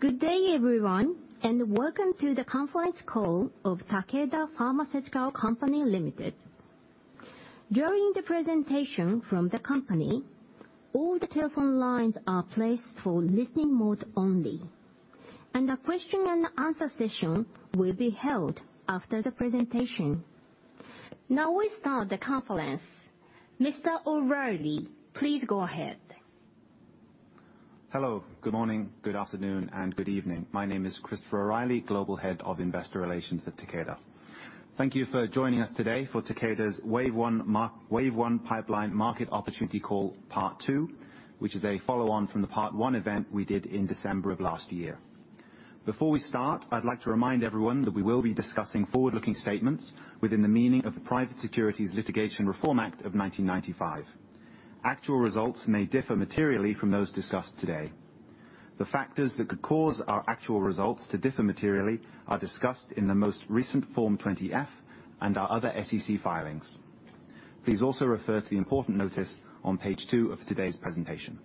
Good day, everyone, and welcome to the conference call of Takeda Pharmaceutical Company Limited. During the presentation from the company, all the telephone lines are placed for listening mode only, and the question-and-answer session will be held after the presentation. Now we start the conference. Mr. O'Reilly, please go ahead. Hello, good morning, good afternoon, and good evening. My name is Christopher O'Reilly, Global Head of Investor Relations at Takeda. Thank you for joining us today for Takeda's Wave 1 Pipeline Market Opportunity Call, Part 2, which is a follow-on from the Part 1 event we did in December of last year. Before we start, I'd like to remind everyone that we will be discussing forward-looking statements within the meaning of the Private Securities Litigation Reform Act of 1995. Actual results may differ materially from those discussed today. The factors that could cause our actual results to differ materially are discussed in the most recent Form 20-F and our other SEC filings. Please also refer to the important notice on page 2 of today's presentation.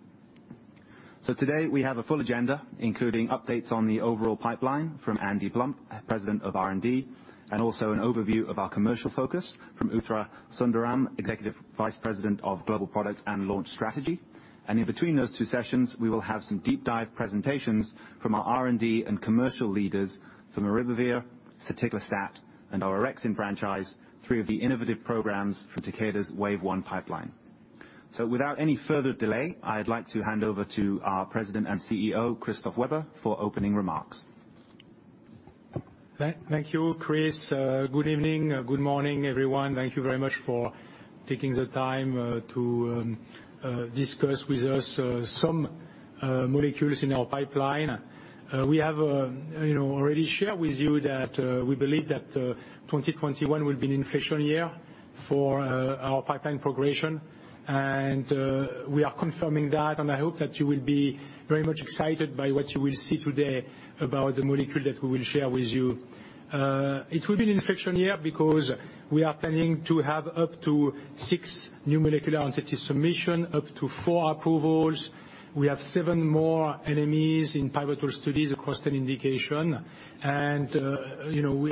So today we have a full agenda, including updates on the overall pipeline from Andy Plump, President of R&D, and also an overview of our commercial focus from Uthra Sundaram, Executive Vice President of Global Product and Launch Strategy. And in between those two sessions, we will have some deep-dive presentations from our R&D and commercial leaders from Alunbrig, Soticlestat, and our Entyvio franchise, three of the innovative programs from Takeda's Wave 1 Pipeline. So without any further delay, I'd like to hand over to our President and CEO, Christophe Weber, for opening remarks. Thank you, Chris. Good evening, good morning, everyone. Thank you very much for taking the time to discuss with us some molecules in our pipeline. We have already shared with you that we believe that 2021 will be an inflection year for our pipeline progression, and we are confirming that, and I hope that you will be very much excited by what you will see today about the molecule that we will share with you. It will be an inflection year because we are planning to have up to six new molecular entities submission, up to four approvals. We have seven more NMEs in pivotal studies across 10 indications, and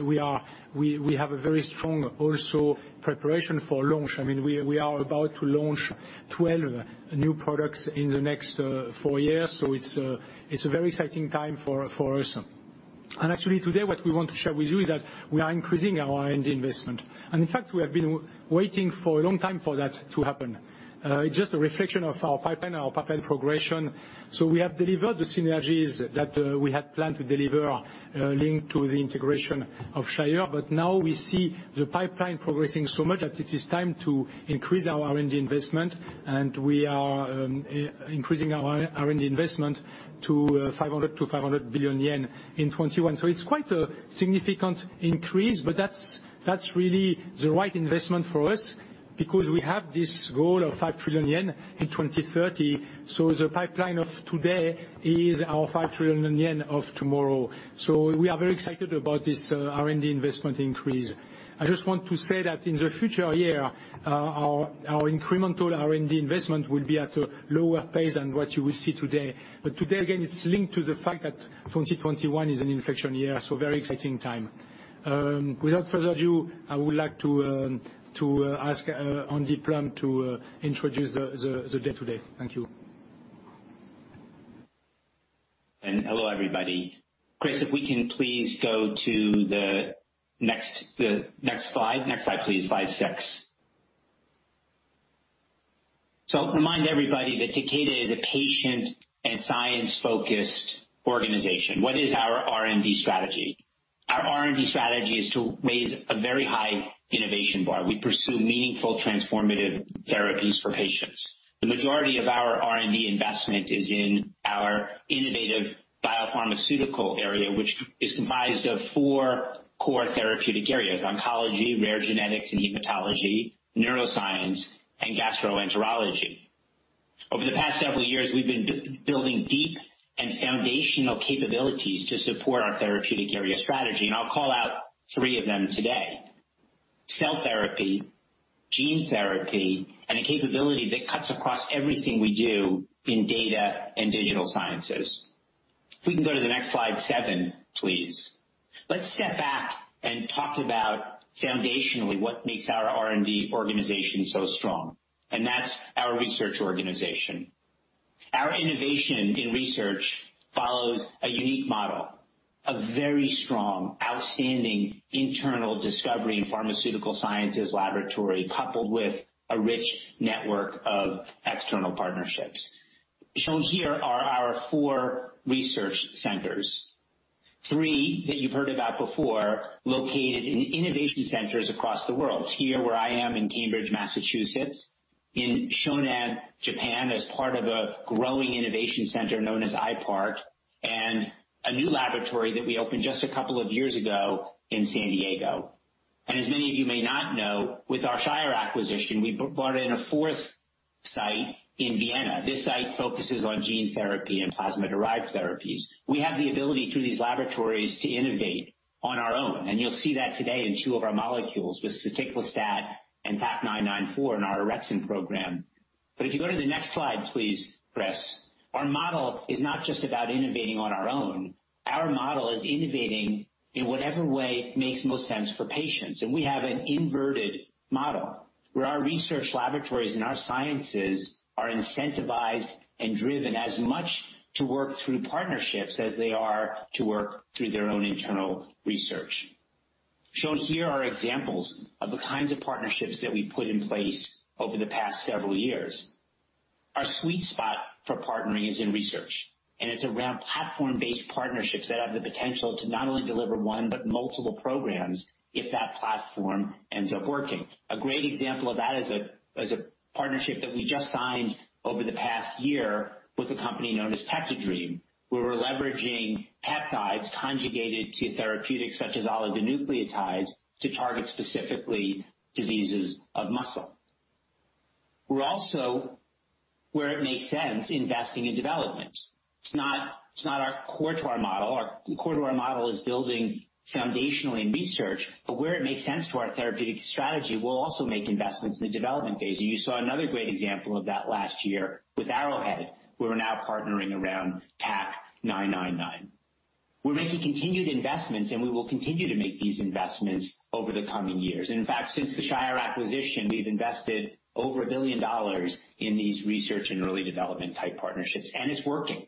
we have a very strong also preparation for launch. I mean, we are about to launch 12 new products in the next four years, so it's a very exciting time for us. And actually today, what we want to share with you is that we are increasing our R&D investment, and in fact, we have been waiting for a long time for that to happen. It's just a reflection of our pipeline, our pipeline progression. So we have delivered the synergies that we had planned to deliver linked to the integration of Shire, but now we see the pipeline progressing so much that it is time to increase our R&D investment, and we are increasing our R&D investment to 500 billion to 500 billion yen in 2021. So it's quite a significant increase, but that's really the right investment for us because we have this goal of 5 trillion yen in 2030. So the pipeline of today is our 5 trillion yen of tomorrow. So we are very excited about this R&D investment increase. I just want to say that in the future year, our incremental R&D investment will be at a lower pace than what you will see today. But today, again, it's linked to the fact that 2021 is an inflection year, so very exciting time. Without further ado, I would like to ask Andy Plump to introduce the day today. Thank you. And hello, everybody. Chris, if we can please go to the next slide, next slide please, slide six. So I'll remind everybody that Takeda is a patient and science-focused organization. What is our R&D strategy? Our R&D strategy is to raise a very high innovation bar. We pursue meaningful, transformative therapies for patients. The majority of our R&D investment is in our innovative biopharmaceutical area, which is comprised of four core therapeutic areas: oncology, rare genetics, and hematology, neuroscience, and gastroenterology. Over the past several years, we've been building deep and foundational capabilities to support our therapeutic area strategy, and I'll call out three of them today: cell therapy, gene therapy, and a capability that cuts across everything we do in data and digital sciences. If we can go to the next slide, seven, please. Let's step back and talk about foundationally what makes our R&D organization so strong, and that's our research organization. Our innovation in research follows a unique model: a very strong, outstanding internal discovery in pharmaceutical sciences laboratory, coupled with a rich network of external partnerships. Shown here are our four research centers. Three that you've heard about before located in innovation centers across the world. Here where I am in Cambridge, Massachusetts, in Shonan, Japan, as part of a growing innovation center known as iPark, and a new laboratory that we opened just a couple of years ago in San Diego. And as many of you may not know, with our Shire acquisition, we brought in a fourth site in Vienna. This site focuses on gene therapy and plasma-derived therapies. We have the ability through these laboratories to innovate on our own, and you'll see that today in two of our molecules with soticlestat A great example of that is a partnership that we just signed over the past year with a company known as PeptiDream, where we're leveraging peptides conjugated to therapeutics such as oligonucleotides to target specifically diseases of muscle. We're also, where it makes sense, investing in development. It's not our core to our model. Our core to our model is building foundationally in research, but where it makes sense to our therapeutic strategy, we'll also make investments in the development phase. You saw another great example of that last year with Arrowhead, where we're now partnering around TAK-999. We're making continued investments, and we will continue to make these investments over the coming years. In fact, since the Shire acquisition, we've invested over $1 billion in these research and early development type partnerships, and it's working.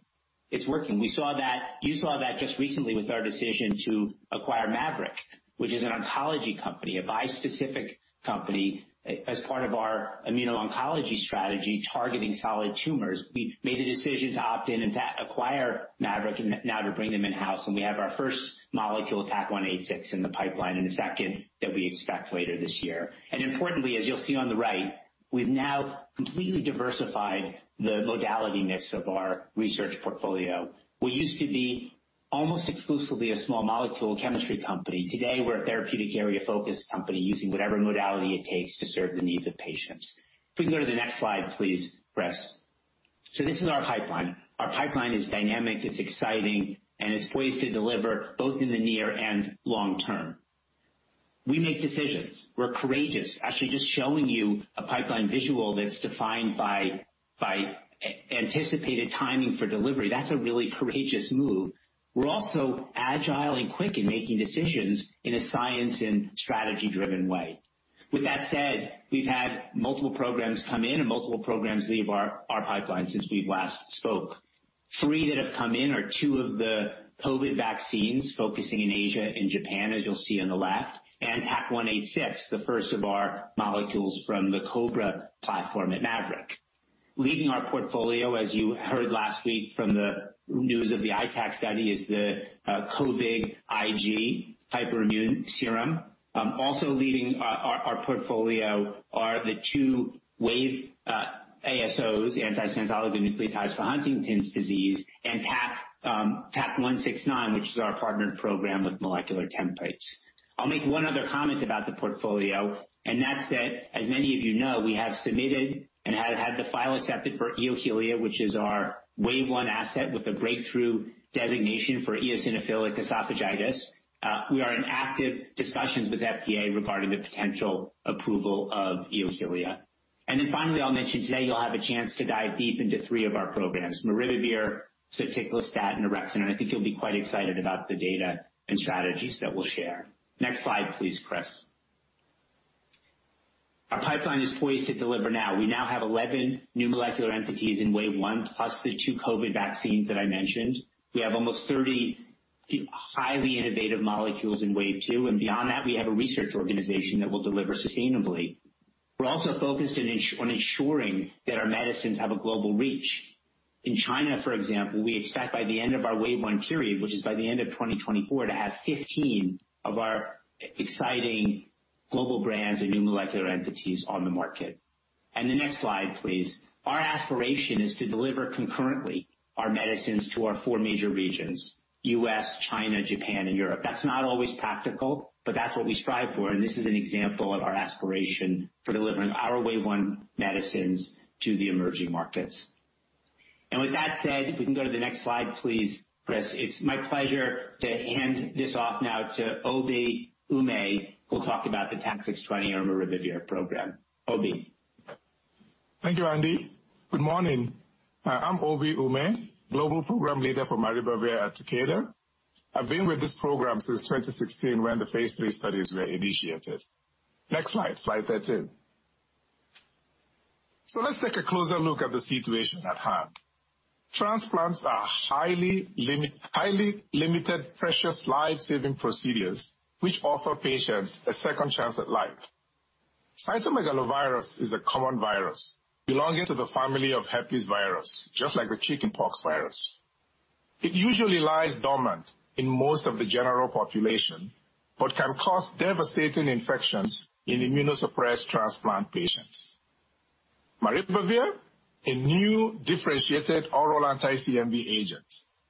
It's working. We saw that, you saw that just recently with our decision to acquire Maverick, which is an oncology company, a bispecific company as part of our immuno-oncology strategy targeting solid tumors. We made a decision to opt in and to acquire Maverick and now to bring them in-house, and we have our first molecule TAK-186 in the pipeline and the second that we expect later this year. And importantly, as you'll see on the right, we've now completely diversified the modality mix of our research portfolio. We used to be almost exclusively a small molecule chemistry company. Today, we're a therapeutic area-focused company using whatever modality it takes to serve the needs of patients. If we can go to the next slide, please, Chris. So this is our pipeline. Our pipeline is dynamic, it's exciting, and it's poised to deliver both in the near and long term. We make decisions. We're courageous. Actually, just showing you a pipeline visual that's defined by anticipated timing for delivery, that's a really courageous move. We're also agile and quick in making decisions in a science and strategy-driven way. With that said, we've had multiple programs come in and multiple programs leave our pipeline since we've last spoken. Three that have come in are two of the COVID vaccines focusing in Asia and Japan, as you'll see on the left, and TAK-186, the first of our molecules from the COBRA platform at Maverick. Leading our portfolio, as you heard last week from the news of the ITAC study, is the COVID IG hyperimmune serum. Also leading our portfolio are the two Wave ASOs, antisense oligonucleotides for Huntington's disease, and TAK-169, which is our partnered program with Molecular Templates. I'll make one other comment about the portfolio, and that's that, as many of you know, we have submitted and have had the file accepted for Eohilia, which is our Wave 1 asset with a breakthrough designation for eosinophilic esophagitis. We are in active discussions with FDA regarding the potential approval of Eohilia. And then finally, I'll mention today you'll have a chance to dive deep into three of our programs: Maribavir, soticlestat, and Orexin, and I think you'll be quite excited about the data and strategies that we'll share. Next slide, please, Chris. Our pipeline is poised to deliver now. We now have 11 new molecular entities in Wave 1, plus the two COVID vaccines that I mentioned. We have almost 30 highly innovative molecules in Wave 2, and beyond that, we have a research organization that will deliver sustainably. We're also focused on ensuring that our medicines have a global reach. In China, for example, we expect by the end of our Wave 1 period, which is by the end of 2024, to have 15 of our exciting global brands and new molecular entities on the market, and the next slide, please. Our aspiration is to deliver concurrently our medicines to our four major regions: U.S., China, Japan, and Europe. That's not always practical, but that's what we strive for, and this is an example of our aspiration for delivering our Wave 1 medicines to the emerging markets, and with that said, if we can go to the next slide, please, Chris. It's my pleasure to hand this off now to Obi Ume, who will talk about the TAK-620 or Maribavir program. Obi. Thank you, Andy. Good morning. I'm Obi Ume, Global Program Leader for Maribavir at Takeda. I've been with this program since 2016, when the phase three studies were initiated. Next slide, slide 13, so let's take a closer look at the situation at hand. Transplants are highly limited, precious, life-saving procedures which offer patients a second chance at life. Cytomegalovirus is a common virus belonging to the family of herpes virus, just like the chickenpox virus. It usually lies dormant in most of the general population but can cause devastating infections in immunosuppressed transplant patients. Maribavir, a new differentiated oral anti-CMV agent,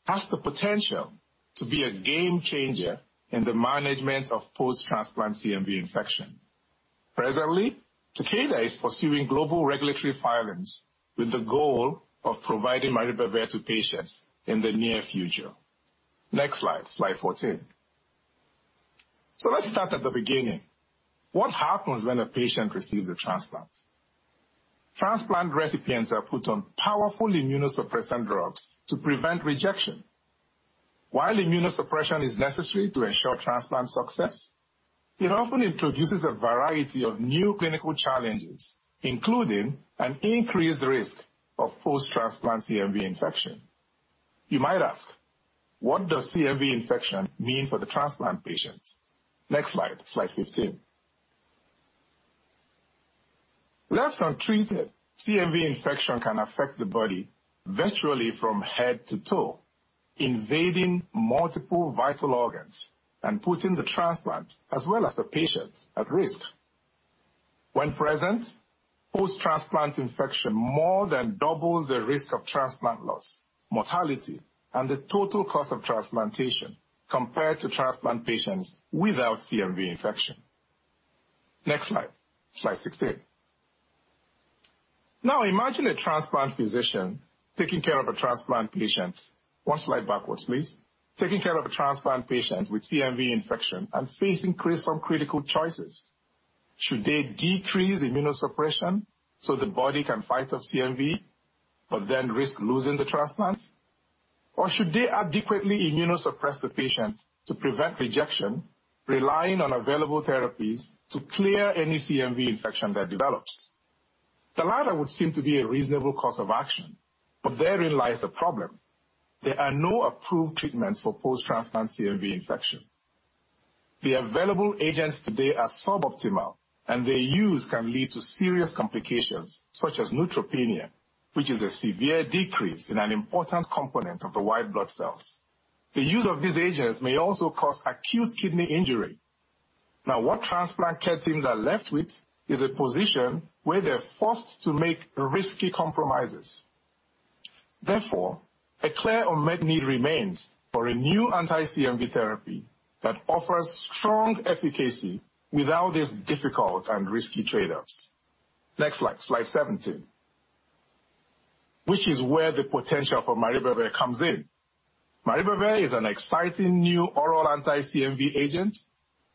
has the potential to be a game changer in the management of post-transplant CMV infection. Presently, Takeda is pursuing global regulatory filings with the goal of providing Maribavir to patients in the near future. Next slide, slide 14, so let's start at the beginning. What happens when a patient receives a transplant? Transplant recipients are put on powerful immunosuppressant drugs to prevent rejection. While immunosuppression is necessary to ensure transplant success, it often introduces a variety of new clinical challenges, including an increased risk of post-transplant CMV infection. You might ask, what does CMV infection mean for the transplant patient? Next slide, slide 15. Left untreated, CMV infection can affect the body virtually from head to toe, invading multiple vital organs and putting the transplant, as well as the patient, at risk. When present, post-transplant infection more than doubles the risk of transplant loss, mortality, and the total cost of transplantation compared to transplant patients without CMV infection. Next slide, slide 16. Now imagine a transplant physician taking care of a transplant patient. One slide backwards, please. Taking care of a transplant patient with CMV infection and facing some critical choices. Should they decrease immunosuppression so the body can fight off CMV but then risk losing the transplant? Or should they adequately immunosuppress the patient to prevent rejection, relying on available therapies to clear any CMV infection that develops? The latter would seem to be a reasonable course of action, but therein lies the problem. There are no approved treatments for post-transplant CMV infection. The available agents today are suboptimal, and their use can lead to serious complications such as neutropenia, which is a severe decrease in an important component of the white blood cells. The use of these agents may also cause acute kidney injury. Now, what transplant care teams are left with is a position where they're forced to make risky compromises. Therefore, a clear unmet need remains for a new anti-CMV therapy that offers strong efficacy without these difficult and risky trade-offs. Next slide, slide 17, which is where the potential for Maribavir comes in. Maribavir is an exciting new oral anti-CMV agent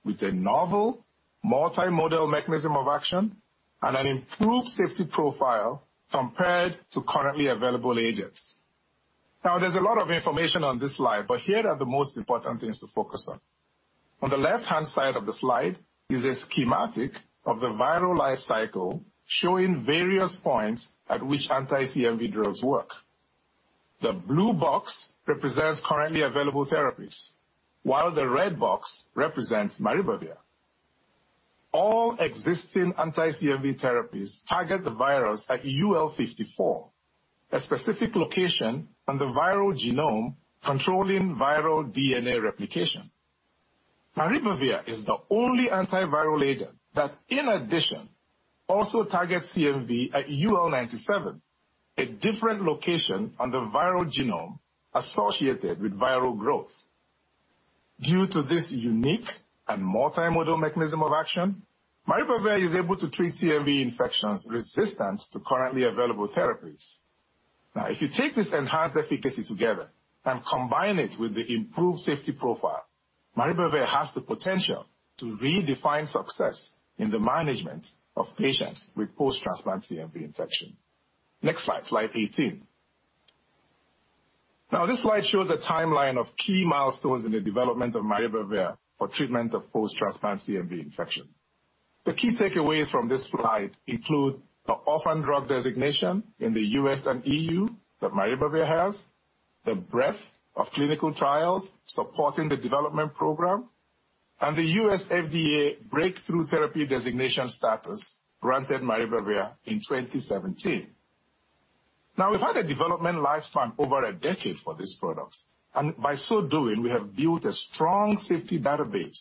with a novel multimodal mechanism of action and an improved safety profile compared to currently available agents. Now, there's a lot of information on this slide, but here are the most important things to focus on. On the left-hand side of the slide is a schematic of the viral life cycle showing various points at which anti-CMV drugs work. The blue box represents currently available therapies, while the red box represents Maribavir. All existing anti-CMV therapies target the virus at UL54, a specific location on the viral genome controlling viral DNA replication. Maribavir is the only antiviral agent that, in addition, also targets CMV at UL97, a different location on the viral genome associated with viral growth. Due to this unique and multimodal mechanism of action, Maribavir is able to treat CMV infections resistant to currently available therapies. Now, if you take this enhanced efficacy together and combine it with the improved safety profile, Maribavir has the potential to redefine success in the management of patients with post-transplant CMV infection. Next slide, slide 18. Now, this slide shows a timeline of key milestones in the development of Maribavir for treatment of post-transplant CMV infection. The key takeaways from this slide include the orphan-drug designation in the U.S. and E.U. that Maribavir has, the breadth of clinical trials supporting the development program, and the U.S. FDA breakthrough therapy designation status granted Maribavir in 2017. Now, we've had a development lifespan of over a decade for this product, and by so doing, we have built a strong safety database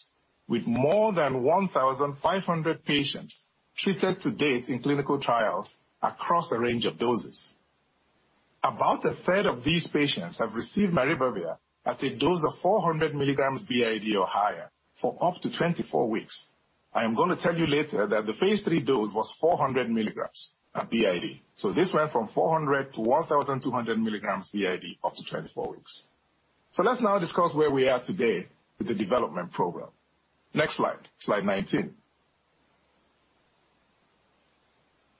with more than 1,500 patients treated to date in clinical trials across a range of doses. About a third of these patients have received maribavir at a dose of 400 milligrams b.i.d. or higher for up to 24 weeks. I am going to tell you later that the phase three dose was 400 milligrams b.i.d., so this went from 400 to 1,200 milligrams b.i.d. up to 24 weeks. So let's now discuss where we are today with the development program. Next slide, slide 19.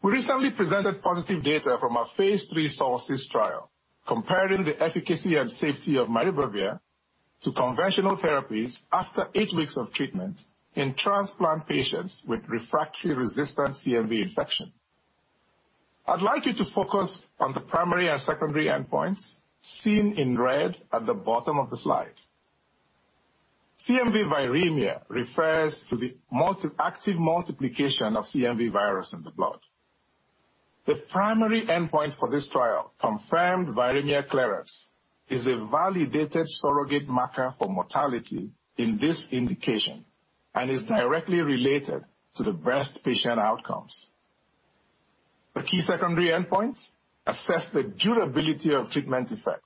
We recently presented positive data from a phase three SOLSTICE trial comparing the efficacy and safety of maribavir to conventional therapies after eight weeks of treatment in transplant patients with refractory, resistant CMV infection. I'd like you to focus on the primary and secondary endpoints seen in red at the bottom of the slide. CMV viremia refers to the active multiplication of CMV virus in the blood. The primary endpoint for this trial, confirmed viremia clearance, is a validated surrogate marker for mortality in this indication and is directly related to the best patient outcomes. The key secondary endpoints assess the durability of treatment effect,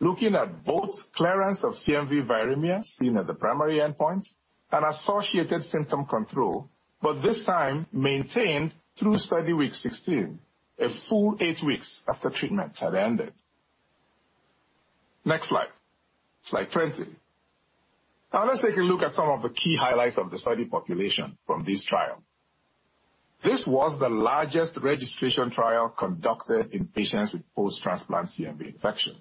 looking at both clearance of CMV viremia seen at the primary endpoint and associated symptom control, but this time maintained through study week 16, a full eight weeks after treatments had ended. Next slide, slide 20. Now, let's take a look at some of the key highlights of the study population from this trial. This was the largest registration trial conducted in patients with post-transplant CMV infection.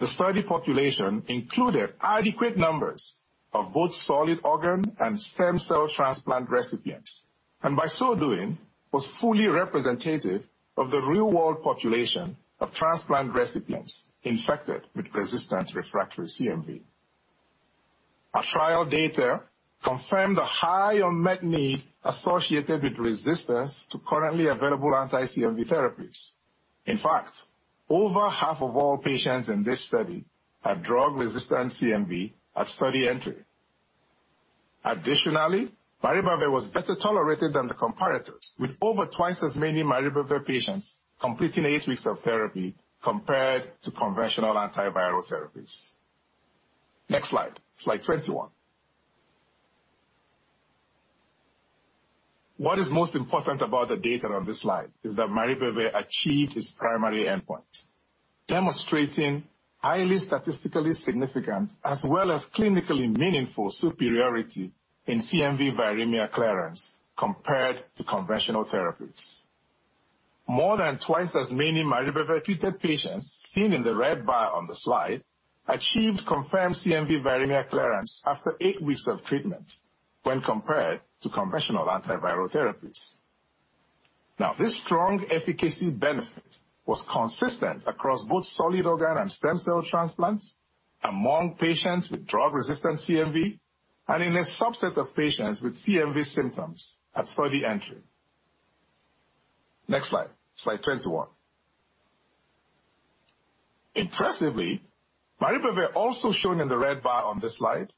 The study population included adequate numbers of both solid organ and stem cell transplant recipients, and by so doing, was fully representative of the real-world population of transplant recipients infected with resistant refractory CMV. Our trial data confirmed the high unmet need associated with resistance to currently available anti-CMV therapies. In fact, over half of all patients in this study had drug-resistant CMV at study entry. Additionally, Maribavir was better tolerated than the comparators, with over twice as many Maribavir patients completing eight weeks of therapy compared to conventional antiviral therapies. Next slide, slide 21. What is most important about the data on this slide is that Maribavir achieved its primary endpoint, demonstrating highly statistically significant as well as clinically meaningful superiority in CMV viremia clearance compared to conventional therapies. More than twice as many Maribavir-treated patients seen in the red bar on the slide achieved confirmed CMV viremia clearance after eight weeks of treatment when compared to conventional antiviral therapies. Now, this strong efficacy benefit was consistent across both solid organ and stem cell transplants among patients with drug-resistant CMV and in a subset of patients with CMV symptoms at study entry. Next slide, slide 21. Impressively, Maribavir, also shown in the red bar on this slide,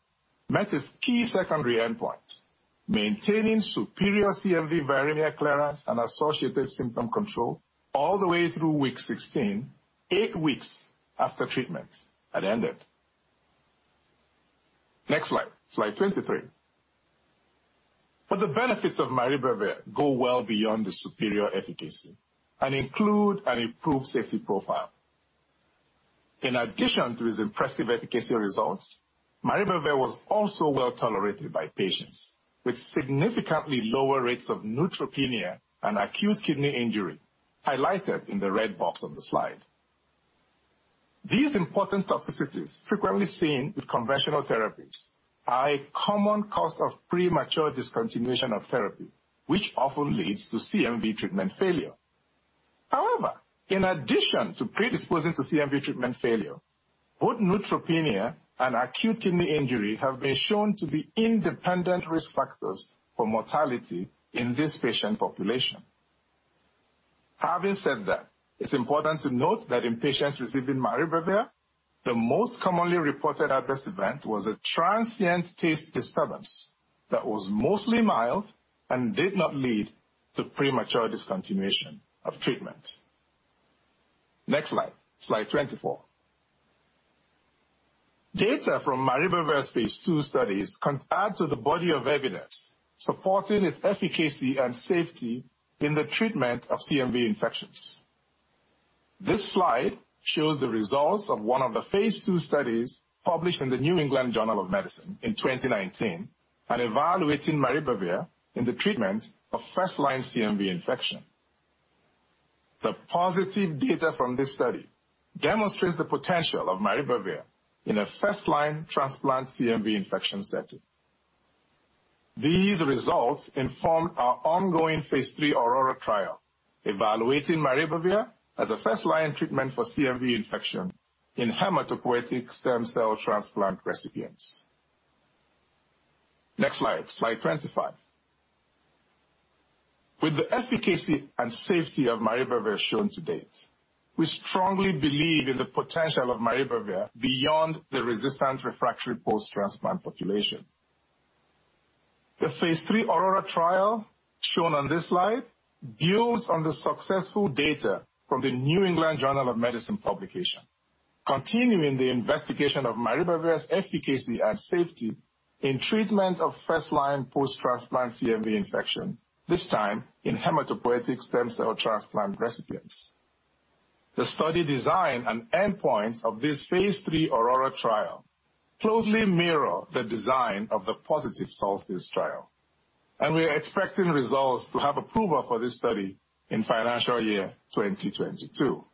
met its key secondary endpoint, maintaining superior CMV viremia clearance and associated symptom control all the way through week 16, eight weeks after treatment had ended. Next slide, slide 23. But the benefits of Maribavir go well beyond the superior efficacy and include an improved safety profile. In addition to its impressive efficacy results, Maribavir was also well tolerated by patients with significantly lower rates of neutropenia and acute kidney injury, highlighted in the red box on the slide. These important toxicities frequently seen with conventional therapies are a common cause of premature discontinuation of therapy, which often leads to CMV treatment failure. However, in addition to predisposing to CMV treatment failure, both neutropenia and acute kidney injury have been shown to be independent risk factors for mortality in this patient population. Having said that, it's important to note that in patients receiving Maribavir, the most commonly reported adverse event was a transient taste disturbance that was mostly mild and did not lead to premature discontinuation of treatment. Next slide, slide 24. Data from Maribavir phase two studies compared to the body of evidence supporting its efficacy and safety in the treatment of CMV infections. This slide shows the results of one of the phase two studies published in the New England Journal of Medicine in 2019 and evaluating maribavir in the treatment of first-line CMV infection. The positive data from this study demonstrates the potential of maribavir in a first-line transplant CMV infection setting. These results informed our ongoing phase three Aurora trial, evaluating maribavir as a first-line treatment for CMV infection in hematopoietic stem cell transplant recipients. Next slide, slide 25. With the efficacy and safety of maribavir shown to date, we strongly believe in the potential of maribavir beyond the resistant refractory post-transplant population. The phase three Aurora trial shown on this slide builds on the successful data from the New England Journal of Medicine publication, continuing the investigation of maribavir's efficacy and safety in treatment of first-line post-transplant CMV infection, this time in hematopoietic stem cell transplant recipients. The study design and endpoints of this phase 3 Aurora trial closely mirror the design of the positive Solstice trial, and we are expecting results to have approval for this study in financial year 2022.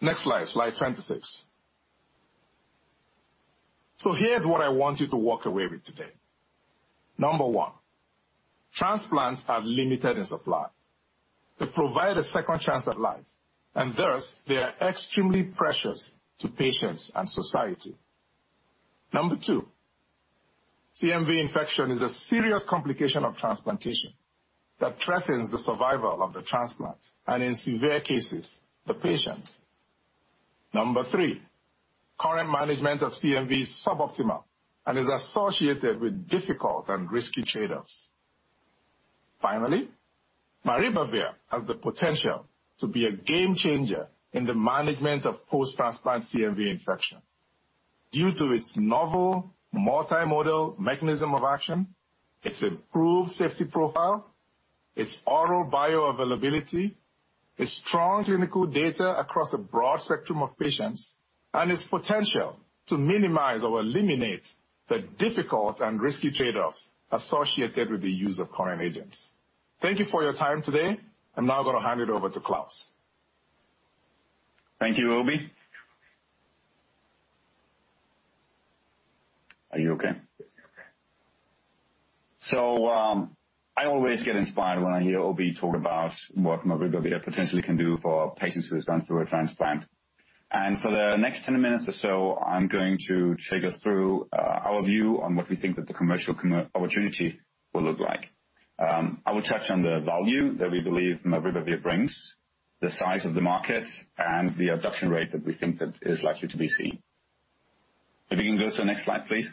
Next slide, slide 26. So here's what I want you to walk away with today. Number one, transplants are limited in supply. They provide a second chance at life, and thus they are extremely precious to patients and society. Number two, CMV infection is a serious complication of transplantation that threatens the survival of the transplant and, in severe cases, the patient. Number three, current management of CMV is suboptimal and is associated with difficult and risky trade-offs. Finally, Maribavir has the potential to be a game changer in the management of post-transplant CMV infection due to its novel multimodal mechanism of action, its improved safety profile, its oral bioavailability, its strong clinical data across a broad spectrum of patients, and its potential to minimize or eliminate the difficult and risky trade-offs associated with the use of current agents. Thank you for your time today. I'm now going to hand it over to Klaus. Thank you, Obi. Are you okay? Yes, I'm okay, so I always get inspired when I hear Obi talk about what Maribavir potentially can do for patients who have gone through a transplant, and for the next 10 minutes or so, I'm going to take us through our view on what we think that the commercial opportunity will look like. I will touch on the value that we believe Maribavir brings, the size of the market, and the adoption rate that we think that is likely to be seen. If you can go to the next slide, please.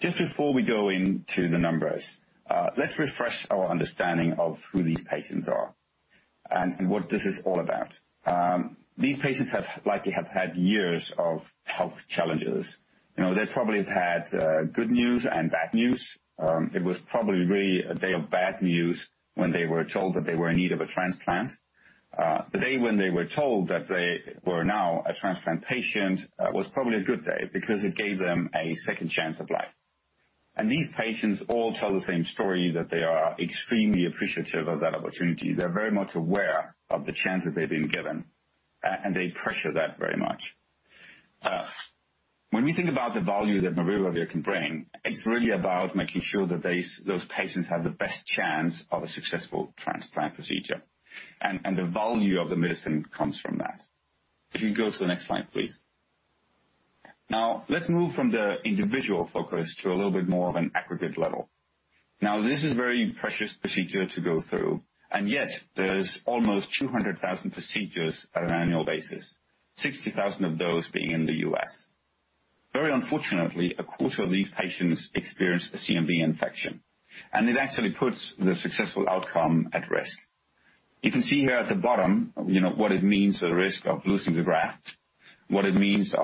Just before we go into the numbers, let's refresh our understanding of who these patients are and what this is all about. These patients likely have had years of health challenges. They probably have had good news and bad news. It was probably really a day of bad news when they were told that they were in need of a transplant. The day when they were told that they were now a transplant patient was probably a good day because it gave them a second chance at life, and these patients all tell the same story, that they are extremely appreciative of that opportunity. They're very much aware of the chance that they've been given, and they pressure that very much. When we think about the value that Maribavir can bring, it's really about making sure that those patients have the best chance of a successful transplant procedure, and the value of the medicine comes from that. If you can go to the next slide, please. Now, let's move from the individual focus to a little bit more of an aggregate level. Now, this is a very precious procedure to go through, and yet there's almost 200,000 procedures at an annual basis, 60,000 of those being in the U.S. Very unfortunately, a quarter of these patients experience a CMV infection, and it actually puts the successful outcome at risk. You can see here at the bottom what it means for the risk of losing the graft, what it means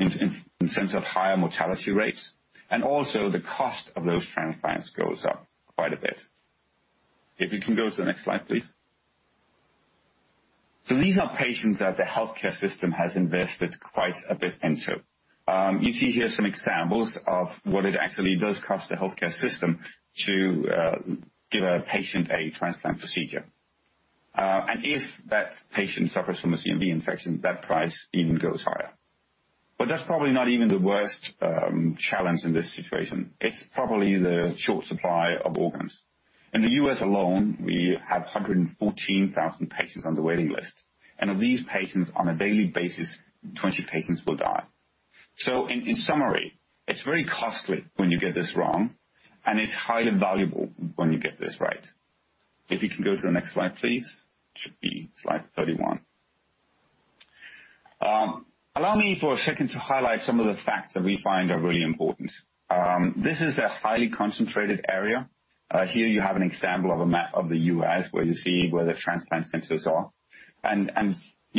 in terms of higher mortality rates, and also the cost of those transplants goes up quite a bit. If you can go to the next slide, please. So these are patients that the healthcare system has invested quite a bit into. You see here some examples of what it actually does cost the healthcare system to give a patient a transplant procedure. And if that patient suffers from a CMV infection, that price even goes higher. But that's probably not even the worst challenge in this situation. It's probably the short supply of organs. In the U.S. alone, we have 114,000 patients on the waiting list, and of these patients, on a daily basis, 20 patients will die. So in summary, it's very costly when you get this wrong, and it's highly valuable when you get this right. If you can go to the next slide, please. It should be slide 31. Allow me for a second to highlight some of the facts that we find are really important. This is a highly concentrated area. Here you have an example of a map of the U.S. where you see where the transplant centers are.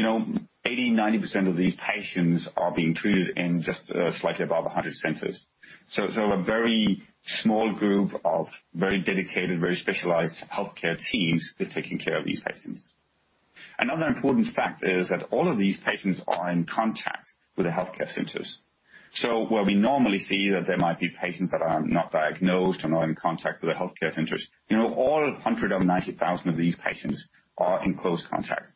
And 80%-90% of these patients are being treated in just slightly above 100 centers. So a very small group of very dedicated, very specialized healthcare teams is taking care of these patients. Another important fact is that all of these patients are in contact with the healthcare centers. So where we normally see that there might be patients that are not diagnosed or not in contact with the healthcare centers, all 190,000 of these patients are in close contact.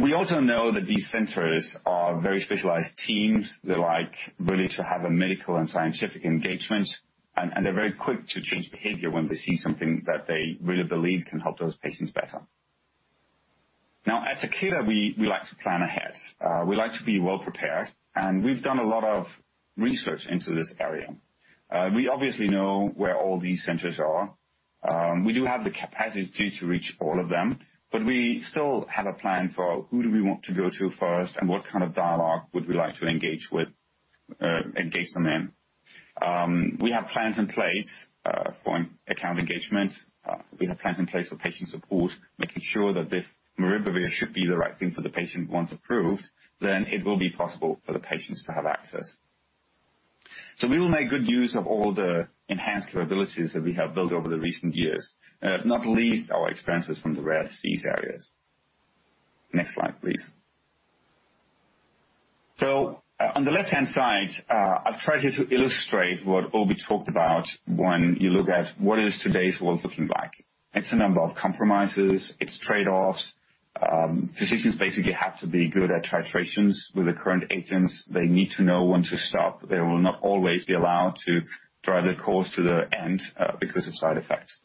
We also know that these centers are very specialized teams. They like really to have a medical and scientific engagement, and they're very quick to change behavior when they see something that they really believe can help those patients better. Now, at Takeda, we like to plan ahead. We like to be well prepared, and we've done a lot of research into this area. We obviously know where all these centers are. We do have the capacity to reach all of them, but we still have a plan for who do we want to go to first and what kind of dialogue would we like to engage them in. We have plans in place for account engagement. We have plans in place for patient support, making sure that if Maribavir should be the right thing for the patient once approved, then it will be possible for the patients to have access, so we will make good use of all the enhanced capabilities that we have built over the recent years, not least our experiences from the rare disease areas. Next slide, please, so on the left-hand side, I've tried here to illustrate what Obi talked about when you look at what is today's world looking like. It's a number of compromises. It's trade-offs. Physicians basically have to be good at titrations with the current agents. They need to know when to stop. They will not always be allowed to drive the course to the end because of side effects,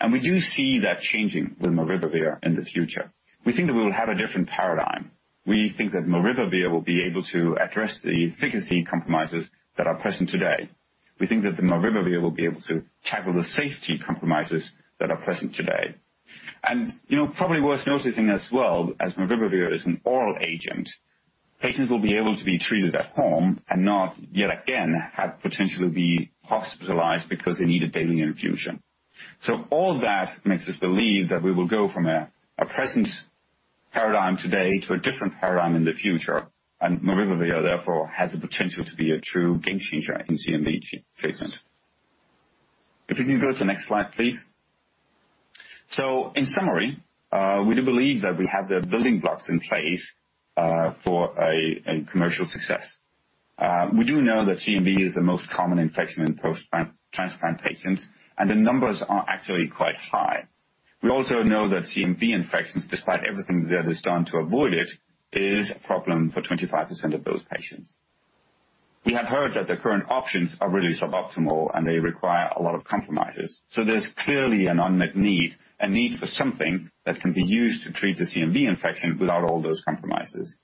and we do see that changing with Maribavir in the future. We think that we will have a different paradigm. We think that Maribavir will be able to address the efficacy compromises that are present today. We think that Maribavir will be able to tackle the safety compromises that are present today, and probably worth noticing as well, as Maribavir is an oral agent, patients will be able to be treated at home and not yet again have to potentially be hospitalized because they need a daily infusion, so all that makes us believe that we will go from a present paradigm today to a different paradigm in the future, and Maribavir therefore has the potential to be a true game changer in CMV treatment. If you can go to the next slide, please, so in summary, we do believe that we have the building blocks in place for a commercial success. We do know that CMV is the most common infection in post-transplant patients, and the numbers are actually quite high. We also know that CMV infections, despite everything that is done to avoid it, is a problem for 25% of those patients. We have heard that the current options are really suboptimal, and they require a lot of compromises. So there's clearly an unmet need, a need for something that can be used to treat the CMV infection without all those compromises,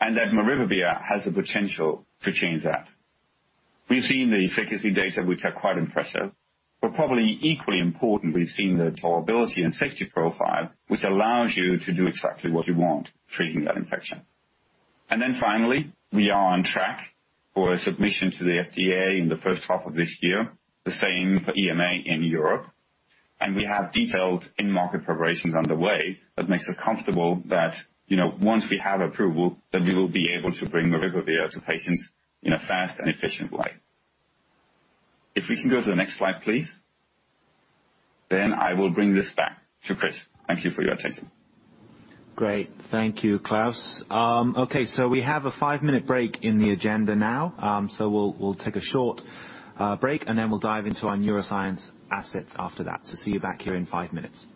and that Maribavir has the potential to change that. We've seen the efficacy data, which are quite impressive, but probably equally important, we've seen the tolerability and safety profile, which allows you to do exactly what you want treating that infection. And then finally, we are on track for a submission to the FDA in the first half of this year, the same for EMA in Europe, and we have detailed in-market preparations underway that makes us comfortable that once we have approval, that we will be able to bring maribavir to patients in a fast and efficient way. If we can go to the next slide, please, then I will bring this back to Chris. Thank you for your attention. Great. Thank you, Klaus. Okay, so we have a five-minute break in the agenda now, so we'll take a short break, and then we'll dive into our neuroscience assets after that. So see you back here in five minutes.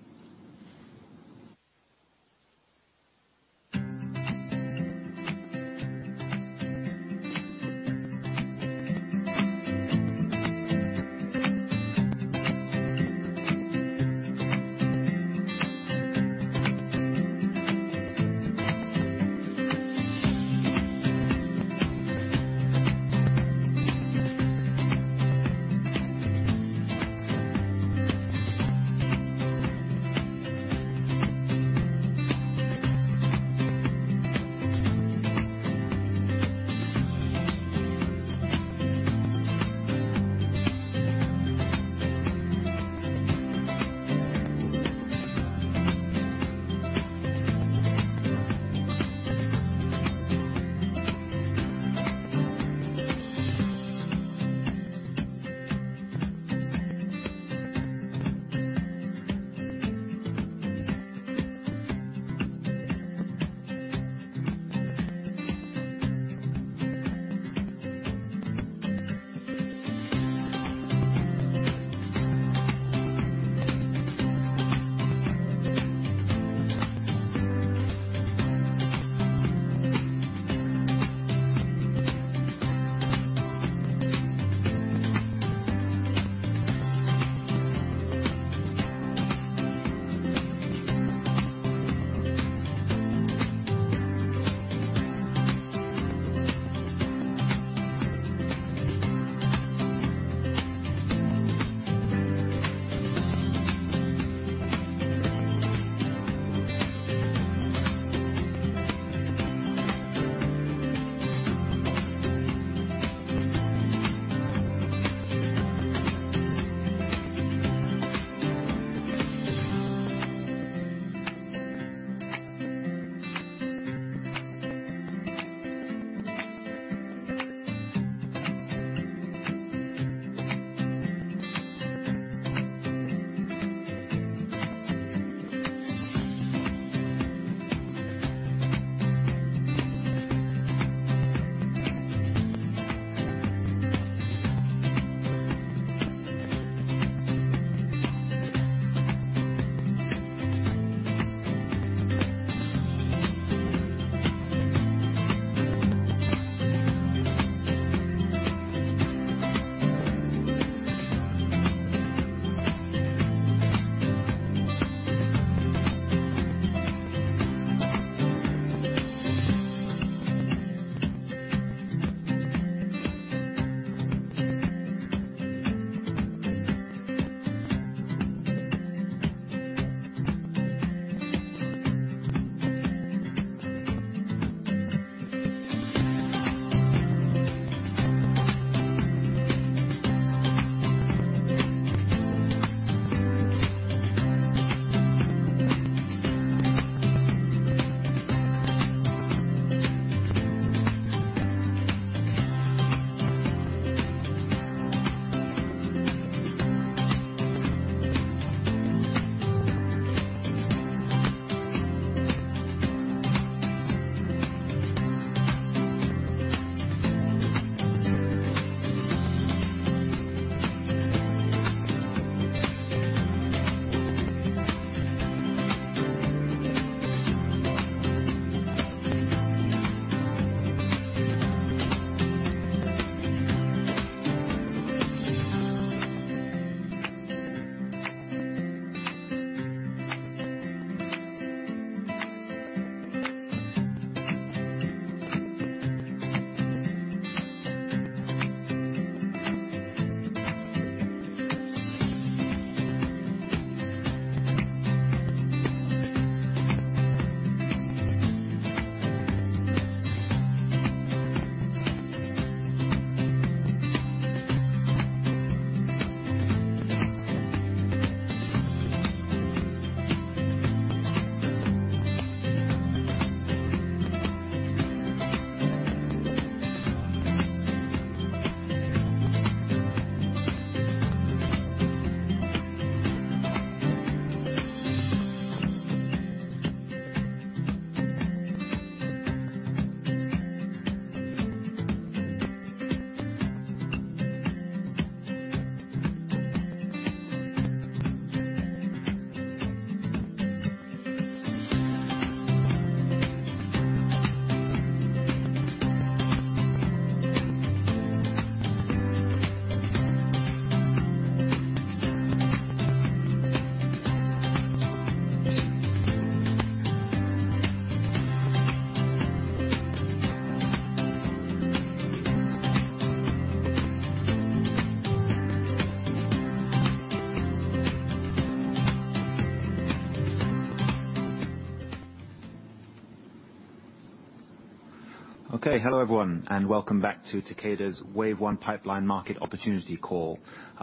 Okay, hello everyone, and welcome back to Takeda's Wave One Pipeline Market Opportunity Call.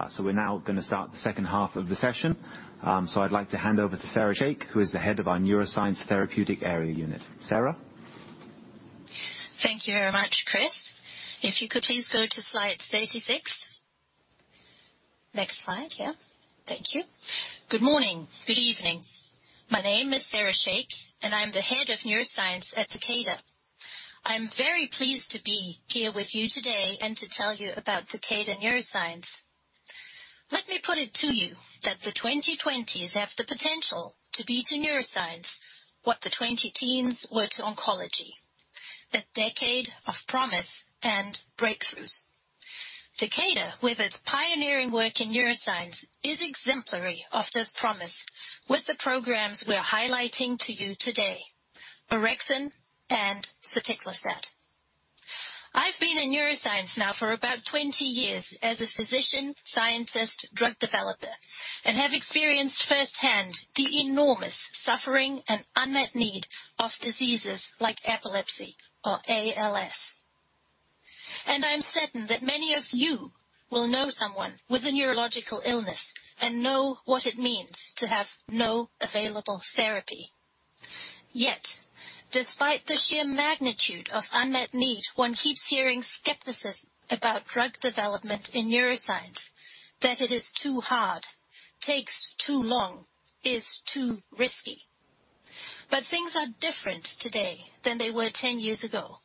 So we're now going to start the second half of the session. So I'd like to hand over to Sarah Sheikh, who is the head of our Neuroscience Therapeutic Area Unit. Sarah? Thank you very much, Chris. If you could please go to slide 36. Next slide, yeah. Thank you. Good morning, good evening. My name is Sarah Sheikh, and I'm the head of neuroscience at Takeda. I'm very pleased to be here with you today and to tell you about Takeda Neuroscience. Let me put it to you that the 2020s have the potential to be to neuroscience what the 2010s were to oncology, a decade of promise and breakthroughs. Takeda, with its pioneering work in neuroscience, is exemplary of this promise with the programs we're highlighting to you today, Orexin and soticlestat. I've been in neuroscience now for about 20 years as a physician, scientist, drug developer, and have experienced firsthand the enormous suffering and unmet need of diseases like epilepsy or ALS. And I'm certain that many of you will know someone with a neurological illness and know what it means to have no available therapy. Yet, despite the sheer magnitude of unmet need, one keeps hearing skepticism about drug development in neuroscience, that it is too hard, takes too long, is too risky. But things are different today than they were 10 years ago.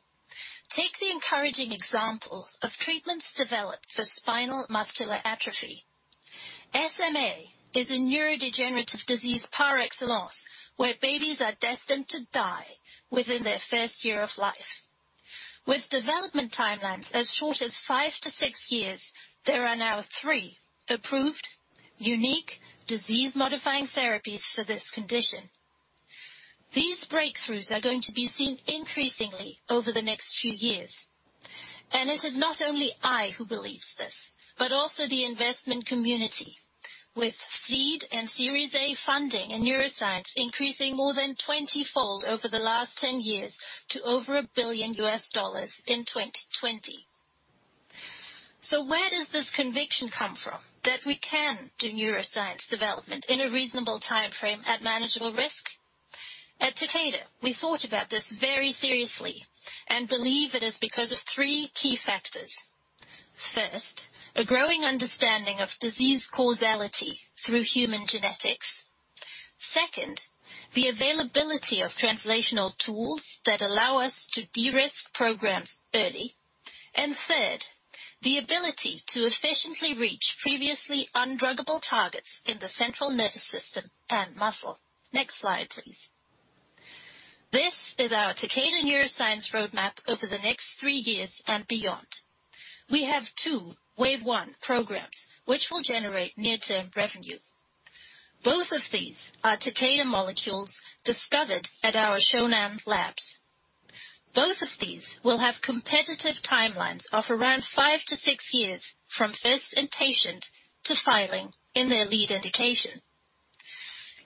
Take the encouraging example of treatments developed for spinal muscular atrophy. SMA is a neurodegenerative disease par excellence where babies are destined to die within their first year of life. With development timelines as short as five to six years, there are now three approved, unique disease-modifying therapies for this condition. These breakthroughs are going to be seen increasingly over the next few years, and it is not only I who believe this, but also the investment community, with seed and Series A funding in neuroscience increasing more than 20-fold over the last 10 years to over $1 billion in 2020, so where does this conviction come from that we can do neuroscience development in a reasonable timeframe at manageable risk? At Takeda, we thought about this very seriously and believe it is because of three key factors. First, a growing understanding of disease causality through human genetics. Second, the availability of translational tools that allow us to de-risk programs early. And third, the ability to efficiently reach previously undruggable targets in the central nervous system and muscle. Next slide, please. This is our Takeda Neuroscience Roadmap over the next three years and beyond. We have two Wave One programs, which will generate near-term revenue. Both of these are Takeda molecules discovered at our Shonan Labs. Both of these will have competitive timelines of around five to six years from first inpatient to filing in their lead indication.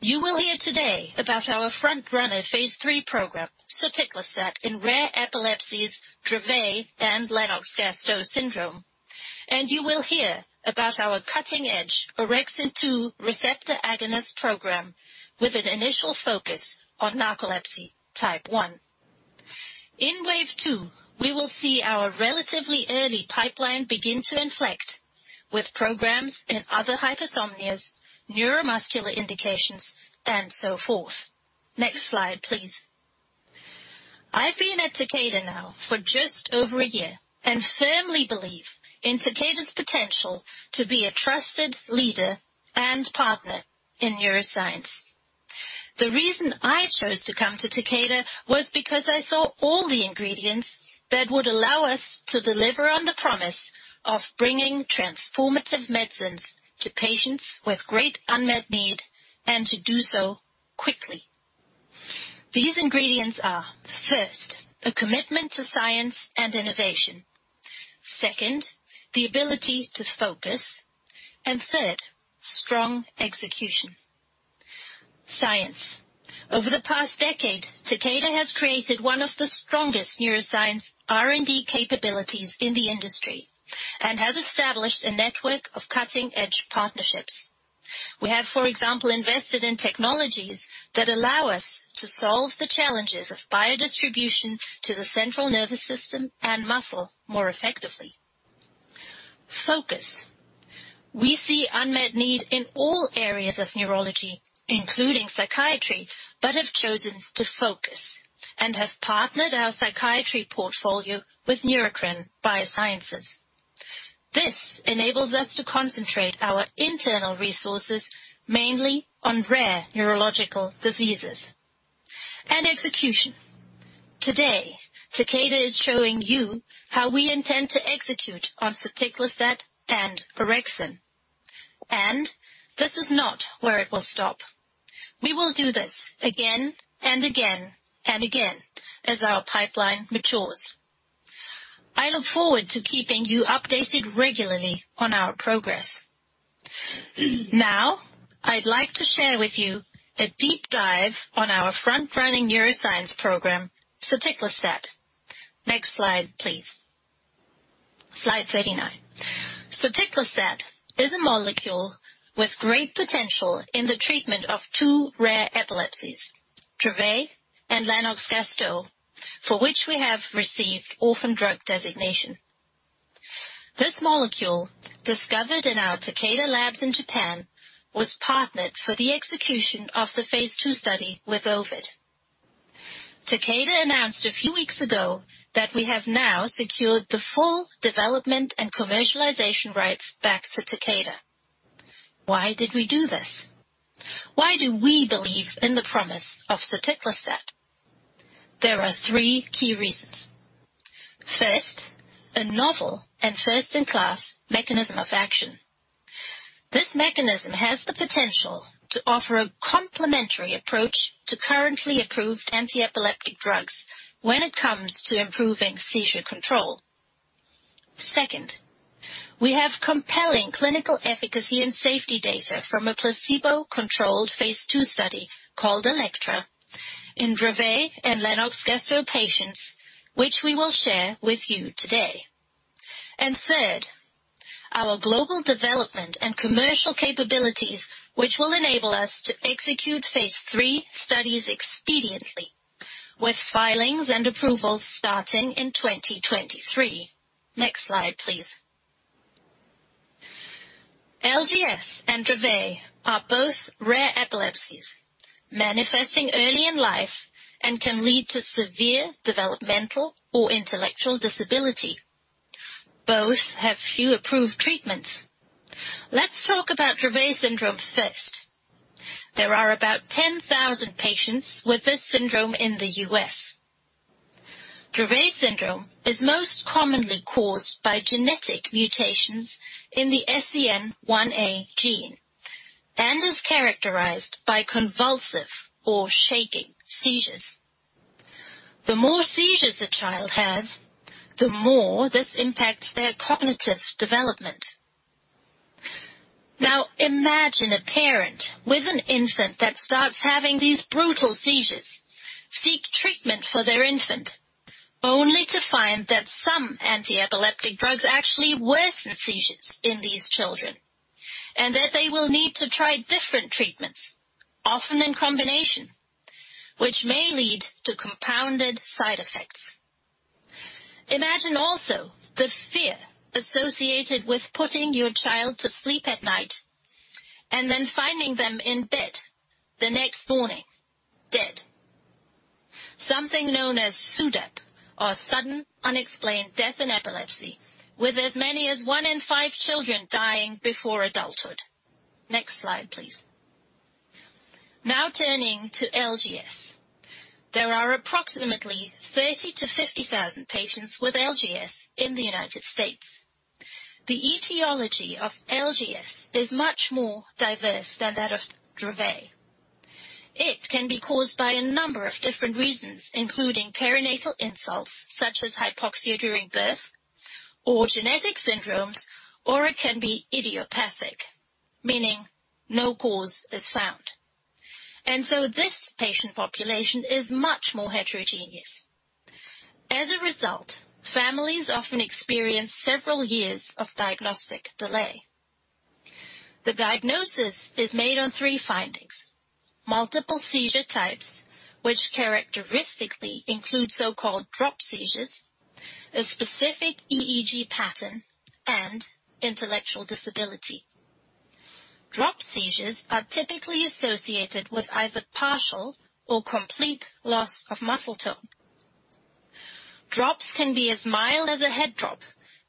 You will hear today about our front-runner phase III program, Soticlestat in rare epilepsies, Dravet, and Lennox-Gastaut syndrome. And you will hear about our cutting-edge Orexin II receptor agonist program with an initial focus on narcolepsy type 1. In Wave II, we will see our relatively early pipeline begin to inflect with programs in other hypersomnias, neuromuscular indications, and so forth. Next slide, please. I've been at Takeda now for just over a year and firmly believe in Takeda's potential to be a trusted leader and partner in neuroscience. The reason I chose to come to Takeda was because I saw all the ingredients that would allow us to deliver on the promise of bringing transformative medicines to patients with great unmet need and to do so quickly. These ingredients are, first, a commitment to science and innovation. Second, the ability to focus. And third, strong execution. Science. Over the past decade, Takeda has created one of the strongest neuroscience R&D capabilities in the industry and has established a network of cutting-edge partnerships. We have, for example, invested in technologies that allow us to solve the challenges of biodistribution to the central nervous system and muscle more effectively. Focus. We see unmet need in all areas of neurology, including psychiatry, but have chosen to focus and have partnered our psychiatry portfolio with Neurocrine Biosciences. This enables us to concentrate our internal resources mainly on rare neurological diseases. And execution. Today, Takeda is showing you how we intend to execute on soticlestat and orexin. And this is not where it will stop. We will do this again and again and again as our pipeline matures. I look forward to keeping you updated regularly on our progress. Now, I'd like to share with you a deep dive on our front-running neuroscience program, soticlestat. Next slide, please. Slide 39. Soticlestat is a molecule with great potential in the treatment of two rare epilepsies, Dravet and Lennox-Gastaut, for which we have received orphan drug designation. This molecule, discovered in our Takeda labs in Japan, was partnered for the execution of the phase II study with Ovid. Takeda announced a few weeks ago that we have now secured the full development and commercialization rights back to Takeda. Why did we do this? Why do we believe in the promise of soticlestat? There are three key reasons. First, a novel and first-in-class mechanism of action. This mechanism has the potential to offer a complementary approach to currently approved anti-epileptic drugs when it comes to improving seizure control. Second, we have compelling clinical efficacy and safety data from a placebo-controlled phase II study called ELEKTRA in Dravet and Lennox-Gastaut patients, which we will share with you today. And third, our global development and commercial capabilities, which will enable us to execute phase III studies expediently, with filings and approvals starting in 2023. Next slide, please. LGS and Dravet are both rare epilepsies, manifesting early in life, and can lead to severe developmental or intellectual disability. Both have few approved treatments. Let's talk about Dravet syndrome first. There are about 10,000 patients with this syndrome in the U.S. Dravet syndrome is most commonly caused by genetic mutations in the SCN1A gene and is characterized by convulsive or shaking seizures. The more seizures a child has, the more this impacts their cognitive development. Now, imagine a parent with an infant that starts having these brutal seizures, seek treatment for their infant, only to find that some anti-epileptic drugs actually worsen seizures in these children, and that they will need to try different treatments, often in combination, which may lead to compounded side effects. Imagine also the fear associated with putting your child to sleep at night and then finding them in bed the next morning dead. Something known as SUDEP, or Sudden Unexplained Death in Epilepsy, with as many as one in five children dying before adulthood. Next slide, please. Now turning to LGS. There are approximately 30,000-50,000 patients with LGS in the United States. The etiology of LGS is much more diverse than that of Dravet. It can be caused by a number of different reasons, including perinatal insults such as hypoxia during birth or genetic syndromes, or it can be idiopathic, meaning no cause is found, and so this patient population is much more heterogeneous. As a result, families often experience several years of diagnostic delay. The diagnosis is made on three findings: multiple seizure types, which characteristically include so-called drop seizures, a specific EEG pattern, and intellectual disability. Drop seizures are typically associated with either partial or complete loss of muscle tone. Drops can be as mild as a head drop,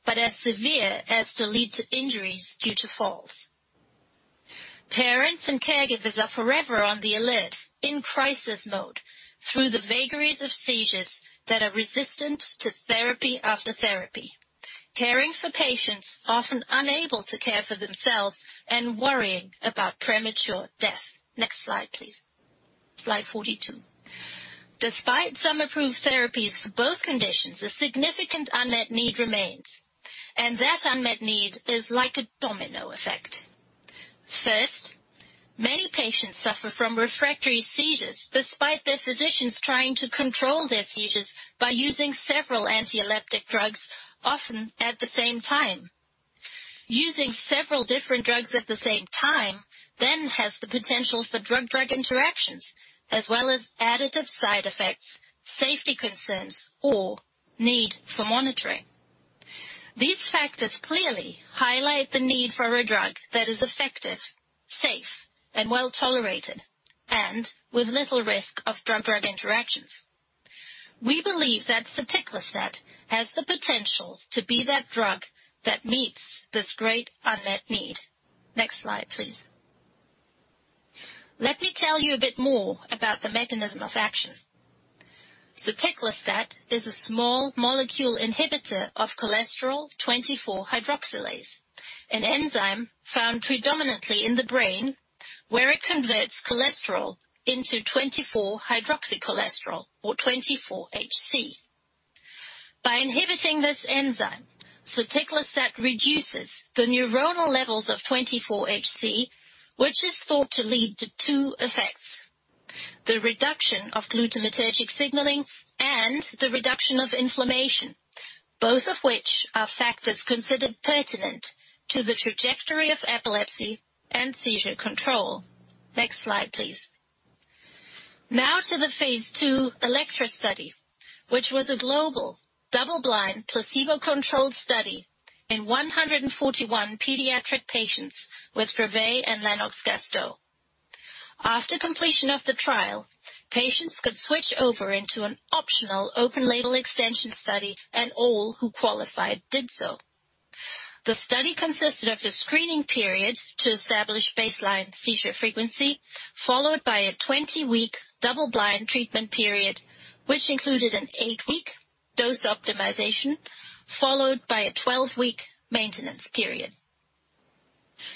but as severe as to lead to injuries due to falls. Parents and caregivers are forever on the alert in crisis mode through the vagaries of seizures that are resistant to therapy after therapy, caring for patients often unable to care for themselves and worrying about premature death. Next slide, please. Slide 42. Despite some approved therapies for both conditions, a significant unmet need remains, and that unmet need is like a domino effect. First, many patients suffer from refractory seizures despite their physicians trying to control their seizures by using several anti-epileptic drugs often at the same time. Using several different drugs at the same time then has the potential for drug-drug interactions, as well as additive side effects, safety concerns, or need for monitoring. These factors clearly highlight the need for a drug that is effective, safe, and well-tolerated, and with little risk of drug-drug interactions. We believe that soticlestat has the potential to be that drug that meets this great unmet need. Next slide, please. Let me tell you a bit more about the mechanism of action. soticlestat is a small molecule inhibitor of cholesterol-24 hydroxylase, an enzyme found predominantly in the brain where it converts cholesterol into 24-hydroxycholesterol, or 24-HC. By inhibiting this enzyme, soticlestat reduces the neuronal levels of 24-HC, which is thought to lead to two effects: the reduction of glutamatergic signaling and the reduction of inflammation, both of which are factors considered pertinent to the trajectory of epilepsy and seizure control. Next slide, please. Now to the phase II ELEKTRA study, which was a global double-blind placebo-controlled study in 141 pediatric patients with Dravet and Lennox-Gastaut. After completion of the trial, patients could switch over into an optional open-label extension study, and all who qualified did so. The study consisted of a screening period to establish baseline seizure frequency, followed by a 20-week double-blind treatment period, which included an eight-week dose optimization, followed by a 12-week maintenance period.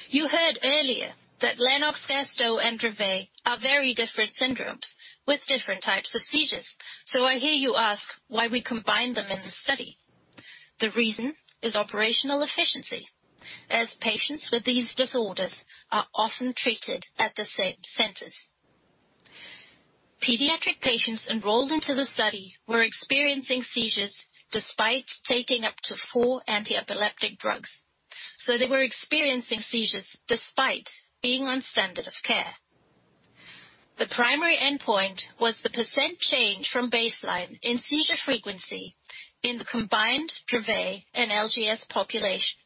You heard earlier that Lennox-Gastaut and Dravet are very different syndromes with different types of seizures, so I hear you ask why we combined them in the study. The reason is operational efficiency, as patients with these disorders are often treated at the same centers. Pediatric patients enrolled into the study were experiencing seizures despite taking up to four anti-epileptic drugs, so they were experiencing seizures despite being on standard of care. The primary endpoint was the % change from baseline in seizure frequency in the combined Dravet and LGS population,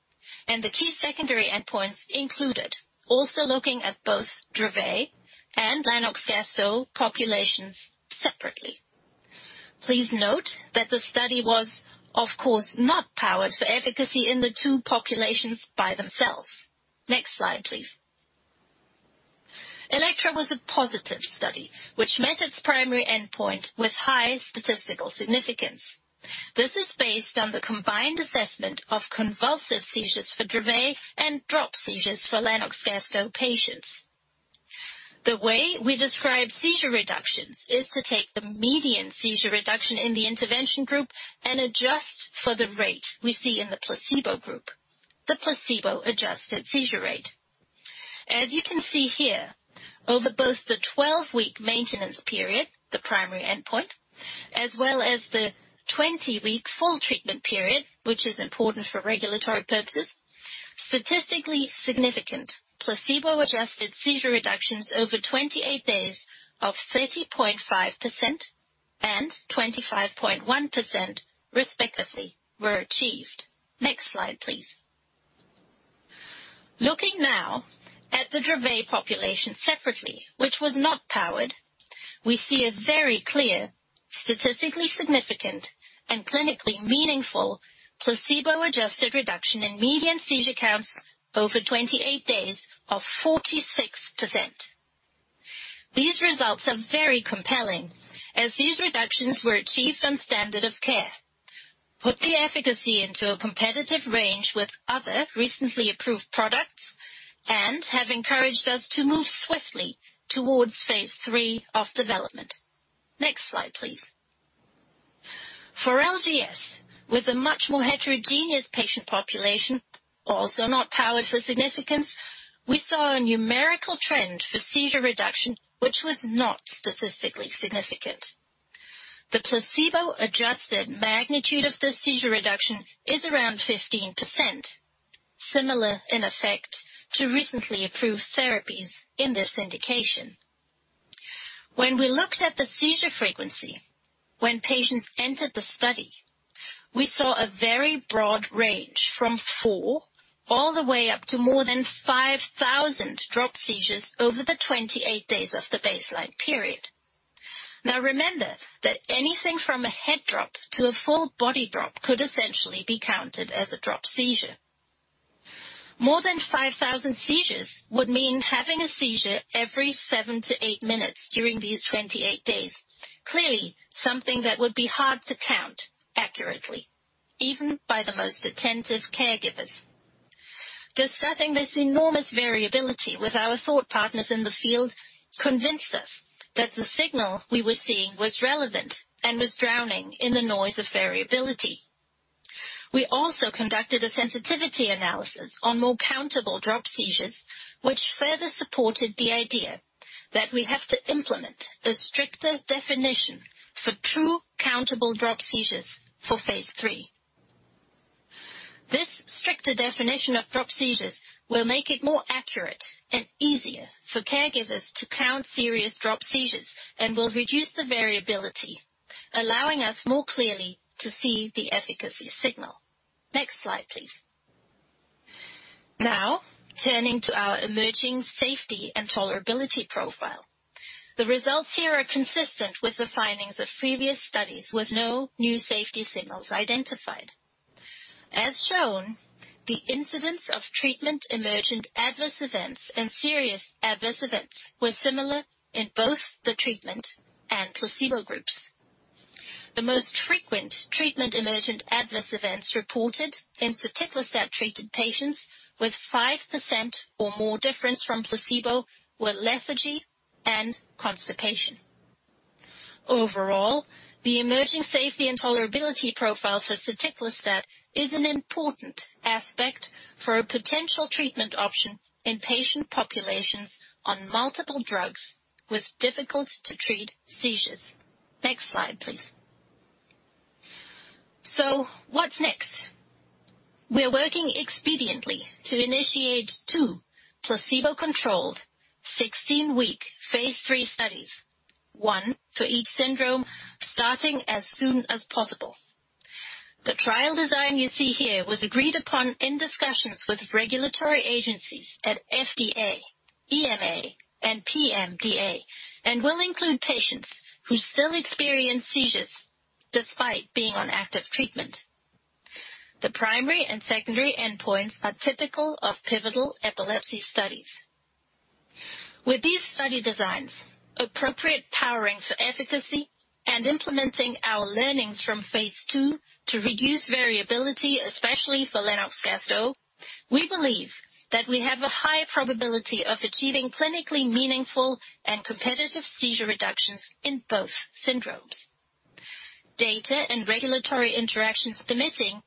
and the key secondary endpoints included also looking at both Dravet and Lennox-Gastaut populations separately. Please note that the study was, of course, not powered for efficacy in the two populations by themselves. Next slide, please. ELEKTRA was a positive study, which met its primary endpoint with high statistical significance. This is based on the combined assessment of convulsive seizures for Dravet and drop seizures for Lennox-Gastaut patients. The way we describe seizure reductions is to take the median seizure reduction in the intervention group and adjust for the rate we see in the placebo group, the placebo-adjusted seizure rate. As you can see here, over both the 12-week maintenance period, the primary endpoint, as well as the 20-week full treatment period, which is important for regulatory purposes, statistically significant placebo-adjusted seizure reductions over 28 days of 30.5% and 25.1%, respectively, were achieved. Next slide, please. Looking now at the Dravet population separately, which was not powered, we see a very clear, statistically significant, and clinically meaningful placebo-adjusted reduction in median seizure counts over 28 days of 46%. These results are very compelling, as these reductions were achieved on standard of care, put the efficacy into a competitive range with other recently approved products, and have encouraged us to move swiftly towards phase III of development. Next slide, please. For LGS, with a much more heterogeneous patient population, also not powered for significance, we saw a numerical trend for seizure reduction, which was not statistically significant. The placebo-adjusted magnitude of the seizure reduction is around 15%, similar in effect to recently approved therapies in this indication. When we looked at the seizure frequency when patients entered the study, we saw a very broad range from four all the way up to more than 5,000 drop seizures over the 28 days of the baseline period. Now, remember that anything from a head drop to a full body drop could essentially be counted as a drop seizure. More than 5,000 seizures would mean having a seizure every seven to eight minutes during these 28 days, clearly something that would be hard to count accurately, even by the most attentive caregivers. Discussing this enormous variability with our thought partners in the field convinced us that the signal we were seeing was relevant and was drowning in the noise of variability. We also conducted a sensitivity analysis on more countable drop seizures, which further supported the idea that we have to implement a stricter definition for true countable drop seizures for phase III. This stricter definition of drop seizures will make it more accurate and easier for caregivers to count serious drop seizures and will reduce the variability, allowing us more clearly to see the efficacy signal. Next slide, please. Now, turning to our emerging safety and tolerability profile. The results here are consistent with the findings of previous studies with no new safety signals identified. As shown, the incidence of treatment-emergent adverse events and serious adverse events was similar in both the treatment and placebo groups. The most frequent treatment-emergent adverse events reported in soticlestat-treated patients with 5% or more difference from placebo were lethargy and constipation. Overall, the emerging safety and tolerability profile for soticlestat is an important aspect for a potential treatment option in patient populations on multiple drugs with difficult-to-treat seizures. Next slide, please. So what's next? We're working expediently to initiate two placebo-controlled 16-week phase III studies, one for each syndrome, starting as soon as possible. The trial design you see here was agreed upon in discussions with regulatory agencies at FDA, EMA, and PMDA, and will include patients who still experience seizures despite being on active treatment. The primary and secondary endpoints are typical of pivotal epilepsy studies. With these study designs, appropriate powering for efficacy, and implementing our learnings from phase II to reduce variability, especially for Lennox-Gastaut, we believe that we have a high probability of achieving clinically meaningful and competitive seizure reductions in both syndromes. Data and regulatory interactions permitting,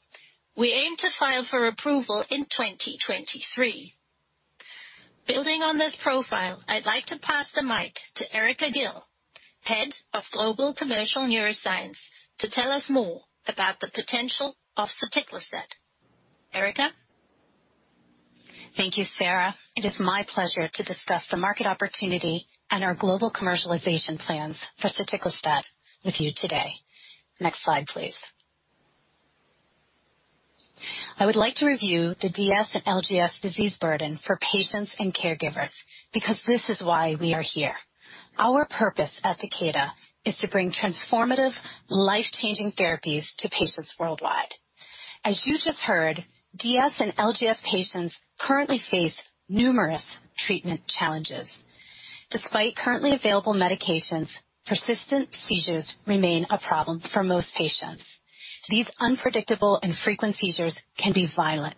we aim to file for approval in 2023. Building on this profile, I'd like to pass the mic to Erika Gill, Head of Global Commercial Neuroscience, to tell us more about the potential of soticlestat. Erika? Thank you, Sarah. It is my pleasure to discuss the market opportunity and our global commercialization plans for soticlestat with you today. Next slide, please. I would like to review the DS and LGS disease burden for patients and caregivers because this is why we are here. Our purpose at Takeda is to bring transformative, life-changing therapies to patients worldwide. As you just heard, DS and LGS patients currently face numerous treatment challenges. Despite currently available medications, persistent seizures remain a problem for most patients. These unpredictable and frequent seizures can be violent.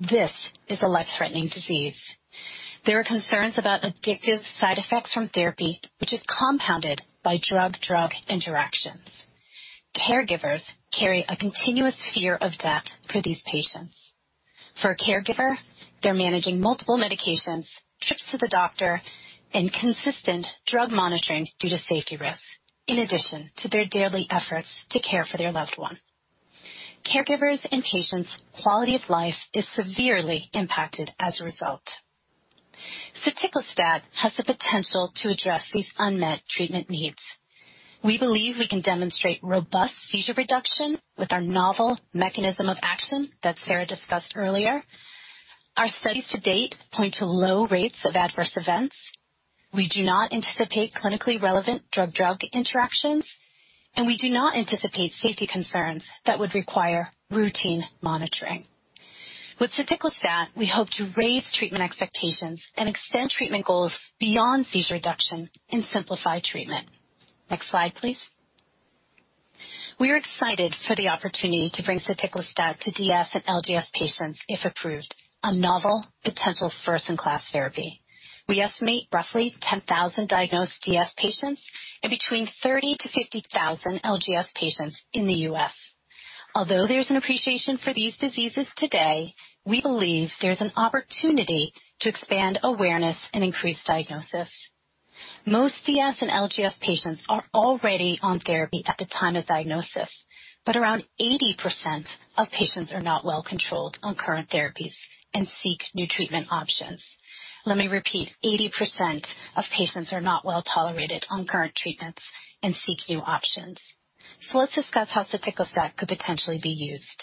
This is a life-threatening disease. There are concerns about addictive side effects from therapy, which is compounded by drug-drug interactions. Caregivers carry a continuous fear of death for these patients. For a caregiver, they're managing multiple medications, trips to the doctor, and consistent drug monitoring due to safety risks, in addition to their daily efforts to care for their loved one. Caregivers' and patients' quality of life is severely impacted as a result. Soticlestat has the potential to address these unmet treatment needs. We believe we can demonstrate robust seizure reduction with our novel mechanism of action that Sarah discussed earlier. Our studies to date point to low rates of adverse events. We do not anticipate clinically relevant drug-drug interactions, and we do not anticipate safety concerns that would require routine monitoring. With soticlestat, we hope to raise treatment expectations and extend treatment goals beyond seizure reduction and simplify treatment. Next slide, please. We are excited for the opportunity to bring Soticlestat to DS and LGS patients, if approved, a novel potential first-in-class therapy. We estimate roughly 10,000 diagnosed DS patients and between 30,000-50,000 LGS patients in the U.S. Although there's an appreciation for these diseases today, we believe there's an opportunity to expand awareness and increase diagnosis. Most DS and LGS patients are already on therapy at the time of diagnosis, but around 80% of patients are not well controlled on current therapies and seek new treatment options. Let me repeat: 80% of patients are not well tolerated on current treatments and seek new options. So let's discuss how Soticlestat could potentially be used.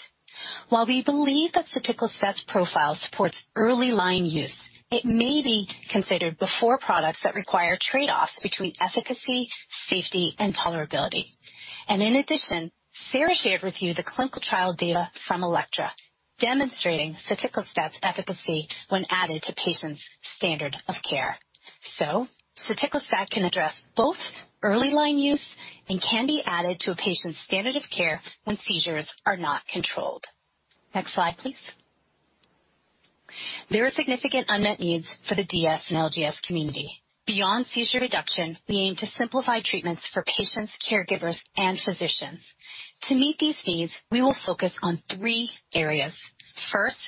While we believe that Soticlestat's profile supports early-line use, it may be considered before products that require trade-offs between efficacy, safety, and tolerability. In addition, Sarah shared with you the clinical trial data from ELEKTRA demonstrating soticlestat's efficacy when added to patients' standard of care. soticlestat can address both early-line use and can be added to a patient's standard of care when seizures are not controlled. Next slide, please. There are significant unmet needs for the DS and LGS community. Beyond seizure reduction, we aim to simplify treatments for patients, caregivers, and physicians. To meet these needs, we will focus on three areas. First,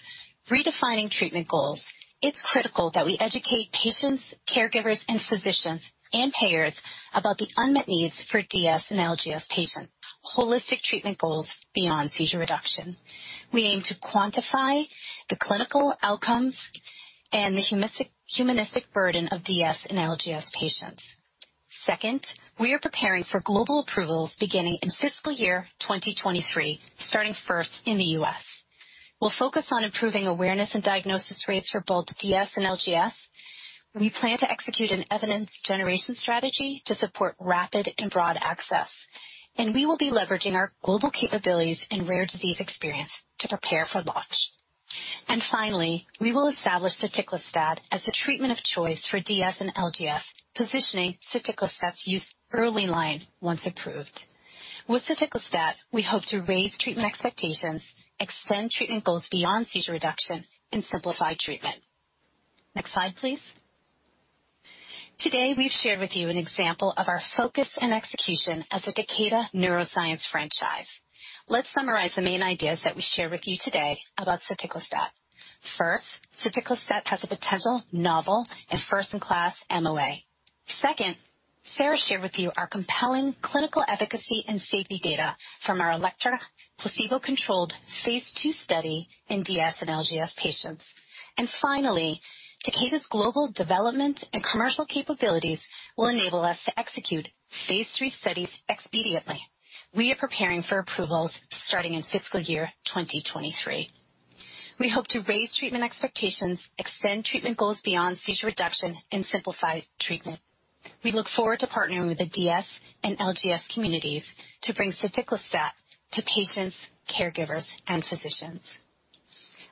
redefining treatment goals. It's critical that we educate patients, caregivers, and physicians, and payers about the unmet needs for DS and LGS patients. Holistic treatment goals beyond seizure reduction. We aim to quantify the clinical outcomes and the humanistic burden of DS and LGS patients. Second, we are preparing for global approvals beginning in fiscal year 2023, starting first in the U.S. We'll focus on improving awareness and diagnosis rates for both DS and LGS. We plan to execute an evidence-generation strategy to support rapid and broad access. And we will be leveraging our global capabilities and rare disease experience to prepare for launch. And finally, we will establish soticlestat as the treatment of choice for DS and LGS, positioning soticlestat's use early-line once approved. With soticlestat, we hope to raise treatment expectations, extend treatment goals beyond seizure reduction, and simplify treatment. Next slide, please. Today, we've shared with you an example of our focus and execution as a Takeda Neuroscience franchise. Let's summarize the main ideas that we shared with you today about soticlestat. First, soticlestat has a potential novel and first-in-class MOA. Second, Sarah shared with you our compelling clinical efficacy and safety data from our ELEKTRA placebo-controlled phase II study in DS and LGS patients. Finally, Takeda's global development and commercial capabilities will enable us to execute phase III studies expediently. We are preparing for approvals starting in fiscal year 2023. We hope to raise treatment expectations, extend treatment goals beyond seizure reduction, and simplify treatment. We look forward to partnering with the DS and LGS communities to bring Soticlestat to patients, caregivers, and physicians.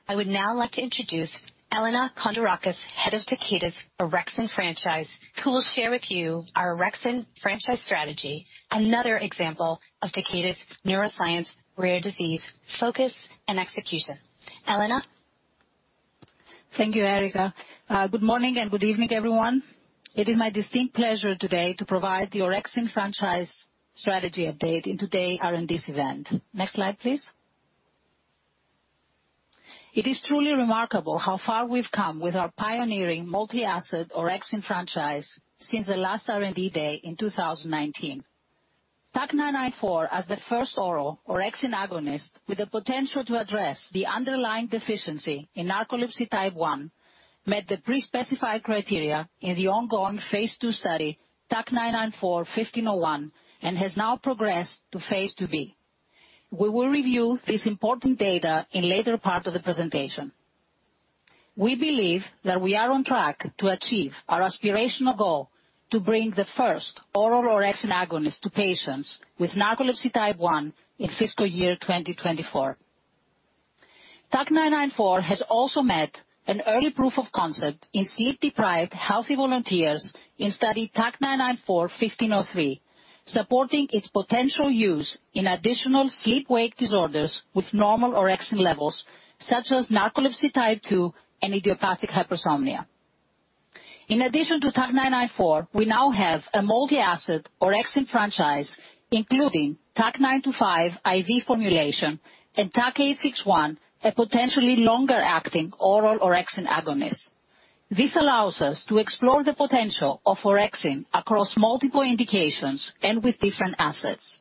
I would now like to introduce Elena Koundourakis, head of Takeda's orexin franchise, who will share with you our orexin franchise strategy, another example of Takeda's neuroscience, rare disease focus and execution. Elena? Thank you, Erika. Good morning and good evening, everyone. It is my distinct pleasure today to provide the orexin franchise strategy update in today's R&D event. Next slide, please. It is truly remarkable how far we've come with our pioneering multi-asset orexin franchise since the last R&D day in 2019. TAK-994, as the first oral orexin agonist with the potential to address the underlying deficiency in narcolepsy type 1, met the pre-specified criteria in the ongoing phase II study, TAK-994-1501, and has now progressed to phase IIB. We will review this important data in a later part of the presentation. We believe that we are on track to achieve our aspirational goal to bring the first oral orexin agonist to patients with narcolepsy type 1 in fiscal year 2024. TAK-994 has also met an early proof of concept in sleep-deprived healthy volunteers in study TAK-994-1503, supporting its potential use in additional sleep-wake disorders with normal orexin levels, such as narcolepsy type 2 and idiopathic hypersomnia. In addition to TAK-994, we now have a multi-asset orexin franchise, including TAK-925-IV formulation and TAK-861, a potentially longer-acting oral orexin agonist. This allows us to explore the potential of orexin across multiple indications and with different assets.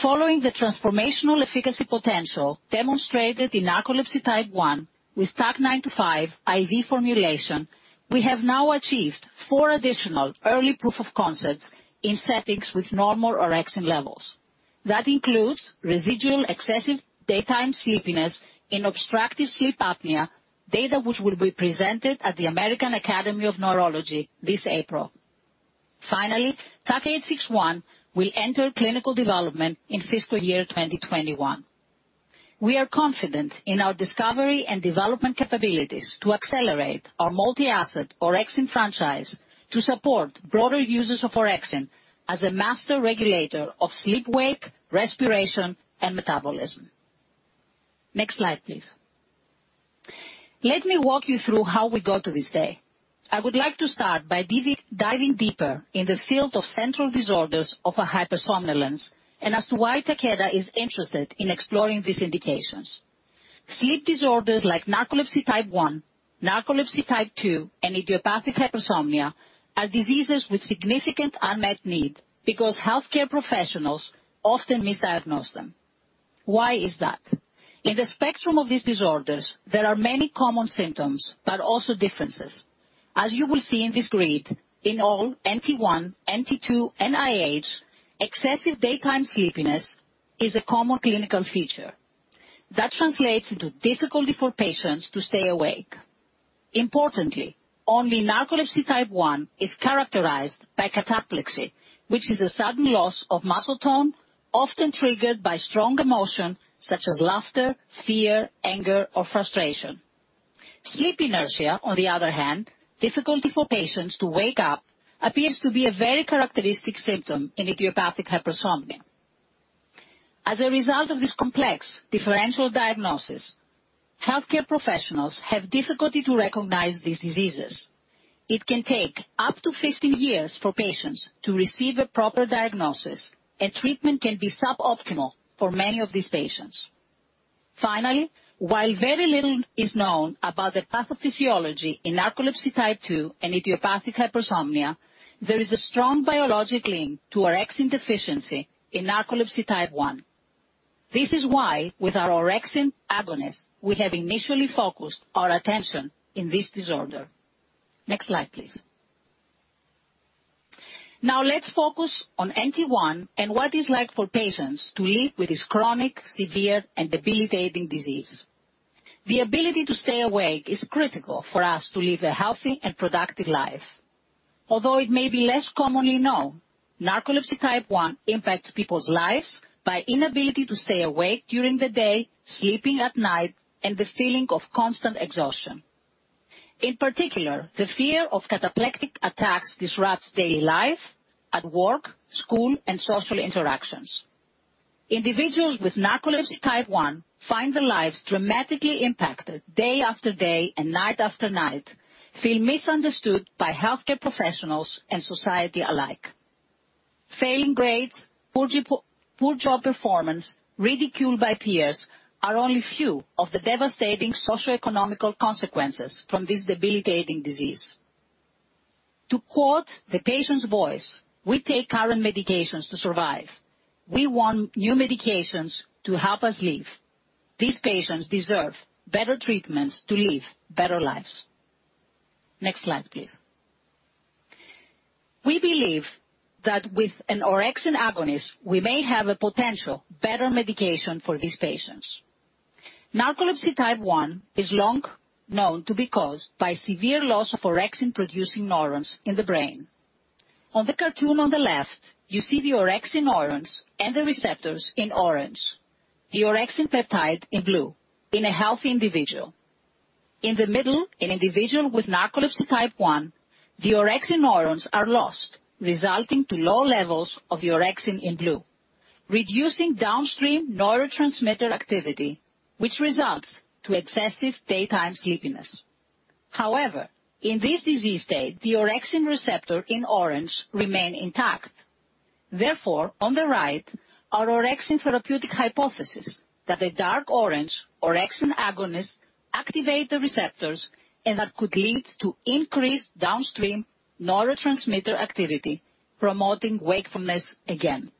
Following the transformational efficacy potential demonstrated in narcolepsy type 1 with TAK-925-IV formulation, we have now achieved four additional early proof of concepts in settings with normal orexin levels. That includes residual excessive daytime sleepiness and obstructive sleep apnea data which will be presented at the American Academy of Neurology this April. Finally, TAK-861 will enter clinical development in fiscal year 2021. We are confident in our discovery and development capabilities to accelerate our multi-asset orexin franchise to support broader users of orexin as a master regulator of sleep-wake, respiration, and metabolism. Next slide, please. Let me walk you through how we got to this day. I would like to start by diving deeper in the field of central disorders of hypersomnolence and as to why Takeda is interested in exploring these indications. Sleep disorders like narcolepsy type one, narcolepsy type two, and idiopathic hypersomnia are diseases with significant unmet need because healthcare professionals often misdiagnose them. Why is that? In the spectrum of these disorders, there are many common symptoms, but also differences. As you will see in this grid, in all NT1, NT2, and IH, excessive daytime sleepiness is a common clinical feature. That translates into difficulty for patients to stay awake. Importantly, only narcolepsy type one is characterized by cataplexy, which is a sudden loss of muscle tone, often triggered by strong emotions such as laughter, fear, anger, or frustration. Sleep inertia, on the other hand, difficulty for patients to wake up, appears to be a very characteristic symptom in idiopathic hypersomnia. As a result of this complex differential diagnosis, healthcare professionals have difficulty to recognize these diseases. It can take up to 15 years for patients to receive a proper diagnosis, and treatment can be suboptimal for many of these patients. Finally, while very little is known about the pathophysiology in narcolepsy type 2 and idiopathic hypersomnia, there is a strong biologic link to orexin deficiency in narcolepsy type 1. This is why, with our orexin agonist, we have initially focused our attention on this disorder. Next slide, please. Now, let's focus on NT1 and what it's like for patients to live with this chronic, severe, and debilitating disease. The ability to stay awake is critical for us to live a healthy and productive life. Although it may be less commonly known, narcolepsy type 1 impacts people's lives by inability to stay awake during the day, sleeping at night, and the feeling of constant exhaustion. In particular, the fear of cataplectic attacks disrupts daily life at work, school, and social interactions. Individuals with narcolepsy type 1 find their lives dramatically impacted day after day and night after night, feeling misunderstood by healthcare professionals and society alike. Failing grades, poor job performance, ridicule by peers are only a few of the devastating socio-economic consequences from this debilitating disease. To quote the patient's voice, "We take current medications to survive. We want new medications to help us live. These patients deserve better treatments to live better lives." Next slide, please. We believe that with an orexin agonist, we may have a potential better medication for these patients. Narcolepsy type 1 is long known to be caused by severe loss of orexin-producing neurons in the brain. On the cartoon on the left, you see the orexin neurons and the receptors in orange, the orexin peptide in blue, in a healthy individual. In the middle, an individual with narcolepsy type 1, the orexin neurons are lost, resulting in low levels of the orexin in blue, reducing downstream neurotransmitter activity, which results in excessive daytime sleepiness. However, in this disease state, the orexin receptor in orange remains intact. Therefore, on the right, our orexin therapeutic hypothesis that the dark orange orexin agonist activates the receptors and that could lead to increased downstream neurotransmitter activity, promoting wakefulness again.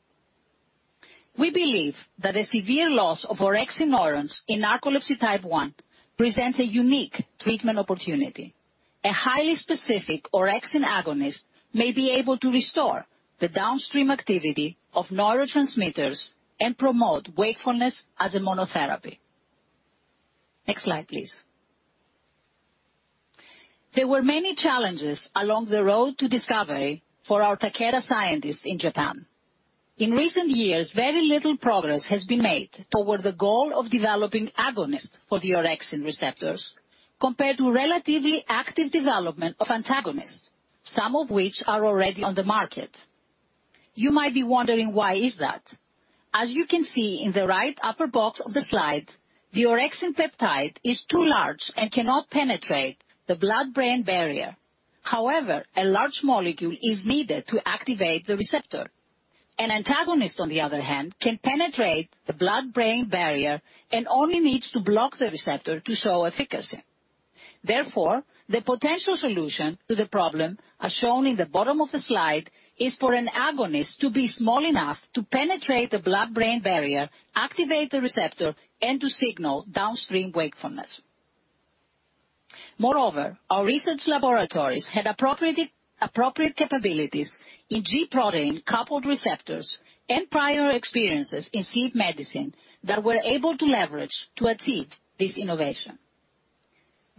We believe that the severe loss of orexin neurons in narcolepsy type 1 presents a unique treatment opportunity. A highly specific orexin agonist may be able to restore the downstream activity of neurotransmitters and promote wakefulness as a monotherapy. Next slide, please. There were many challenges along the road to discovery for our Takeda scientists in Japan. In recent years, very little progress has been made toward the goal of developing agonists for the orexin receptors compared to the relatively active development of antagonists, some of which are already on the market. You might be wondering, why is that? As you can see in the right upper box of the slide, the orexin peptide is too large and cannot penetrate the blood-brain barrier. However, a large molecule is needed to activate the receptor. An antagonist, on the other hand, can penetrate the blood-brain barrier and only needs to block the receptor to show efficacy. Therefore, the potential solution to the problem, as shown in the bottom of the slide, is for an agonist to be small enough to penetrate the blood-brain barrier, activate the receptor, and to signal downstream wakefulness. Moreover, our research laboratories had appropriate capabilities in G-protein-coupled receptors and prior experiences in sleep medicine that were able to leverage to achieve this innovation.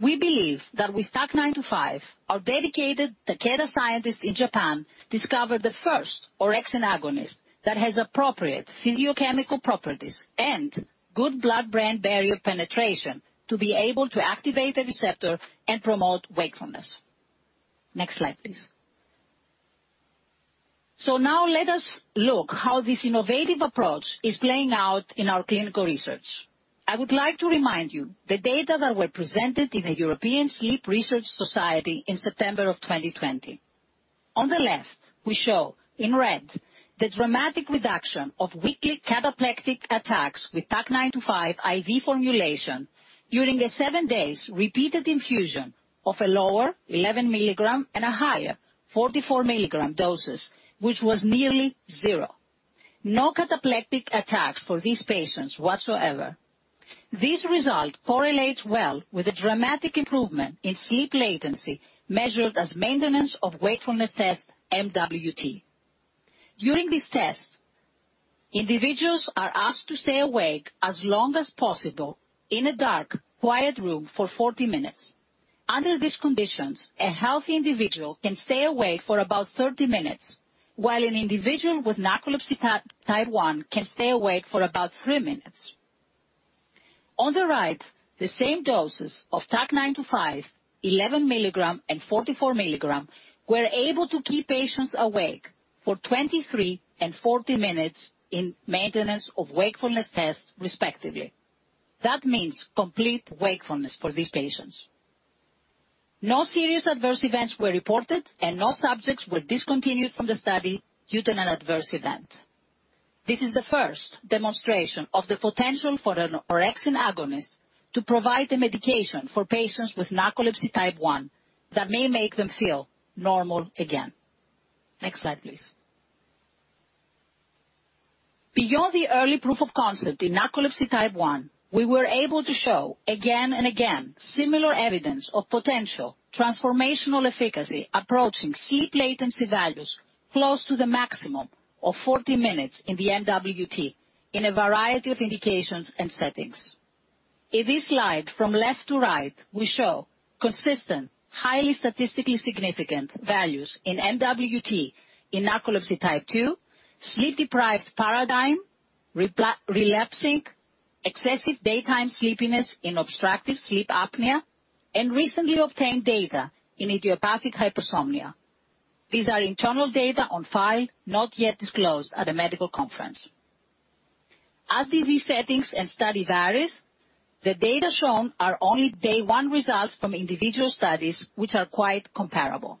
We believe that with TAC-925, our dedicated Takeda scientists in Japan discovered the first orexin agonist that has appropriate physicochemical properties and good blood-brain barrier penetration to be able to activate the receptor and promote wakefulness. Next slide, please, so now let us look at how this innovative approach is playing out in our clinical research. I would like to remind you of the data that were presented in the European Sleep Research Society in September of 2020. On the left, we show in red the dramatic reduction of weekly cataplexic attacks with TAK-925-IV formulation during a seven-day repeated infusion of a lower 11 milligram and a higher 44 milligram doses, which was nearly zero. No cataplexic attacks for these patients whatsoever. This result correlates well with a dramatic improvement in sleep latency measured as maintenance of wakefulness test MWT. During this test, individuals are asked to stay awake as long as possible in a dark, quiet room for 40 minutes. Under these conditions, a healthy individual can stay awake for about 30 minutes, while an individual with narcolepsy type 1 can stay awake for about three minutes. On the right, the same doses of TAK-925, 11 milligrams and 44 milligrams, were able to keep patients awake for 23 and 40 minutes in maintenance of wakefulness tests, respectively. That means complete wakefulness for these patients. No serious adverse events were reported, and no subjects were discontinued from the study due to an adverse event. This is the first demonstration of the potential for an orexin agonist to provide a medication for patients with narcolepsy type 1 that may make them feel normal again. Next slide, please. Beyond the early proof of concept in narcolepsy type 1, we were able to show again and again similar evidence of potential transformational efficacy approaching sleep latency values close to the maximum of 40 minutes in the MWT in a variety of indications and settings. In this slide, from left to right, we show consistent, highly statistically significant values in MWT in narcolepsy type 2, sleep-deprived paradigm, relapsing, excessive daytime sleepiness in obstructive sleep apnea, and recently obtained data in idiopathic hypersomnia. These are internal data on file, not yet disclosed at a medical conference. As disease settings and study varies, the data shown are only day-one results from individual studies, which are quite comparable.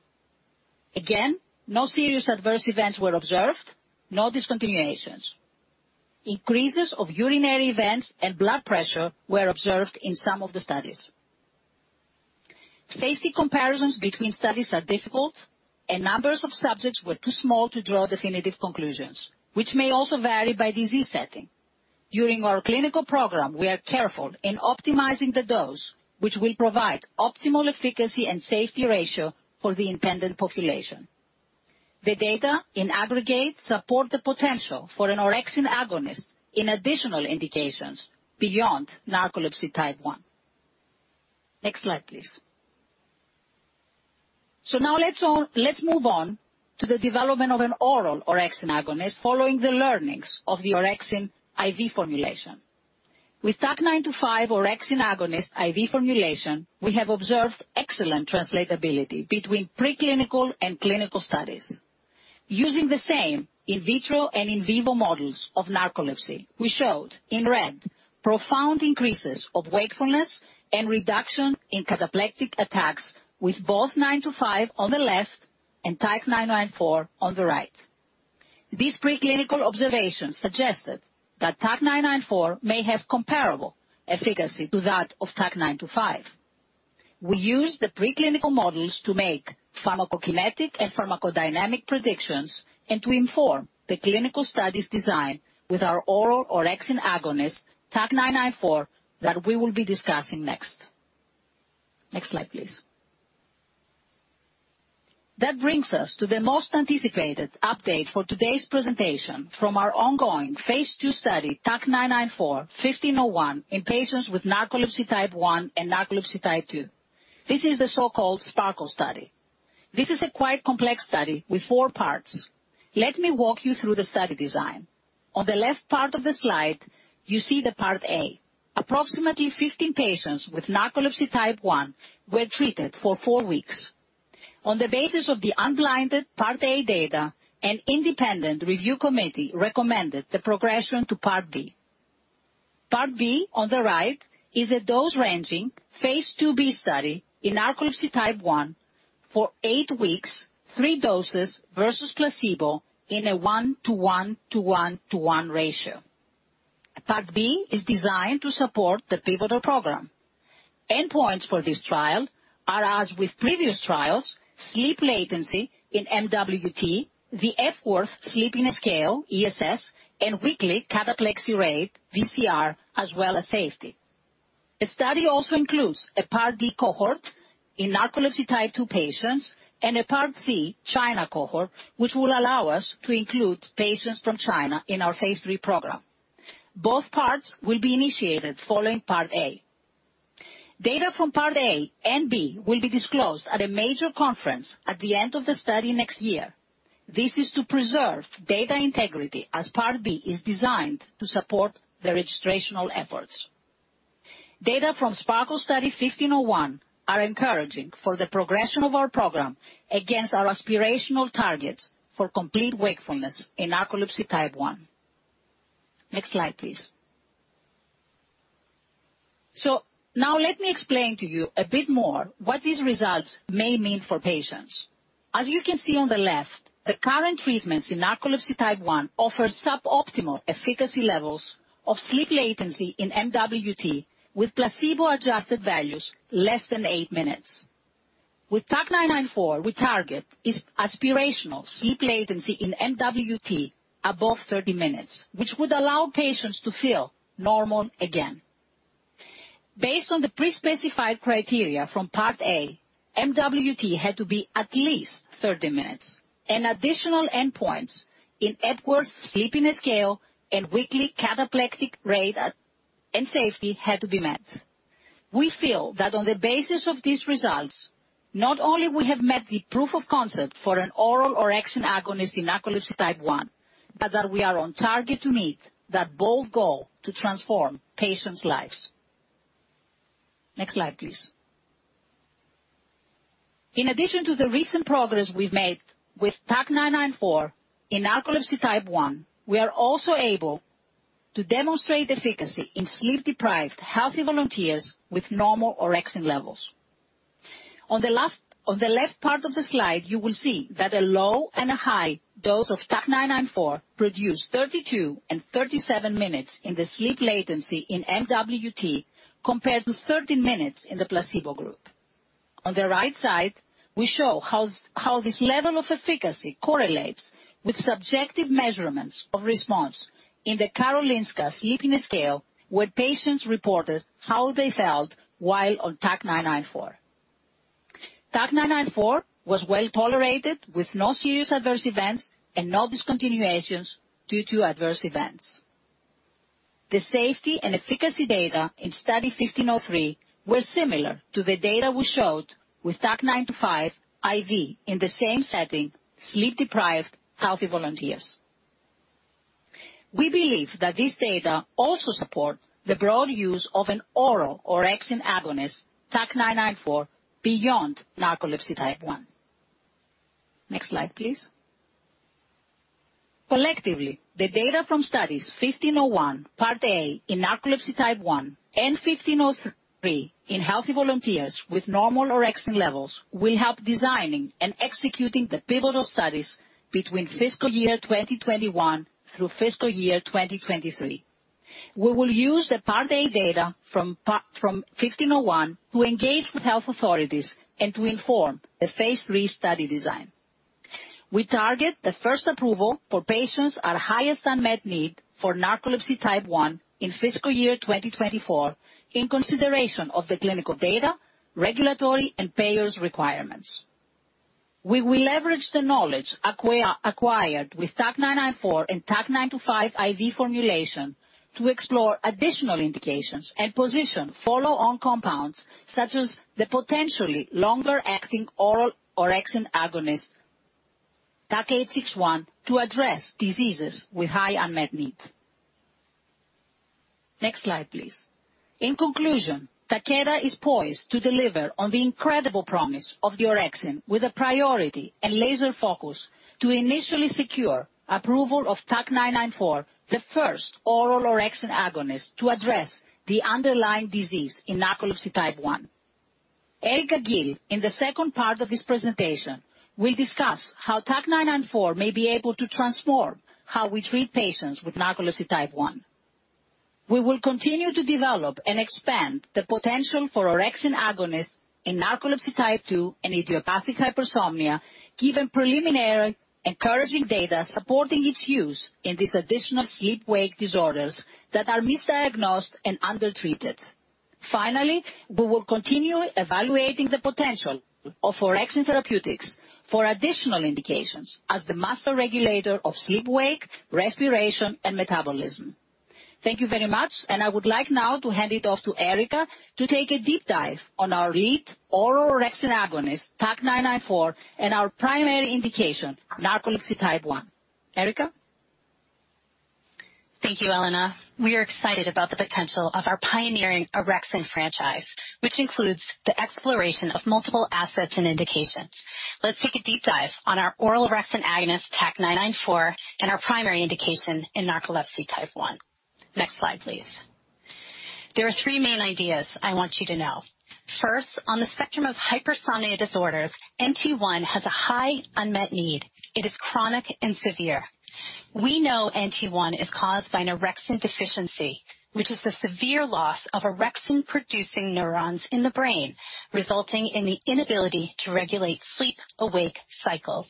Again, no serious adverse events were observed, no discontinuations. Increases of urinary events and blood pressure were observed in some of the studies. Safety comparisons between studies are difficult, and numbers of subjects were too small to draw definitive conclusions, which may also vary by disease setting. During our clinical program, we are careful in optimizing the dose, which will provide optimal efficacy and safety ratio for the intended population. The data in aggregate support the potential for an orexin agonist in additional indications beyond narcolepsy type 1. Next slide, please. So now, let's move on to the development of an oral orexin agonist following the learnings of the orexin IV formulation. With TAK-925 orexin agonist IV formulation, we have observed excellent translatability between preclinical and clinical studies. Using the same in vitro and in vivo models of narcolepsy, we showed in red profound increases of wakefulness and reduction in cataplectic attacks with both 925 on the left and TAC994 on the right. These preclinical observations suggested that TAC994 may have comparable efficacy to that of TAK-925. We used the preclinical models to make pharmacokinetic and pharmacodynamic predictions and to inform the clinical studies design with our oral orexin agonist TAC994 that we will be discussing next. Next slide, please. That brings us to the most anticipated update for today's presentation from our ongoing phase two study, TAK-994-1501, in patients with narcolepsy type 1 and narcolepsy type 2. This is the so-called SPARKLE study. This is a quite complex study with four parts. Let me walk you through the study design. On the left part of the slide, you see part A. Approximately 15 patients with narcolepsy type 1 were treated for four weeks. On the basis of the unblinded part A data, an independent review committee recommended the progression to part B. Part B on the right is a dose-ranging phase 2B study in narcolepsy type 1 for eight weeks, three doses versus placebo in a 1:1:1:1 ratio. Part B is designed to support the pivotal program. Endpoints for this trial are, as with previous trials, sleep latency in MWT, the Epworth Sleepiness Scale (ESS), and weekly cataplexy rate (WCAR), as well as safety. The study also includes a part D cohort in narcolepsy type 2 patients and a part C China cohort, which will allow us to include patients from China in our phase three program. Both parts will be initiated following part A. Data from part A and B will be disclosed at a major conference at the end of the study next year. This is to preserve data integrity as part B is designed to support the registrational efforts. Data from SPARKLE study 1501 are encouraging for the progression of our program against our aspirational targets for complete wakefulness in narcolepsy type 1. Next slide, please. So now, let me explain to you a bit more what these results may mean for patients. As you can see on the left, the current treatments in narcolepsy type 1 offer suboptimal efficacy levels of sleep latency in MWT with placebo-adjusted values less than eight minutes. With TAC994, we target aspirational sleep latency in MWT above 30 minutes, which would allow patients to feel normal again. Based on the pre-specified criteria from part A, MWT had to be at least 30 minutes. Additional endpoints in Epworth Sleepiness Scale and weekly cataplexy rate and safety had to be met. We feel that on the basis of these results, not only have we met the proof of concept for an oral orexin agonist in narcolepsy type 1, but that we are on target to meet that bold goal to transform patients' lives. Next slide, please. In addition to the recent progress we've made with TAK-994 in narcolepsy type 1, we are also able to demonstrate efficacy in sleep-deprived healthy volunteers with normal orexin levels. On the left part of the slide, you will see that a low and a high dose of TAK-994 produced 32 and 37 minutes in the sleep latency in MWT compared to 13 minutes in the placebo group. On the right side, we show how this level of efficacy correlates with subjective measurements of response in the Karolinska Sleepiness Scale, where patients reported how they felt while on TAK-994. TAK-994 was well tolerated with no serious adverse events and no discontinuations due to adverse events. The safety and efficacy data in study 1503 were similar to the data we showed with TAK-925-IV in the same setting, sleep-deprived healthy volunteers. We believe that this data also supports the broad use of an oral orexin agonist, TAK-994, beyond narcolepsy type 1. Next slide, please. Collectively, the data from studies 1501, part A in narcolepsy type 1, and 1503 in healthy volunteers with normal orexin levels will help designing and executing the pivotal studies between fiscal year 2021 through fiscal year 2023. We will use the part A data from 1501 to engage with health authorities and to inform the phase 3 study design. We target the first approval for patients at highest unmet need for narcolepsy type 1 in fiscal year 2024, in consideration of the clinical data, regulatory, and payers' requirements. We will leverage the knowledge acquired with TAK-994 and TAK-925-IV formulation to explore additional indications and position follow-on compounds such as the potentially longer-acting oral orexin agonist, TAK-861, to address diseases with high unmet need. Next slide, please. In conclusion, Takeda is poised to deliver on the incredible promise of the orexin with a priority and laser focus to initially secure approval of TAK-994, the first oral orexin agonist to address the underlying disease in narcolepsy type 1. Erika Gill, in the second part of this presentation, will discuss how TAK-994 may be able to transform how we treat patients with narcolepsy type 1. We will continue to develop and expand the potential for orexin agonist in narcolepsy type 2 and idiopathic hypersomnia, given preliminary encouraging data supporting its use in these additional sleep-wake disorders that are misdiagnosed and undertreated. Finally, we will continue evaluating the potential of orexin therapeutics for additional indications as the master regulator of sleep-wake, respiration, and metabolism. Thank you very much, and I would like now to hand it off to Erika to take a deep dive on our lead oral orexin agonist, TAK-994, and our primary indication, narcolepsy type 1. Erika? Thank you, Elena. We are excited about the potential of our pioneering orexin franchise, which includes the exploration of multiple assets and indications. Let's take a deep dive on our oral orexin agonist, TAK-994, and our primary indication in narcolepsy type 1. Next slide, please. There are three main ideas I want you to know. First, on the spectrum of hypersomnia disorders, NT1 has a high unmet need. It is chronic and severe. We know NT1 is caused by an orexin deficiency, which is the severe loss of orexin-producing neurons in the brain, resulting in the inability to regulate sleep-wake cycles.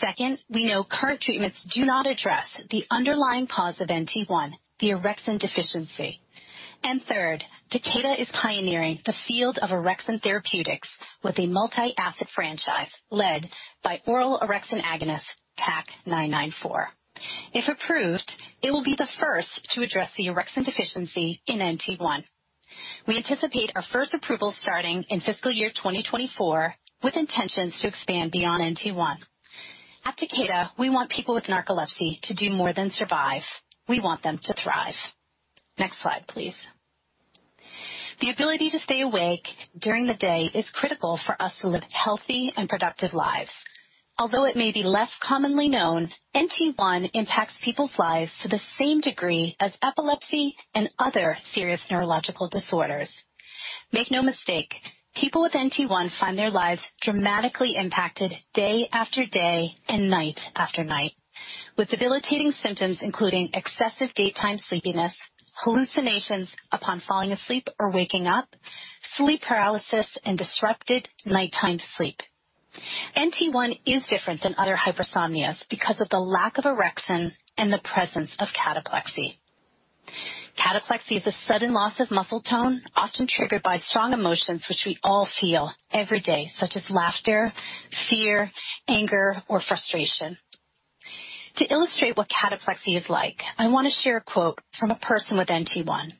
Second, we know current treatments do not address the underlying cause of NT1, the orexin deficiency. And third, Takeda is pioneering the field of orexin therapeutics with a multi-asset franchise led by oral orexin agonist, TAK-994. If approved, it will be the first to address the orexin deficiency in NT1. We anticipate our first approval starting in fiscal year 2024, with intentions to expand beyond NT1. At Takeda, we want people with narcolepsy to do more than survive. We want them to thrive. Next slide, please. The ability to stay awake during the day is critical for us to live healthy and productive lives. Although it may be less commonly known, NT1 impacts people's lives to the same degree as epilepsy and other serious neurological disorders. Make no mistake, people with NT1 find their lives dramatically impacted day after day and night after night, with debilitating symptoms including excessive daytime sleepiness, hallucinations upon falling asleep or waking up, sleep paralysis, and disrupted nighttime sleep. NT1 is different than other hypersomnias because of the lack of orexin and the presence of cataplexy. Cataplexy is a sudden loss of muscle tone, often triggered by strong emotions, which we all feel every day, such as laughter, fear, anger, or frustration. To illustrate what cataplexy is like, I want to share a quote from a person with NT1.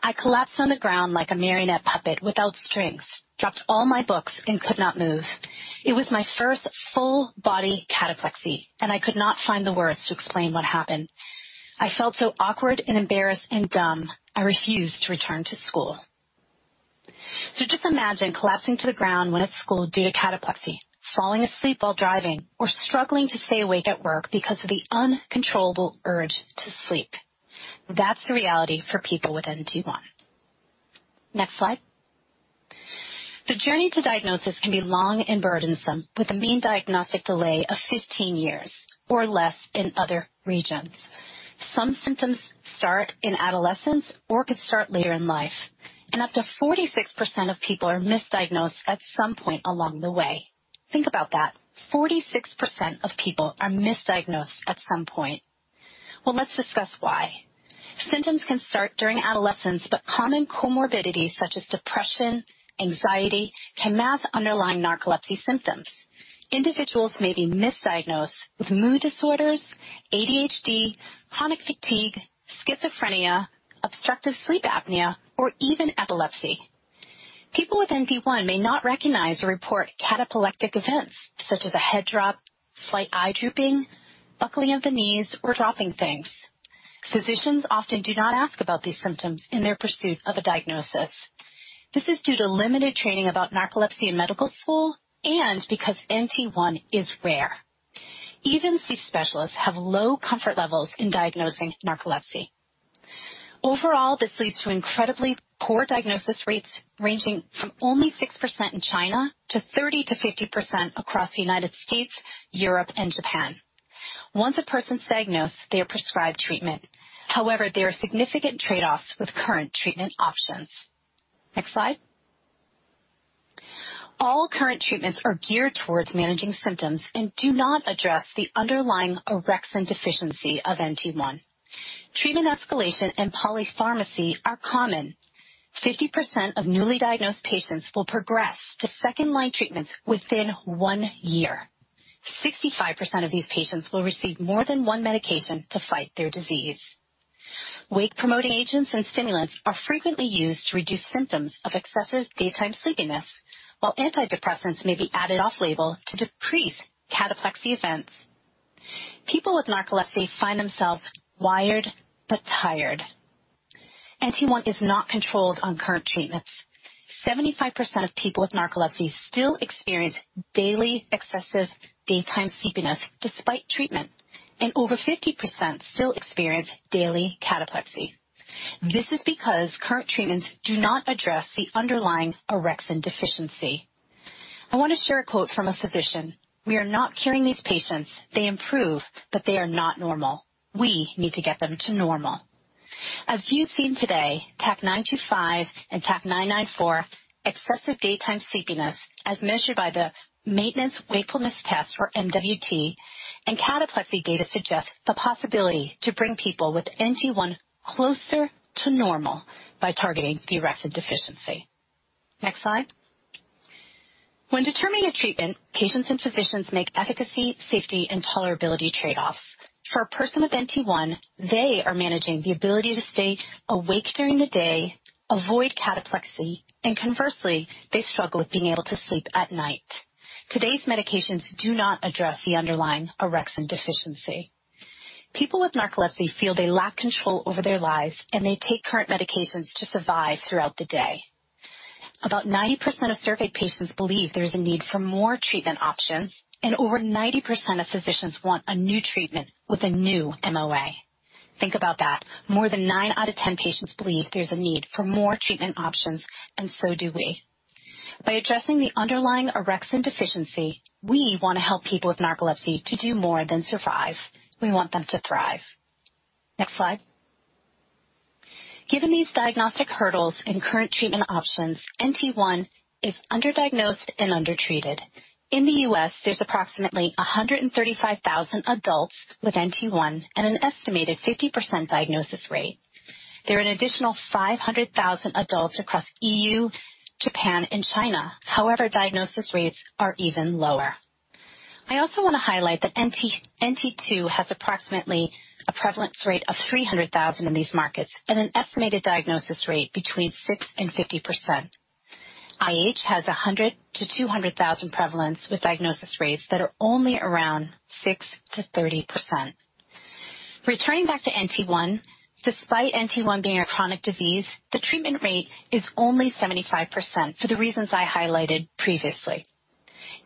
"I collapsed on the ground like a marionette puppet without strings, dropped all my books, and could not move. It was my first full-body cataplexy, and I could not find the words to explain what happened. I felt so awkward and embarrassed and dumb, I refused to return to school." So just imagine collapsing to the ground when at school due to cataplexy, falling asleep while driving, or struggling to stay awake at work because of the uncontrollable urge to sleep. That's the reality for people with NT1. Next slide. The journey to diagnosis can be long and burdensome, with a mean diagnostic delay of 15 years or less in other regions. Some symptoms start in adolescence or could start later in life, and up to 46% of people are misdiagnosed at some point along the way. Think about that. 46% of people are misdiagnosed at some point. Let's discuss why. Symptoms can start during adolescence, but common comorbidities such as depression and anxiety can mask underlying narcolepsy symptoms. Individuals may be misdiagnosed with mood disorders, ADHD, chronic fatigue, schizophrenia, obstructive sleep apnea, or even epilepsy. People with NT1 may not recognize or report cataplectic events such as a head drop, slight eye drooping, buckling of the knees, or dropping things. Physicians often do not ask about these symptoms in their pursuit of a diagnosis. This is due to limited training about narcolepsy in medical school and because NT1 is rare. Even sleep specialists have low comfort levels in diagnosing narcolepsy. Overall, this leads to incredibly poor diagnosis rates ranging from only 6% in China to 30%-50% across the United States, Europe, and Japan. Once a person's diagnosed, they are prescribed treatment. However, there are significant trade-offs with current treatment options. Next slide. All current treatments are geared towards managing symptoms and do not address the underlying orexin deficiency of NT1. Treatment escalation and polypharmacy are common. 50% of newly diagnosed patients will progress to second-line treatments within one year. 65% of these patients will receive more than one medication to fight their disease. Wake-promoting agents and stimulants are frequently used to reduce symptoms of excessive daytime sleepiness, while antidepressants may be added off-label to decrease cataplexy events. People with narcolepsy find themselves wired but tired. NT1 is not controlled on current treatments. 75% of people with narcolepsy still experience daily excessive daytime sleepiness despite treatment, and over 50% still experience daily cataplexy. This is because current treatments do not address the underlying orexin deficiency. I want to share a quote from a physician. "We are not curing these patients. They improve, but they are not normal. We need to get them to normal." As you've seen today, TAK-925 and TAK-994, excessive daytime sleepiness as measured by the maintenance wakefulness test, or MWT, and cataplexy data suggest the possibility to bring people with NT1 closer to normal by targeting the orexin deficiency. Next slide. When determining a treatment, patients and physicians make efficacy, safety, and tolerability trade-offs. For a person with NT1, they are managing the ability to stay awake during the day, avoid cataplexy, and conversely, they struggle with being able to sleep at night. Today's medications do not address the underlying orexin deficiency. People with narcolepsy feel they lack control over their lives, and they take current medications to survive throughout the day. About 90% of surveyed patients believe there is a need for more treatment options, and over 90% of physicians want a new treatment with a new MOA. Think about that. More than 9 out of 10 patients believe there's a need for more treatment options, and so do we. By addressing the underlying orexin deficiency, we want to help people with narcolepsy to do more than survive. We want them to thrive. Next slide. Given these diagnostic hurdles and current treatment options, NT1 is underdiagnosed and undertreated. In the US, there's approximately 135,000 adults with NT1 and an estimated 50% diagnosis rate. There are an additional 500,000 adults across the EU, Japan, and China. However, diagnosis rates are even lower. I also want to highlight that NT2 has approximately a prevalence rate of 300,000 in these markets and an estimated diagnosis rate between 6% and 50%. IH has 100,000 to 200,000 prevalence with diagnosis rates that are only around 6% to 30%. Returning back to NT1, despite NT1 being a chronic disease, the treatment rate is only 75% for the reasons I highlighted previously.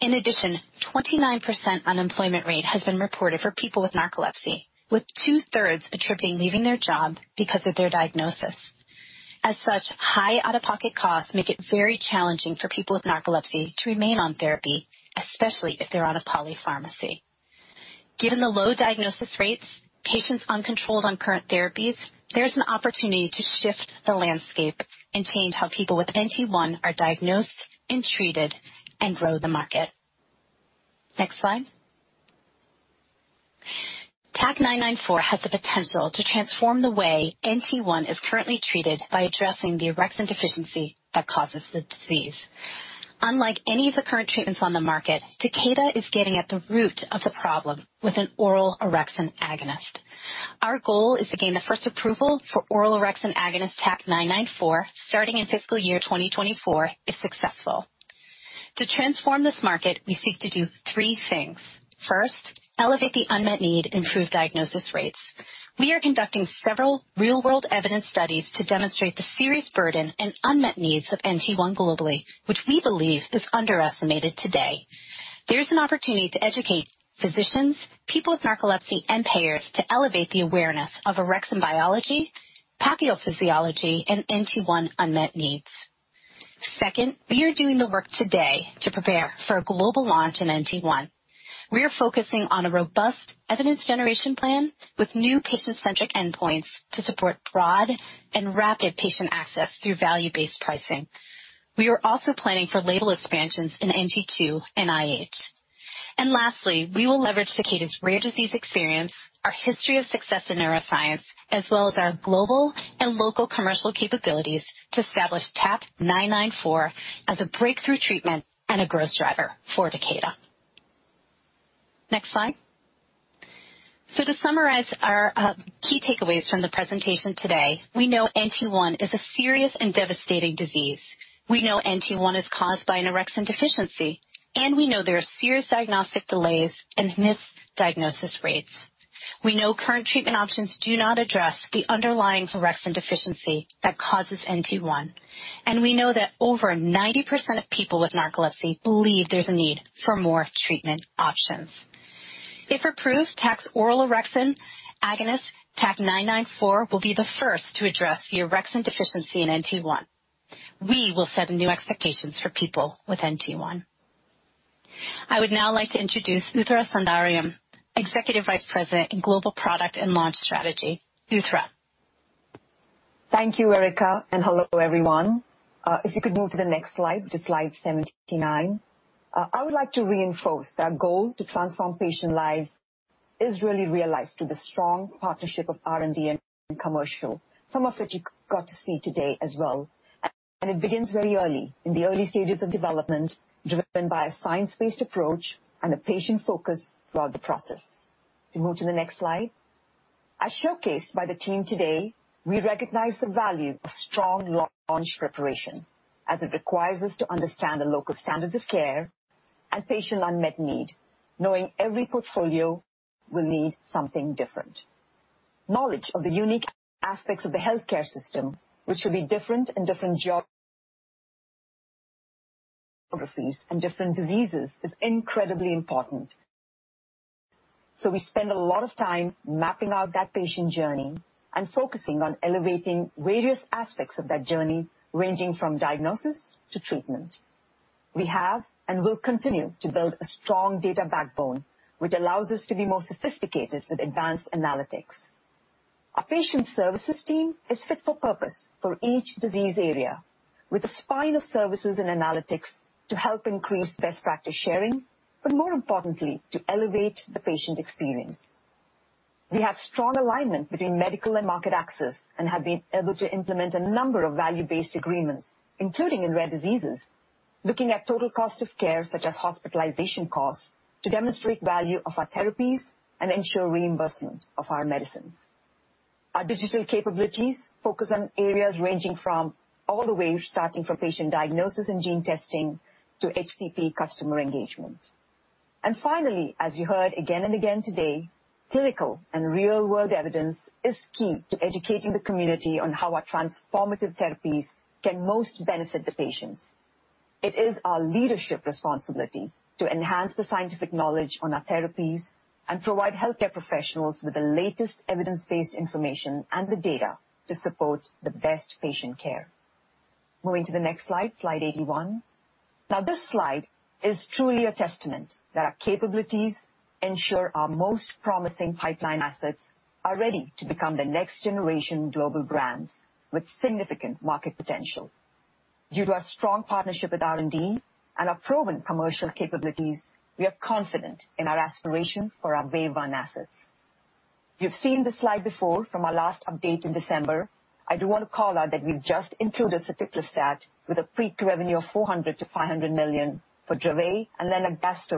In addition, a 29% unemployment rate has been reported for people with narcolepsy, with two-thirds attributing leaving their job because of their diagnosis. As such, high out-of-pocket costs make it very challenging for people with narcolepsy to remain on therapy, especially if they're on a polypharmacy. Given the low diagnosis rates, patients uncontrolled on current therapies, there's an opportunity to shift the landscape and change how people with NT1 are diagnosed and treated and grow the market. Next slide. TAK-994 has the potential to transform the way NT1 is currently treated by addressing the orexin deficiency that causes the disease. Unlike any of the current treatments on the market, Takeda is getting at the root of the problem with an oral orexin agonist. Our goal is to gain the first approval for oral orexin agonist TAK-994 starting in fiscal year 2024 if successful. To transform this market, we seek to do three things. First, elevate the unmet need and improve diagnosis rates. We are conducting several real-world evidence studies to demonstrate the serious burden and unmet needs of NT1 globally, which we believe is underestimated today. There's an opportunity to educate physicians, people with narcolepsy, and payers to elevate the awareness of orexin biology, pathophysiology, and NT1 unmet needs. Second, we are doing the work today to prepare for a global launch in NT1. We are focusing on a robust evidence generation plan with new patient-centric endpoints to support broad and rapid patient access through value-based pricing. We are also planning for label expansions in NT2 and IH. And lastly, we will leverage Takeda's rare disease experience, our history of success in neuroscience, as well as our global and local commercial capabilities to establish TAK-994 as a breakthrough treatment and a growth driver for Takeda. Next slide. So to summarize our key takeaways from the presentation today, we know NT1 is a serious and devastating disease. We know NT1 is caused by an orexin deficiency, and we know there are serious diagnostic delays and misdiagnosis rates. We know current treatment options do not address the underlying orexin deficiency that causes NT1, and we know that over 90% of people with narcolepsy believe there's a need for more treatment options. If approved, TAK oral orexin agonist TAK-994 will be the first to address the orexin deficiency in NT1. We will set new expectations for people with NT1. I would now like to introduce Uthra Sundaram, Executive Vice President in Global Product and Launch Strategy. Uthra. Thank you, Erika, and hello, everyone. If you could move to the next slide, which is slide 79. I would like to reinforce that our goal to transform patient lives is really realized through the strong partnership of R&D and commercial, some of which you got to see today as well, and it begins very early in the early stages of development, driven by a science-based approach and a patient focus throughout the process. To move to the next slide. As showcased by the team today, we recognize the value of strong launch preparation, as it requires us to understand the local standards of care and patient unmet need, knowing every portfolio will need something different. Knowledge of the unique aspects of the healthcare system, which will be different in different geographies and different diseases, is incredibly important. So we spend a lot of time mapping out that patient journey and focusing on elevating various aspects of that journey, ranging from diagnosis to treatment. We have and will continue to build a strong data backbone, which allows us to be more sophisticated with advanced analytics. Our patient services team is fit for purpose for each disease area, with a spine of services and analytics to help increase best practice sharing, but more importantly, to elevate the patient experience. We have strong alignment between medical and market access and have been able to implement a number of value-based agreements, including in rare diseases, looking at total cost of care, such as hospitalization costs, to demonstrate the value of our therapies and ensure reimbursement of our medicines. Our digital capabilities focus on areas ranging from all the way, starting from patient diagnosis and gene testing to HCP customer engagement, and finally, as you heard again and again today, clinical and real-world evidence is key to educating the community on how our transformative therapies can most benefit the patients. It is our leadership responsibility to enhance the scientific knowledge on our therapies and provide healthcare professionals with the latest evidence-based information and the data to support the best patient care. Moving to the next slide, slide 81. Now, this slide is truly a testament that our capabilities ensure our most promising pipeline assets are ready to become the next-generation global brands with significant market potential. Due to our strong partnership with R&D and our proven commercial capabilities, we are confident in our aspiration for our wave one assets. You've seen this slide before from our last update in December. I do want to call out that we've just included soticlestat with a peak revenue of $400 million-$500 million for Dravet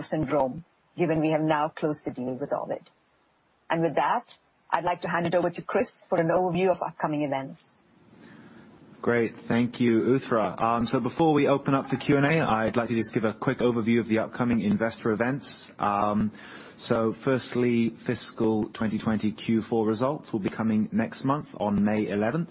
syndrome, given we have now closed the deal with Ovid. And with that, I'd like to hand it over to Chris for an overview of upcoming events. Great. Thank you, Uthra. So before we open up the Q&A, I'd like to just give a quick overview of the upcoming investor events. So firstly, fiscal 2020 Q4 results will be coming next month on May 11th.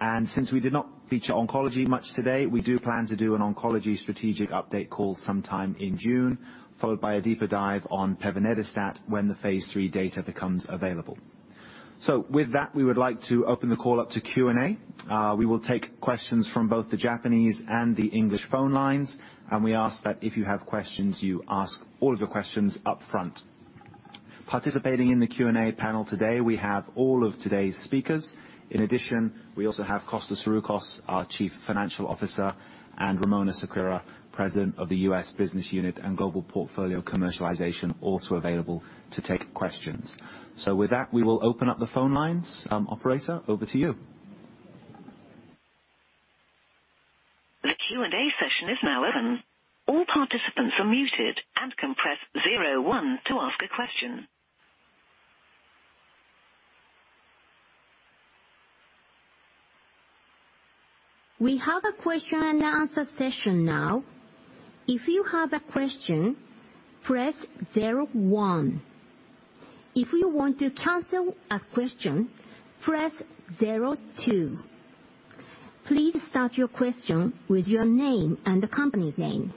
And since we did not feature oncology much today, we do plan to do an oncology strategic update call sometime in June, followed by a deeper dive on pevonedistat when the phase three data becomes available. So with that, we would like to open the call up to Q&A. We will take questions from both the Japanese and the English phone lines, and we ask that if you have questions, you ask all of your questions upfront. Participating in the Q&A panel today, we have all of today's speakers. In addition, we also have Costa Saroukos, our Chief Financial Officer, and Ramona Sequeira, President of the U.S. Business Unit and Global Portfolio Commercialization, also available to take questions. So with that, we will open up the phone lines. Operator, over to you. The Q&A session is now open. All participants are muted and can press 01 to ask a question. We have a question and answer session now. If you have a question, press 01. If you want to cancel a question, press 02. Please start your question with your name and the company name.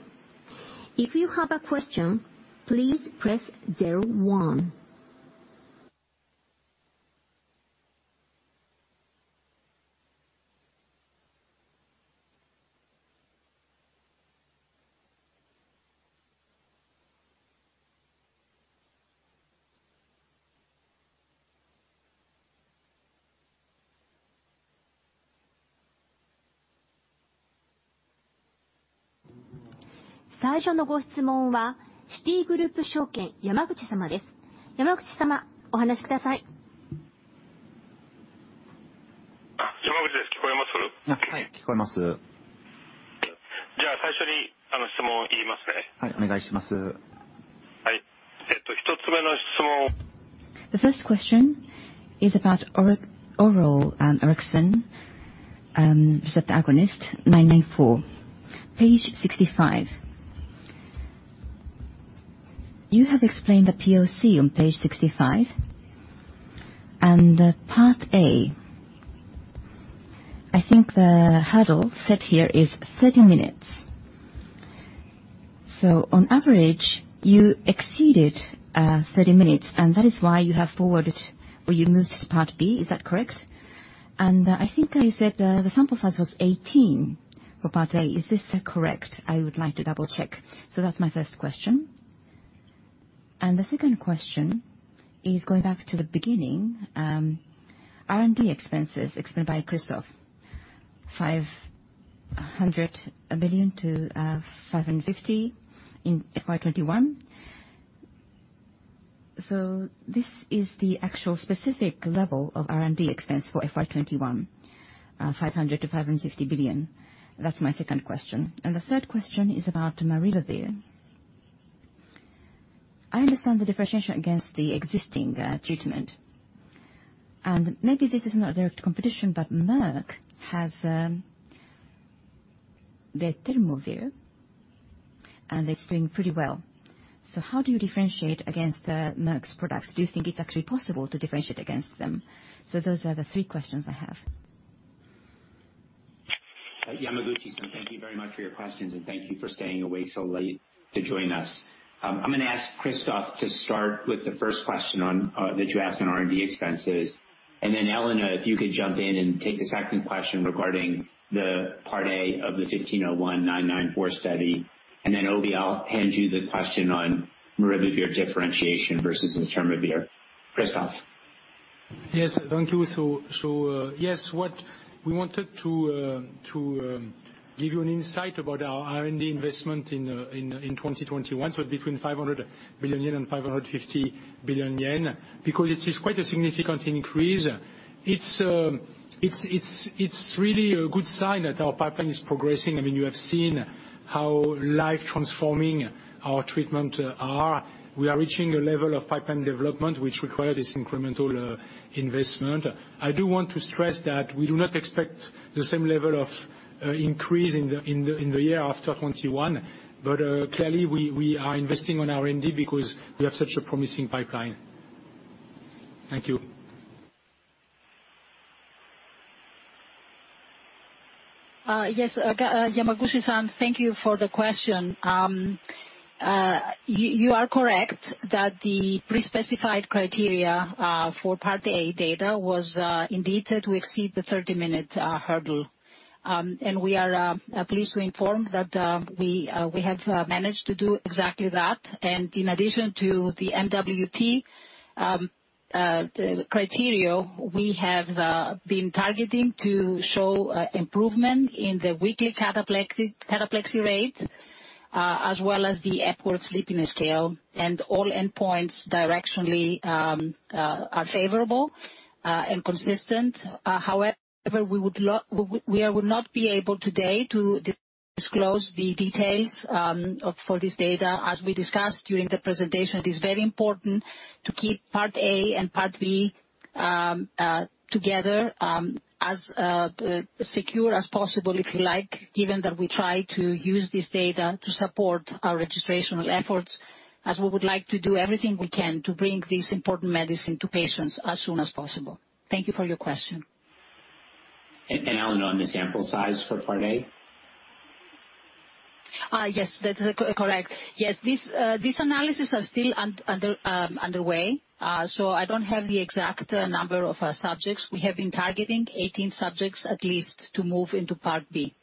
If you have a question, please press 01. 最初のご質問はシティグループ証券、山口様です。山口様、お話しください。山口です。聞こえます？ はい、聞こえます。じゃあ、最初に質問を言いますね。はい、お願いします。はい。1つ目の質問。The first question is about oral orexin receptor agonist 994, page 65. You have explained the POC on page 65 and part A. I think the hurdle set here is 30 minutes. So on average, you exceeded 30 minutes, and that is why you have forwarded or you moved to part B. Is that correct? And I think you said the sample size was 18 for part A. Is this correct? I would like to double-check. So that's my first question. The second question is going back to the beginning, R&D expenses explained by Christophe, ¥500 million-¥550 million in FY21. So this is the actual specific level of R&D expense for FY21, ¥500 billion-¥550 billion. That's my second question. The third question is about maribavir. I understand the differentiation against the existing treatment. Maybe this is not direct competition, but Merck has their letermovir, and it's doing pretty well. So how do you differentiate against Merck's products? Do you think it's actually possible to differentiate against them? So those are the three questions I have. Yamaguchi-san, thank you very much for your questions, and thank you for staying up so late to join us. I'm going to ask Christophe to start with the first question that you asked on R&D expenses. Then, Elena, if you could jump in and take the second question regarding the part A of the 1501 994 study. Then, Obi, I'll hand you the question on maribavir differentiation versus the letermovir. Christophe. Yes, thank you. So yes, we wanted to give you an insight about our R&D investment in 2021, so between 500 billion yen and 550 billion yen, because it is quite a significant increase. It's really a good sign that our pipeline is progressing. I mean, you have seen how life-transforming our treatments are. We are reaching a level of pipeline development which requires this incremental investment. I do want to stress that we do not expect the same level of increase in the year after 2021, but clearly, we are investing on R&D because we have such a promising pipeline. Thank you. Yes, Yamaguchi-san, thank you for the question. You are correct that the pre-specified criteria for part A data was indeed to exceed the 30-minute hurdle. And we are pleased to inform that we have managed to do exactly that. And in addition to the MWT criteria, we have been targeting to show improvement in the weekly cataplexy rate, as well as the Epworth Sleepiness Scale. And all endpoints directionally are favorable and consistent. However, we would not be able today to disclose the details for this data. As we discussed during the presentation, it is very important to keep part A and part B together as secure as possible, if you like, given that we try to use this data to support our registrational efforts, as we would like to do everything we can to bring this important medicine to patients as soon as possible. Thank you for your question. Elena, on the sample size for part A? Yes, that is correct. Yes, these analyses are still underway, so I don't have the exact number of subjects. We have been targeting 18 subjects at least to move into part B.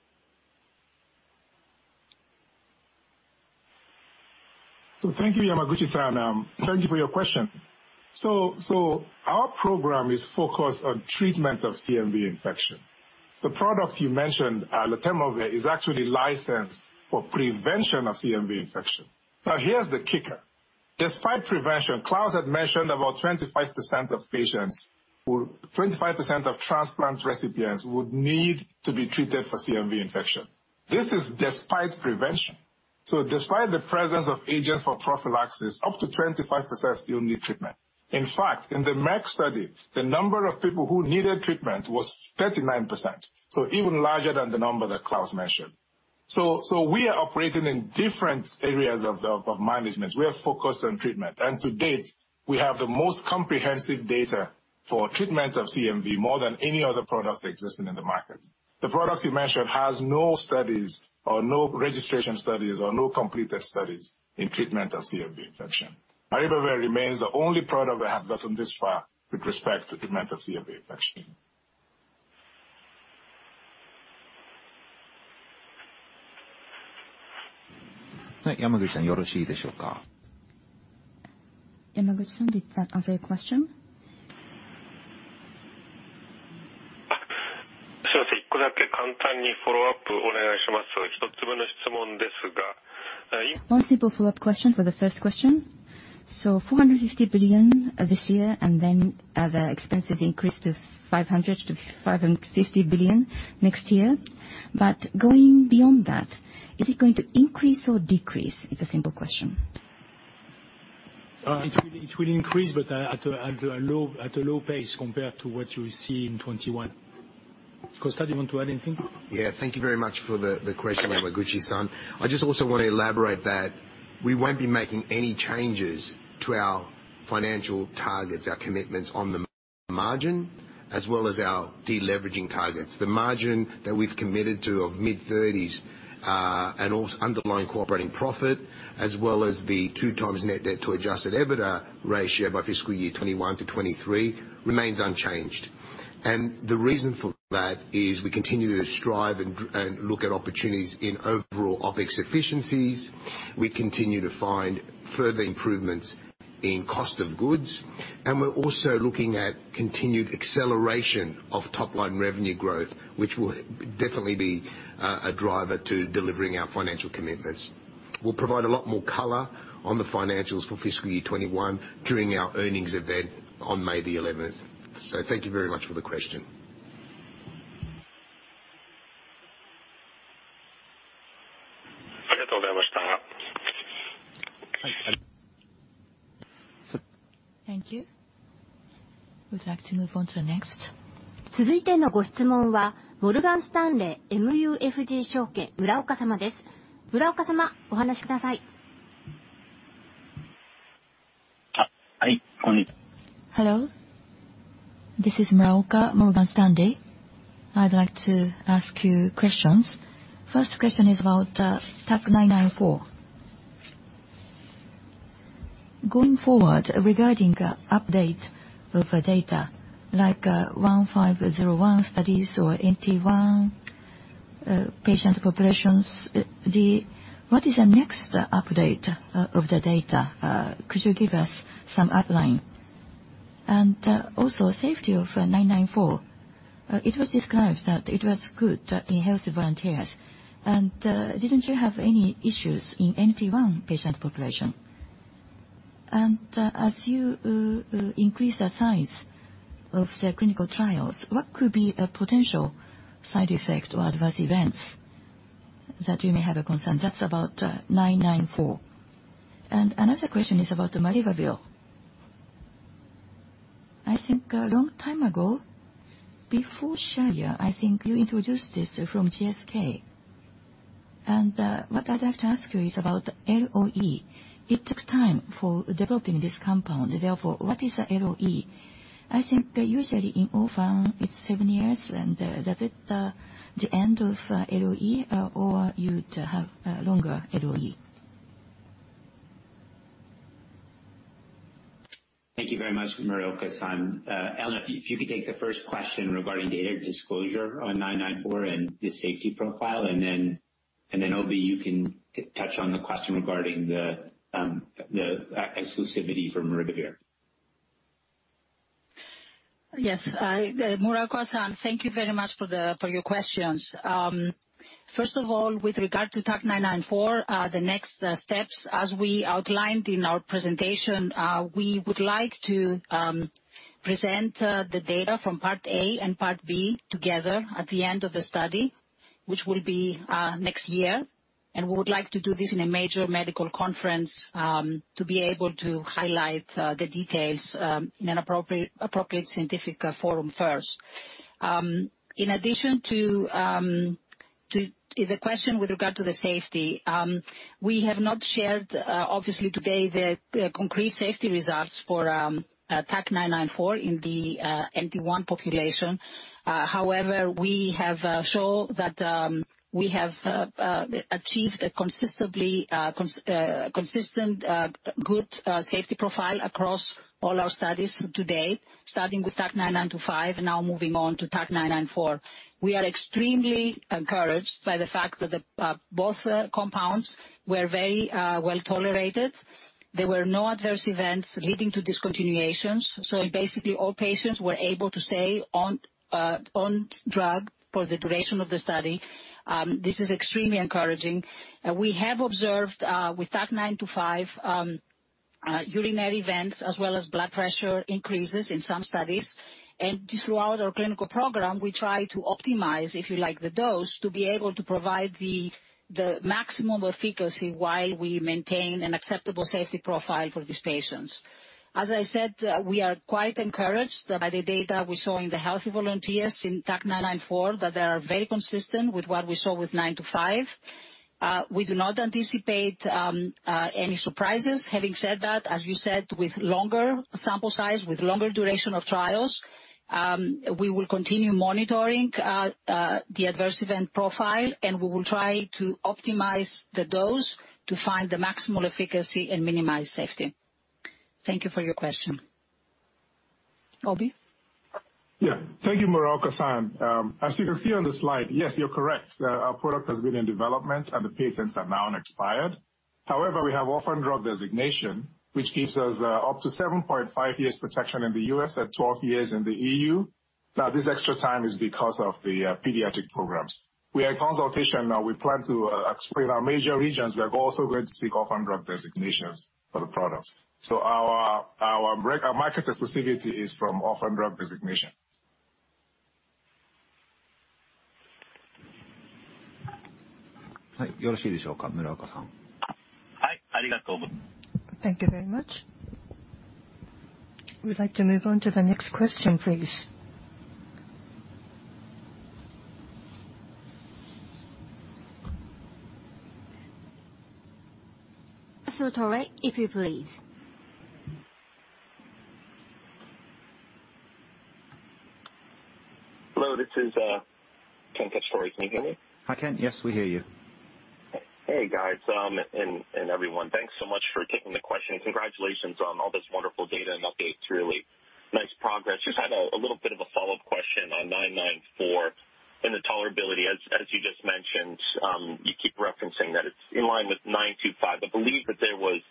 Thank you, Yamaguchi-san. Thank you for your question. Our program is focused on treatment of CMV infection. The product you mentioned, the letermovir, is actually licensed for prevention of CMV infection. Now, here's the kicker. Despite prevention, Klaus had mentioned about 25% of patients, 25% of transplant recipients would need to be treated for CMV infection. This is despite prevention. Despite the presence of agents for prophylaxis, up to 25% still need treatment. In fact, in the Merck study, the number of people who needed treatment was 39%, so even larger than the number that Klaus mentioned. We are operating in different areas of management. We are focused on treatment. And to date, we have the most comprehensive data for treatment of CMV, more than any other product existing in the market. The products you mentioned have no studies or no registration studies or no completed studies in treatment of CMV infection. Maribavir remains the only product that has gotten this far with respect to treatment of CMV infection. はい、山口さん、よろしいでしょうか。Yamaguchi-san, did that answer your question? そうですね。いくだけ簡単にフォローアップお願いします。1つ目の質問ですが。One simple follow-up question for the first question. So 450 billion this year, and then the expenses increased to 500 billion-550 billion next year. But going beyond that, is it going to increase or decrease? It's a simple question. It will increase, but at a low pace compared to what you see in 2021. Costa, do you want to add anything? Yeah, thank you very much for the question, Yamaguchi-san. I just also want to elaborate that we won't be making any changes to our financial targets, our commitments on the margin, as well as our deleveraging targets. The margin that we've committed to of mid-30s and underlying core operating profit, as well as the two times net debt to adjusted EBITDA ratio by fiscal year 2021 to 2023, remains unchanged. And the reason for that is we continue to strive and look at opportunities in overall OpEx efficiencies. We continue to find further improvements in cost of goods. And we're also looking at continued acceleration of top-line revenue growth, which will definitely be a driver to delivering our financial commitments. We'll provide a lot more color on the financials for fiscal year 2021 during our earnings event on May the 11th. So thank you very much for the question. ありがとうございました。Thank you. Thank you. We'd like to move on to the next. 続いてのご質問はモルガンスタンレーMUFG証券、村岡様です。村岡様、お話しください。はい、こんにちは。Hello. This is Muraoka, Morgan Stanley. I'd like to ask you questions. First question is about TAK-994. Going forward, regarding update of data, like 1501 studies or 81 patient populations, what is the next update of the data? Could you give us some outline? And also, safety of 994. It was described that it was good in healthy volunteers. And didn't you have any issues in 81 patient population? And as you increase the size of the clinical trials, what could be a potential side effect or adverse events that you may have a concern? That's about 994. And another question is about maribavir. I think a long time ago, before Shire, I think you introduced this from GSK. And what I'd like to ask you is about LOE. It took time for developing this compound. Therefore, what is the LOE? I think usually in orphan, it's seven years. And is it the end of LOE, or you'd have longer LOE? Thank you very much, Muraoka-san. Elena, if you could take the first question regarding data disclosure on TAK-994 and the safety profile. And then, Obi, you can touch on the question regarding the exclusivity for maribavir. Yes. Muraoka-san, thank you very much for your questions. First of all, with regard to TAK-994, the next steps, as we outlined in our presentation, we would like to present the data from part A and part B together at the end of the study, which will be next year. And we would like to do this in a major medical conference to be able to highlight the details in an appropriate scientific forum first. In addition to the question with regard to the safety, we have not shared, obviously, today the concrete safety results for TAK-994 in the NT1 population. However, we have shown that we have achieved a consistent good safety profile across all our studies to date, starting with TAK-925 and now moving on to TAK-994. We are extremely encouraged by the fact that both compounds were very well tolerated. There were no adverse events leading to discontinuations. So basically, all patients were able to stay on drug for the duration of the study. This is extremely encouraging. We have observed with TAK-925 urinary events, as well as blood pressure increases in some studies, and throughout our clinical program, we try to optimize, if you like, the dose to be able to provide the maximum efficacy while we maintain an acceptable safety profile for these patients. As I said, we are quite encouraged by the data we saw in the healthy volunteers in TAK-994 that they are very consistent with what we saw with TAK-925. We do not anticipate any surprises. Having said that, as you said, with longer sample size, with longer duration of trials, we will continue monitoring the adverse event profile, and we will try to optimize the dose to find the maximum efficacy and minimize safety. Thank you for your question. Obi? Yeah. Thank you, Muraoka-san. As you can see on the slide, yes, you're correct. Our product has been in development, and the patents are now expired. However, we have orphan drug designation, which gives us up to 7.5 years protection in the U.S. and 12 years in the EU. Now, this extra time is because of the pediatric programs. We are in consultation now. We plan to expand our major regions. We are also going to seek orphan drug designations for the products, so our market exclusivity is from orphan drug designation. はい、よろしいでしょうか、村岡さん。はい、ありがとう。Thank you very much. We'd like to move on to the next question, please. Hello, this is Ken Cacciatore. Can you hear me? Hi, Ken. Yes, we hear you. Hey, guys and everyone. Thanks so much for taking the question. Congratulations on all this wonderful data and updates. Really nice progress. Just had a little bit of a follow-up question on 994 and the tolerability. As you just mentioned, you keep referencing that it's in line with 925. I believe that there was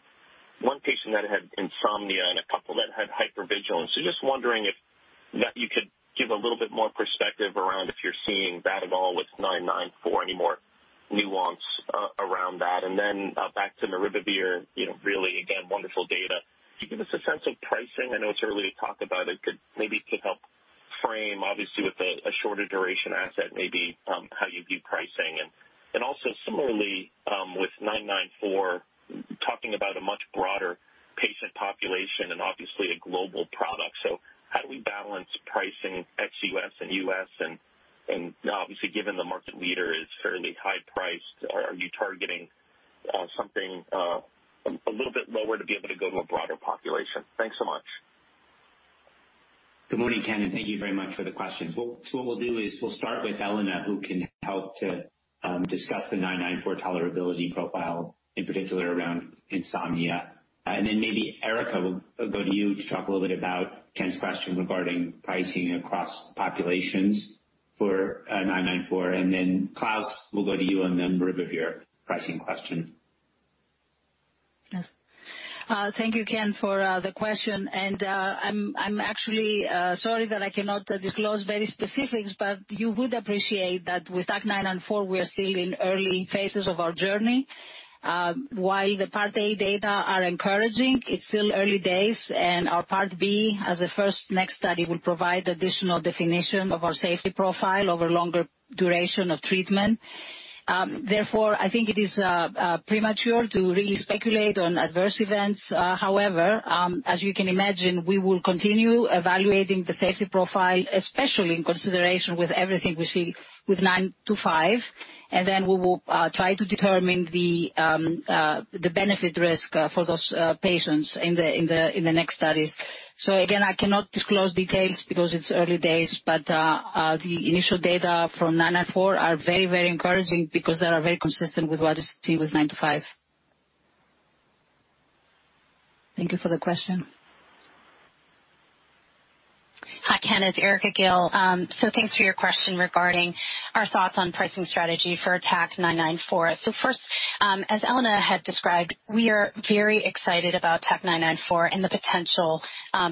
one patient that had insomnia and a couple that had hypervigilance. So just wondering if you could give a little bit more perspective around if you're seeing that at all with 994, any more nuance around that. Back to maribavir, really, again, wonderful data. Could you give us a sense of pricing? I know it's early to talk about it. Maybe it could help frame, obviously, with a shorter duration asset, maybe how you view pricing. And also, similarly, with 994, talking about a much broader patient population and obviously a global product. How do we balance pricing ex-US and US? And obviously, given the market leader is fairly high priced, are you targeting something a little bit lower to be able to go to a broader population? Thanks so much. Good morning, Ken. Thank you very much for the questions. What we'll do is we'll start with Elena, who can help to discuss the 994 tolerability profile, in particular around insomnia. Then maybe Erika, we'll go to you to talk a little bit about Ken's question regarding pricing across populations for 994. And then Klaus, we'll go to you on the maribavir pricing question. Thank you, Ken, for the question. And I'm actually sorry that I cannot disclose very specifics, but you would appreciate that with TAK-994, we are still in early phases of our journey. While the part A data are encouraging, it's still early days. And our part B, as a first next study, will provide additional definition of our safety profile over a longer duration of treatment. Therefore, I think it is premature to really speculate on adverse events. However, as you can imagine, we will continue evaluating the safety profile, especially in consideration with everything we see with 925. And then we will try to determine the benefit risk for those patients in the next studies. Again, I cannot disclose details because it's early days, but the initial data from 994 are very, very encouraging because they are very consistent with what is seen with 925. Thank you for the question. Hi, Ken. It's Erika Gill. So thanks for your question regarding our thoughts on pricing strategy for TAK-994. So first, as Elena had described, we are very excited about TAK-994 and the potential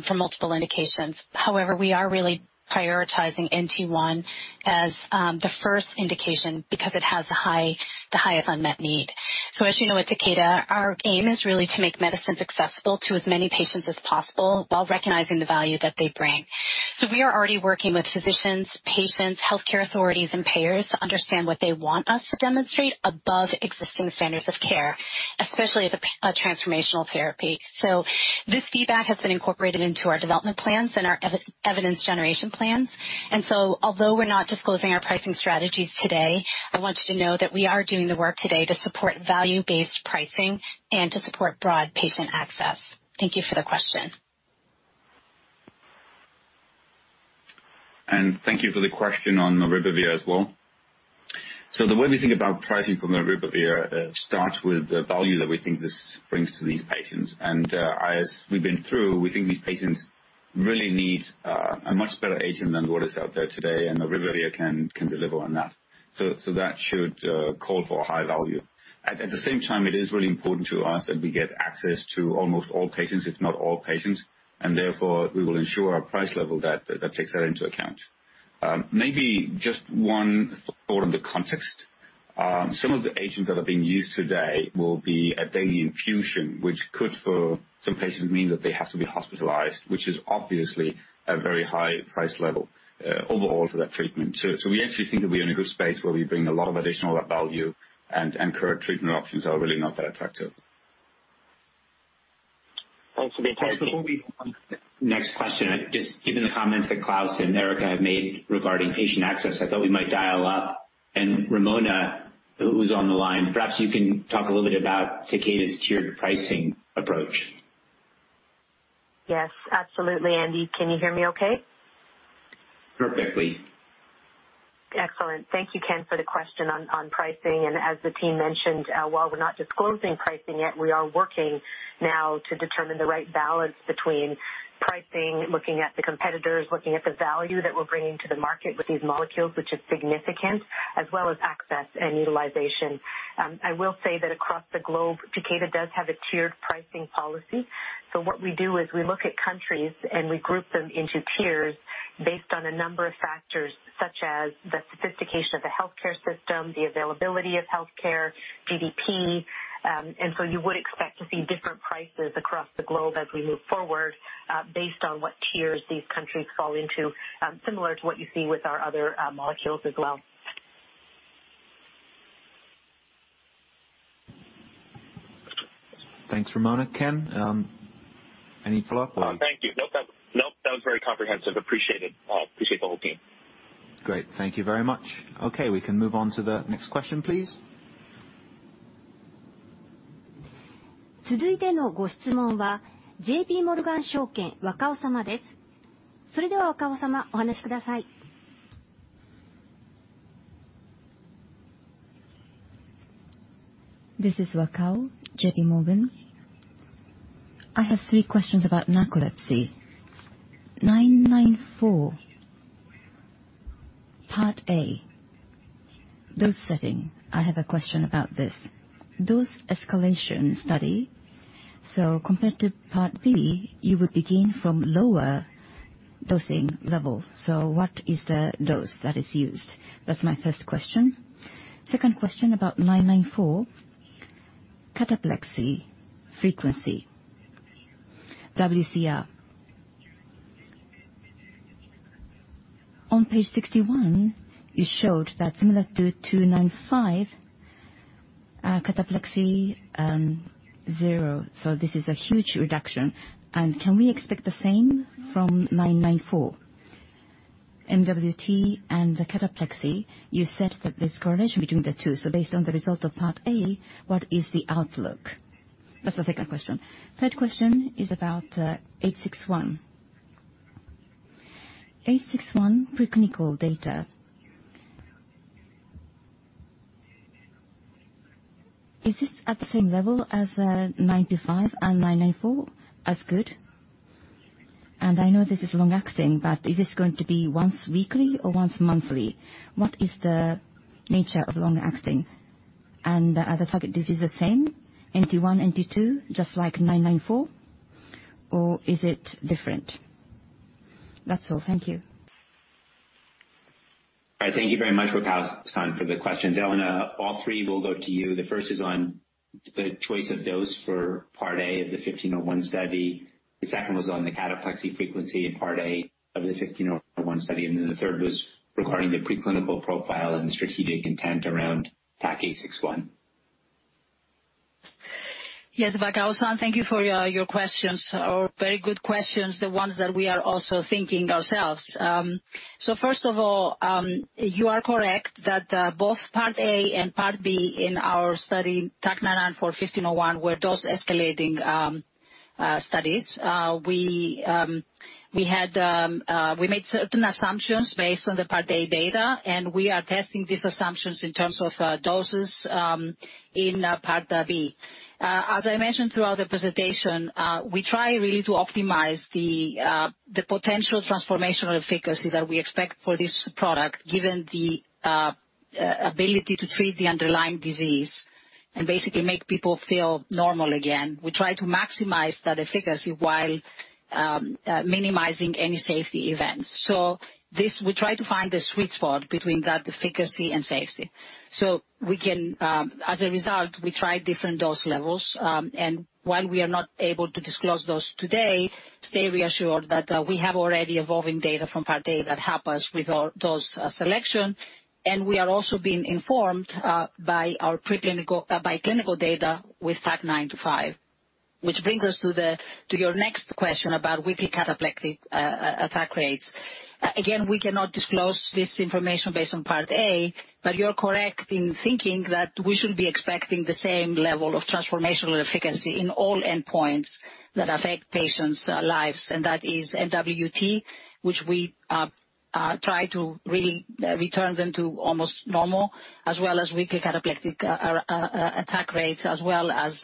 for multiple indications. However, we are really prioritizing NT1 as the first indication because it has the highest unmet need. So as you know, at Takeda, our aim is really to make medicines accessible to as many patients as possible while recognizing the value that they bring. So we are already working with physicians, patients, healthcare authorities, and payers to understand what they want us to demonstrate above existing standards of care, especially as a transformational therapy. So this feedback has been incorporated into our development plans and our evidence generation plans. And so although we're not disclosing our pricing strategies today, I want you to know that we are doing the work today to support value-based pricing and to support broad patient access. Thank you for the question. And thank you for the question on maribavir as well. So the way we think about pricing for maribavir starts with the value that we think this brings to these patients. And as we've been through, we think these patients really need a much better agent than what is out there today, and maribavir can deliver on that. So that should call for a high value. At the same time, it is really important to us that we get access to almost all patients, if not all patients. And therefore, we will ensure a price level that takes that into account. Maybe just one thought on the context. Some of the agents that are being used today will be a daily infusion, which could, for some patients, mean that they have to be hospitalized, which is obviously a very high price level overall for that treatment. So we actually think that we are in a good space where we bring a lot of additional value, and current treatment options are really not that attractive. Thanks for being patient. Before we move on to the next question, just given the comments that Klaus and Erika have made regarding patient access, I thought we might dial up. And Ramona, who's on the line, perhaps you can talk a little bit about Takeda's tiered pricing approach. Yes, absolutely. Andy, can you hear me okay? Perfectly. Excellent. Thank you, Ken, for the question on pricing, and as the team mentioned, while we're not disclosing pricing yet, we are working now to determine the right balance between pricing, looking at the competitors, looking at the value that we're bringing to the market with these molecules, which is significant, as well as access and utilization. I will say that across the globe, Takeda does have a tiered pricing policy. So what we do is we look at countries, and we group them into tiers based on a number of factors, such as the sophistication of the healthcare system, the availability of healthcare, GDP, and so you would expect to see different prices across the globe as we move forward based on what tiers these countries fall into, similar to what you see with our other molecules as well. Thanks, Ramona. Ken, any follow-up? Thank you. Nope. Nope. That was very comprehensive. Appreciate it. Appreciate the whole team. Great. Thank you very much. Okay. We can move on to the next question, please. 続いてのご質問はJPモルガン証券若尾様です。それでは若尾様、お話しください. This is Wakao, JP Morgan. I have three questions about narcolepsy. 994, part A, dose setting. I have a question about this. Dose escalation study. So compared to part B, you would begin from lower dosing level. So what is the dose that is used? That's my first question. Second question about 994, cataplexy frequency, WCR. On page 61, you showed that similar to 295, cataplexy zero. So this is a huge reduction, and can we expect the same from 994, MWT, and the cataplexy? You said that there's correlation between the two. So based on the result of part A, what is the outlook? That's the second question. Third question is about 861. 861, preclinical data. Is this at the same level as 995 and 994? That's good. And I know this is long-acting, but is this going to be once weekly or once monthly? What is the nature of long-acting? And are the target diseases the same, NT1, NT2, just like 994? Or is it different? That's all. Thank you. All right. Thank you very much, Wakao, for the questions. Elena, all three will go to you. The first is on the choice of dose for part A of the 1501 study. The second was on the cataplexy frequency in part A of the 1501 study. And then the third was regarding the preclinical profile and the strategic intent around TAK-861. Yes, Wakao, thank you for your questions. Very good questions, the ones that we are also thinking ourselves. So first of all, you are correct that both part A and part B in our study, TAK-994, 1501, were dose-escalating studies. We made certain assumptions based on the part A data, and we are testing these assumptions in terms of doses in part B. As I mentioned throughout the presentation, we try really to optimize the potential transformational efficacy that we expect for this product, given the ability to treat the underlying disease and basically make people feel normal again. We try to maximize that efficacy while minimizing any safety events. So we try to find the sweet spot between that efficacy and safety. So as a result, we tried different dose levels. And while we are not able to disclose those today, stay reassured that we have already evolving data from part A that help us with those selections. And we are also being informed by clinical data with TAC-925, which brings us to your next question about weekly cataplexy attack rates. Again, we cannot disclose this information based on part A, but you're correct in thinking that we should be expecting the same level of transformational efficacy in all endpoints that affect patients' lives. And that is MWT, which we try to really return them to almost normal, as well as weekly cataplexy attack rates, as well as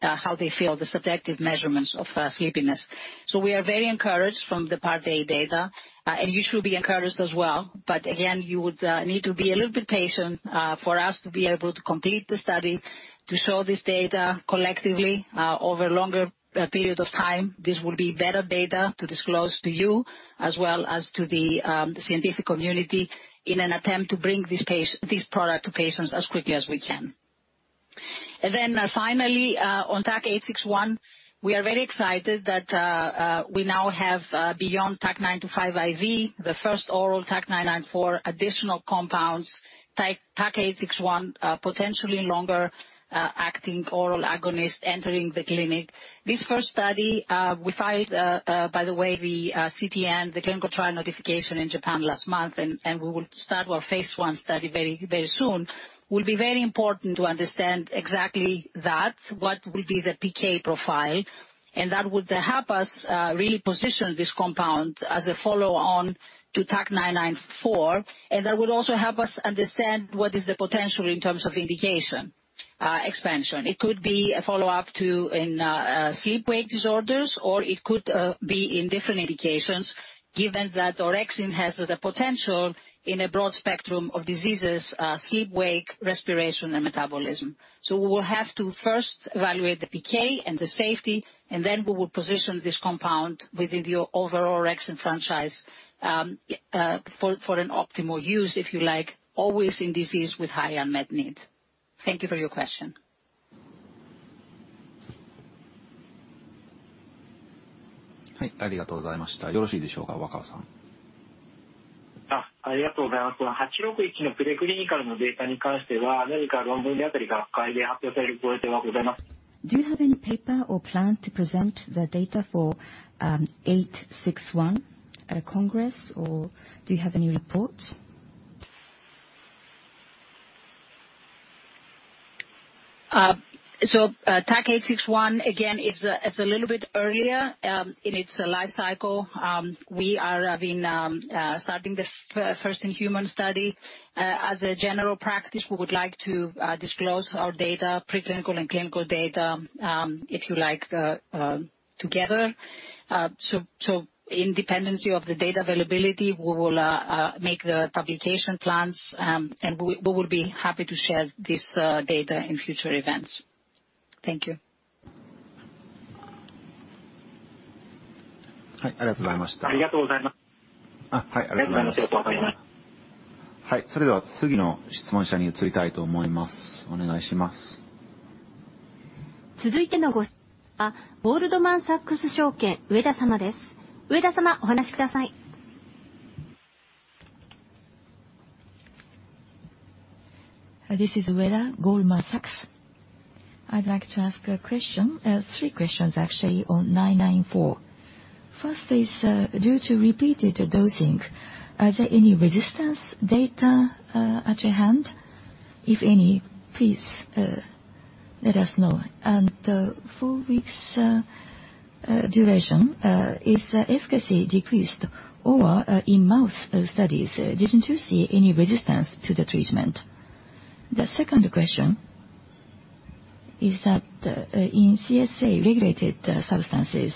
how they feel, the subjective measurements of sleepiness. So we are very encouraged from the part A data. And you should be encouraged as well. But again, you would need to be a little bit patient for us to be able to complete the study to show this data collectively over a longer period of time. This will be better data to disclose to you, as well as to the scientific community in an attempt to bring this product to patients as quickly as we can. And then finally, on TAK-861, we are very excited that we now have, beyond TAK-925 IV, the first oral TAK-994 additional compounds, TAK-861, potentially longer-acting oral agonist entering the clinic. This first study, we filed, by the way, the CTN, the clinical trial notification in Japan last month, and we will start our phase one study very soon. It will be very important to understand exactly that, what will be the PK profile. And that would help us really position this compound as a follow-on to TAK-994. And that would also help us understand what is the potential in terms of indication expansion. It could be a follow-up to sleep-wake disorders, or it could be in different indications, given that orexin has the potential in a broad spectrum of diseases: sleep, wake, respiration, and metabolism. So we will have to first evaluate the PK and the safety, and then we will position this compound within the overall orexin franchise for an optimal use, if you like, always in disease with high unmet need. Thank you for your question. はい、ありがとうございました。よろしいでしょうか、若尾さん。ありがとうございます。861のプレクリニカルのデータに関しては、何か論文であったり学会で発表されるご予定はございますか。Do you have any paper or plan to present the data for 861 at a congress, or do you have any reports? So TAK-861, again, it's a little bit earlier in its life cycle. We are starting the first in-human study. As a general practice, we would like to disclose our data, preclinical and clinical data, if you like, together. Depending on the data availability, we will make the publication plans, and we will be happy to share this data in future events. Thank you. はい、ありがとうございました。ありがとうございます。はい、ありがとうございます。ありがとうございます。はい、それでは次の質問者に移りたいと思います。お願いします。続いてのご質問者はゴールドマンサックス証券、上田様です。上田様、お話しください。This is Ueda, Goldman Sachs. I'd like to ask a question, three questions actually, on 994. First is due to repeated dosing. Are there any resistance data at hand? If any, please let us know. And four weeks' duration, is efficacy decreased or in mouse studies, didn't you see any resistance to the treatment? The second question is that in CSA regulated substances,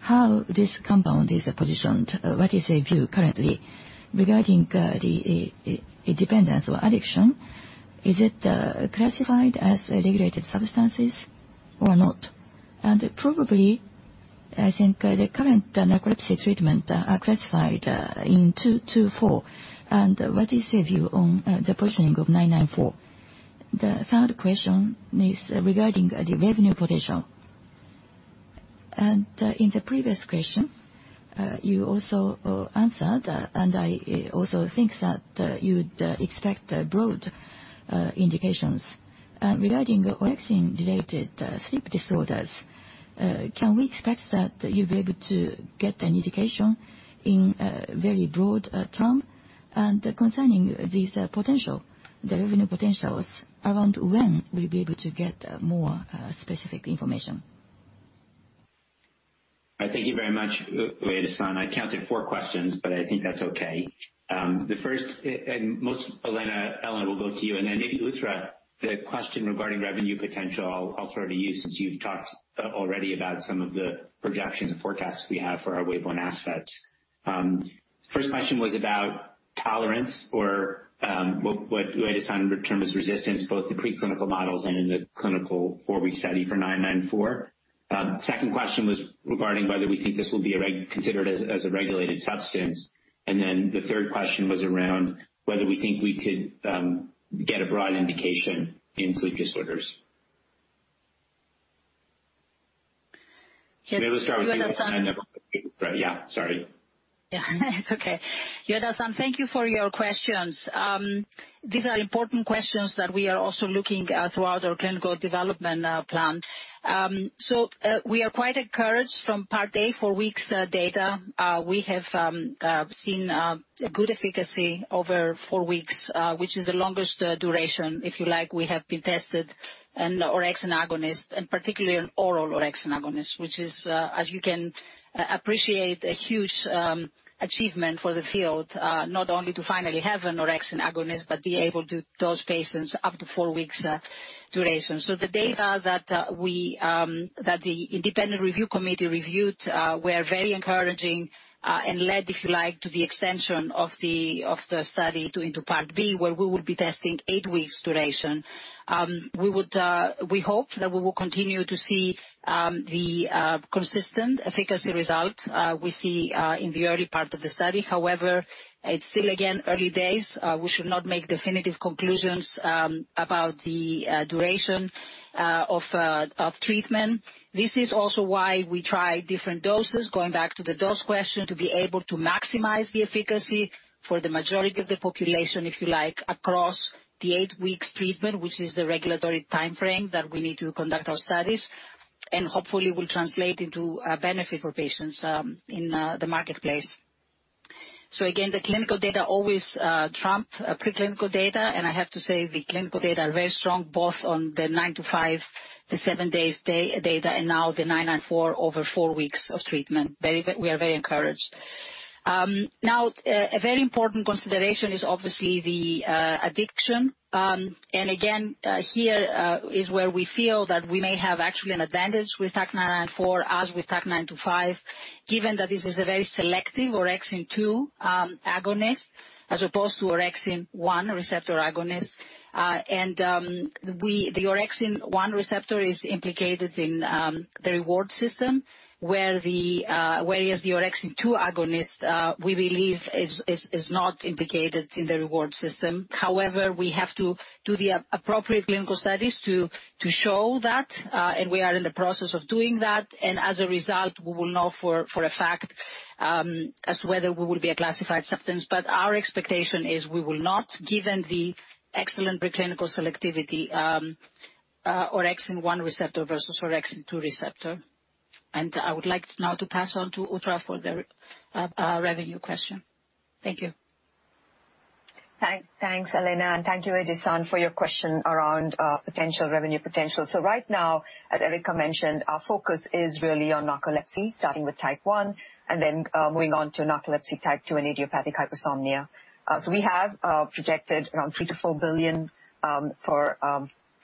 how this compound is positioned? What is your view currently regarding the dependence or addiction? Is it classified as regulated substances or not? And probably, I think the current narcolepsy treatment are classified in 2, 2, 4. And what is your view on the positioning of 994? The third question is regarding the revenue potential. And in the previous question, you also answered, and I also think that you'd expect broad indications. And regarding orexin-related sleep disorders, can we expect that you'll be able to get an indication in a very broad term? And concerning these potential, the revenue potentials, around when will you be able to get more specific information? All right. Thank you very much, Ueda-san. I counted four questions, but I think that's okay. The first, and most, Elena, we'll go to you. And then maybe, Uthra, the question regarding revenue potential, I'll throw to you since you've talked already about some of the projections and forecasts we have for our wave one assets. First question was about tolerance or what Ueda-san terms resistance, both the preclinical models and in the clinical four-week study for 994. Second question was regarding whether we think this will be considered as a regulated substance, and then the third question was around whether we think we could get a broad indication in sleep disorders. Yes, Ueda-san. We may start with Ueda-san. Yeah, sorry. Yeah, it's okay. Ueda-san, thank you for your questions. These are important questions that we are also looking at throughout our clinical development plan, so we are quite encouraged from part A, four-week data. We have seen good efficacy over four weeks, which is the longest duration, if you like, we have been tested in orexin agonist, and particularly in oral orexin agonist, which is, as you can appreciate, a huge achievement for the field, not only to finally have an orexin agonist, but be able to dose patients up to four-week duration. So the data that the independent review committee reviewed were very encouraging and led, if you like, to the extension of the study into part B, where we will be testing eight-week duration. We hope that we will continue to see the consistent efficacy result we see in the early part of the study. However, it's still, again, early days. We should not make definitive conclusions about the duration of treatment. This is also why we try different doses, going back to the dose question, to be able to maximize the efficacy for the majority of the population, if you like, across the eight-week treatment, which is the regulatory timeframe that we need to conduct our studies. And hopefully, we'll translate into a benefit for patients in the marketplace. So again, the clinical data always trump preclinical data. I have to say the clinical data are very strong, both on the 9-5, the seven-day data, and now the TAK-994 over four weeks of treatment. We are very encouraged. Now, a very important consideration is obviously the addiction. Again, here is where we feel that we may have actually an advantage with TAK-994 as with TAK-925, given that this is a very selective orexin-2 agonist as opposed to orexin-1 receptor agonist. And the orexin-1 receptor is implicated in the reward system, whereas the orexin-2 agonist, we believe, is not implicated in the reward system. However, we have to do the appropriate clinical studies to show that, and we are in the process of doing that. As a result, we will know for a fact as to whether we will be a classified substance. Our expectation is we will not, given the excellent preclinical selectivity, orexin-1 receptor versus orexin-2 receptor. I would like now to pass on to Uthra for the revenue question. Thank you. Thanks, Elena. Thank you, Ueda-san, for your question around potential revenue potential. Right now, as Erika mentioned, our focus is really on narcolepsy, starting with type 1, and then moving on to narcolepsy type 2 and idiopathic hypersomnia. We have projected around $3-4 billion for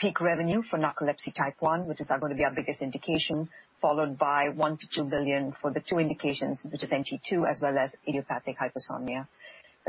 peak revenue for narcolepsy type 1, which is going to be our biggest indication, followed by $1-2 billion for the two indications, which is NT2 as well as idiopathic hypersomnia.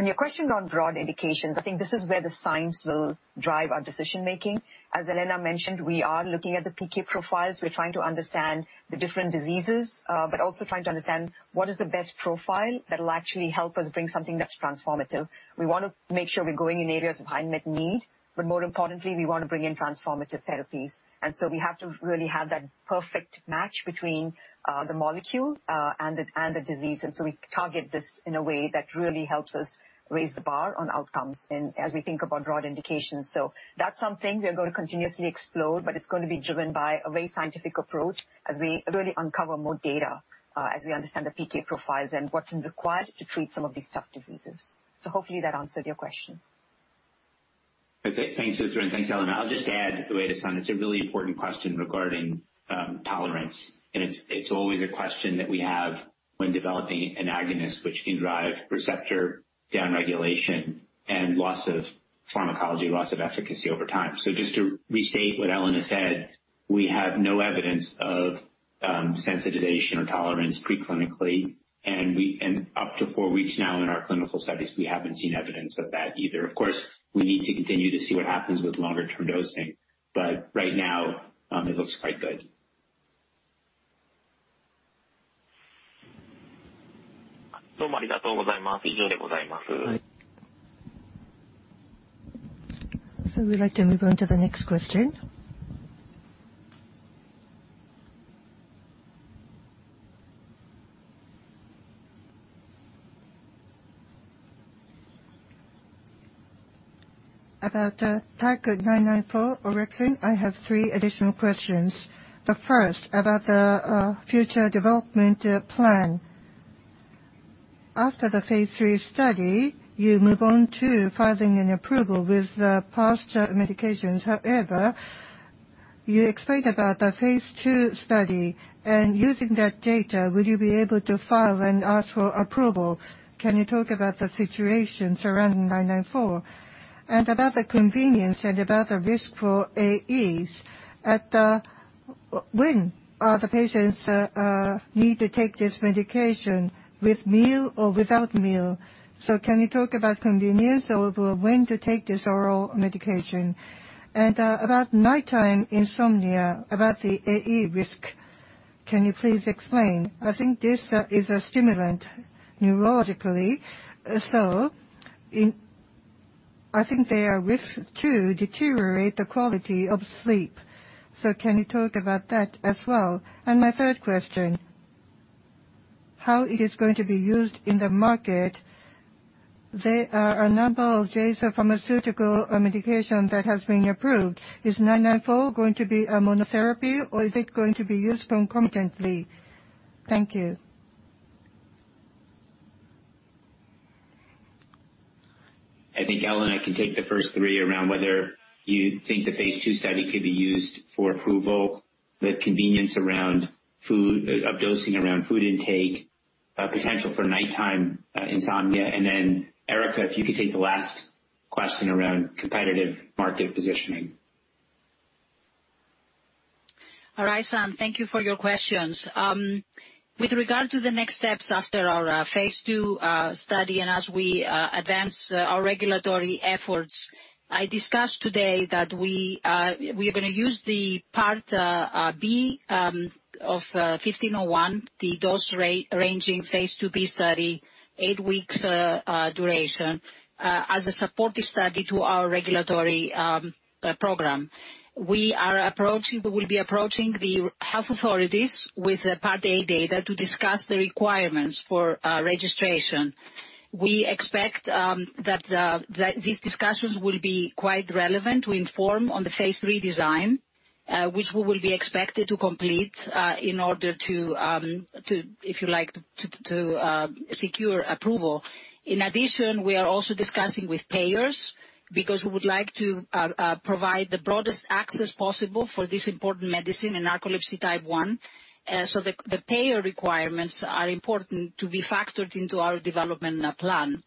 Your question on broad indications, I think this is where the science will drive our decision-making. As Elena mentioned, we are looking at the PK profiles. We're trying to understand the different diseases, but also trying to understand what is the best profile that will actually help us bring something that's transformative. We want to make sure we're going in areas of high unmet need, but more importantly, we want to bring in transformative therapies, and so we have to really have that perfect match between the molecule and the disease, and so we target this in a way that really helps us raise the bar on outcomes as we think about broad indications. That's something we are going to continuously explore, but it's going to be driven by a very scientific approach as we really uncover more data as we understand the PK profiles and what's required to treat some of these tough diseases. Hopefully that answered your question. Thanks, Uthra, and thanks, Elena. I'll just add, Ueda-san, it's a really important question regarding tolerance. And it's always a question that we have when developing an agonist, which can drive receptor downregulation and loss of pharmacology, loss of efficacy over time. So just to restate what Elena said, we have no evidence of sensitization or tolerance preclinically. And up to four weeks now in our clinical studies, we haven't seen evidence of that either. Of course, we need to continue to see what happens with longer-term dosing. But right now, it looks quite good. どうもありがとうございます。以上でございます。So we'd like to move on to the next question. About TAK-994 orexin, I have three additional questions. The first, about the future development plan. After the phase three study, you move on to filing an approval with past medications. However, you explained about the phase two study. And using that data, would you be able to file and ask for approval? Can you talk about the situation surrounding 994? And about the convenience and about the risk for AEs, when do the patients need to take this medication with meal or without meal? So can you talk about convenience or when to take this oral medication? And about nighttime insomnia, about the AE risk, can you please explain? I think this is a stimulant neurologically. So I think there are risks to deteriorate the quality of sleep. So can you talk about that as well? And my third question, how is it going to be used in the market? There are a number of Jazz pharmaceutical medications that have been approved. Is 994 going to be a monotherapy, or is it going to be used concomitantly? Thank you. I think, Elena, I can take the first three around whether you think the phase two study could be used for approval, the convenience of dosing around food intake, potential for nighttime insomnia, and then, Erika, if you could take the last question around competitive market positioning. All right, Sam. Thank you for your questions. With regard to the next steps after our phase two study and as we advance our regulatory efforts, I discussed today that we are going to use the part B of 1501, the dose ranging phase two B study, eight-week duration, as a supportive study to our regulatory program. We will be approaching the health authorities with the part A data to discuss the requirements for registration. We expect that these discussions will be quite relevant to inform on the phase three design, which we will be expected to complete in order to, if you like, secure approval. In addition, we are also discussing with payers because we would like to provide the broadest access possible for this important medicine in narcolepsy type 1. So the payer requirements are important to be factored into our development plan.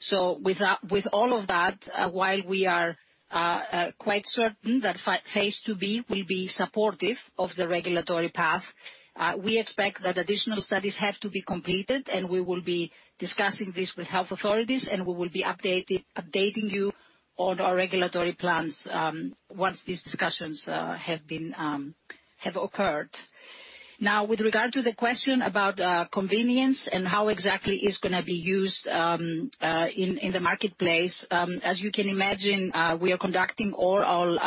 So with all of that, while we are quite certain that phase two B will be supportive of the regulatory path, we expect that additional studies have to be completed, and we will be discussing this with health authorities, and we will be updating you on our regulatory plans once these discussions have occurred. Now, with regard to the question about convenience and how exactly it's going to be used in the marketplace, as you can imagine, we are conducting oral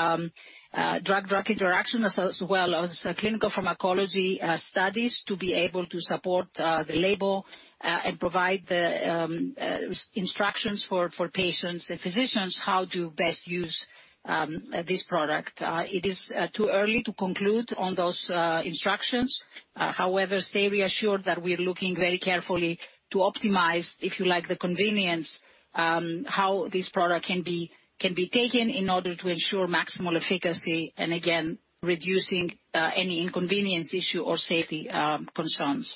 drug-drug interaction as well as clinical pharmacology studies to be able to support the label and provide the instructions for patients and physicians how to best use this product. It is too early to conclude on those instructions. However, stay reassured that we are looking very carefully to optimize, if you like, the convenience how this product can be taken in order to ensure maximal efficacy and, again, reducing any inconvenience issue or safety concerns.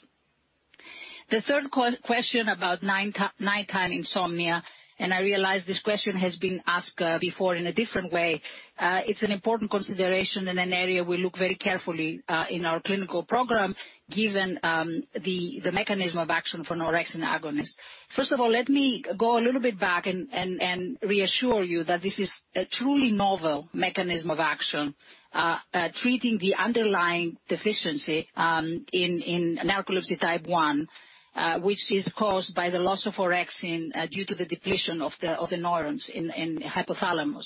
The third question about nighttime insomnia, and I realize this question has been asked before in a different way, it's an important consideration and an area we look very carefully in our clinical program given the mechanism of action for orexin agonist. First of all, let me go a little bit back and reassure you that this is a truly novel mechanism of action treating the underlying deficiency in narcolepsy type 1, which is caused by the loss of orexin due to the depletion of the neurons in hypothalamus.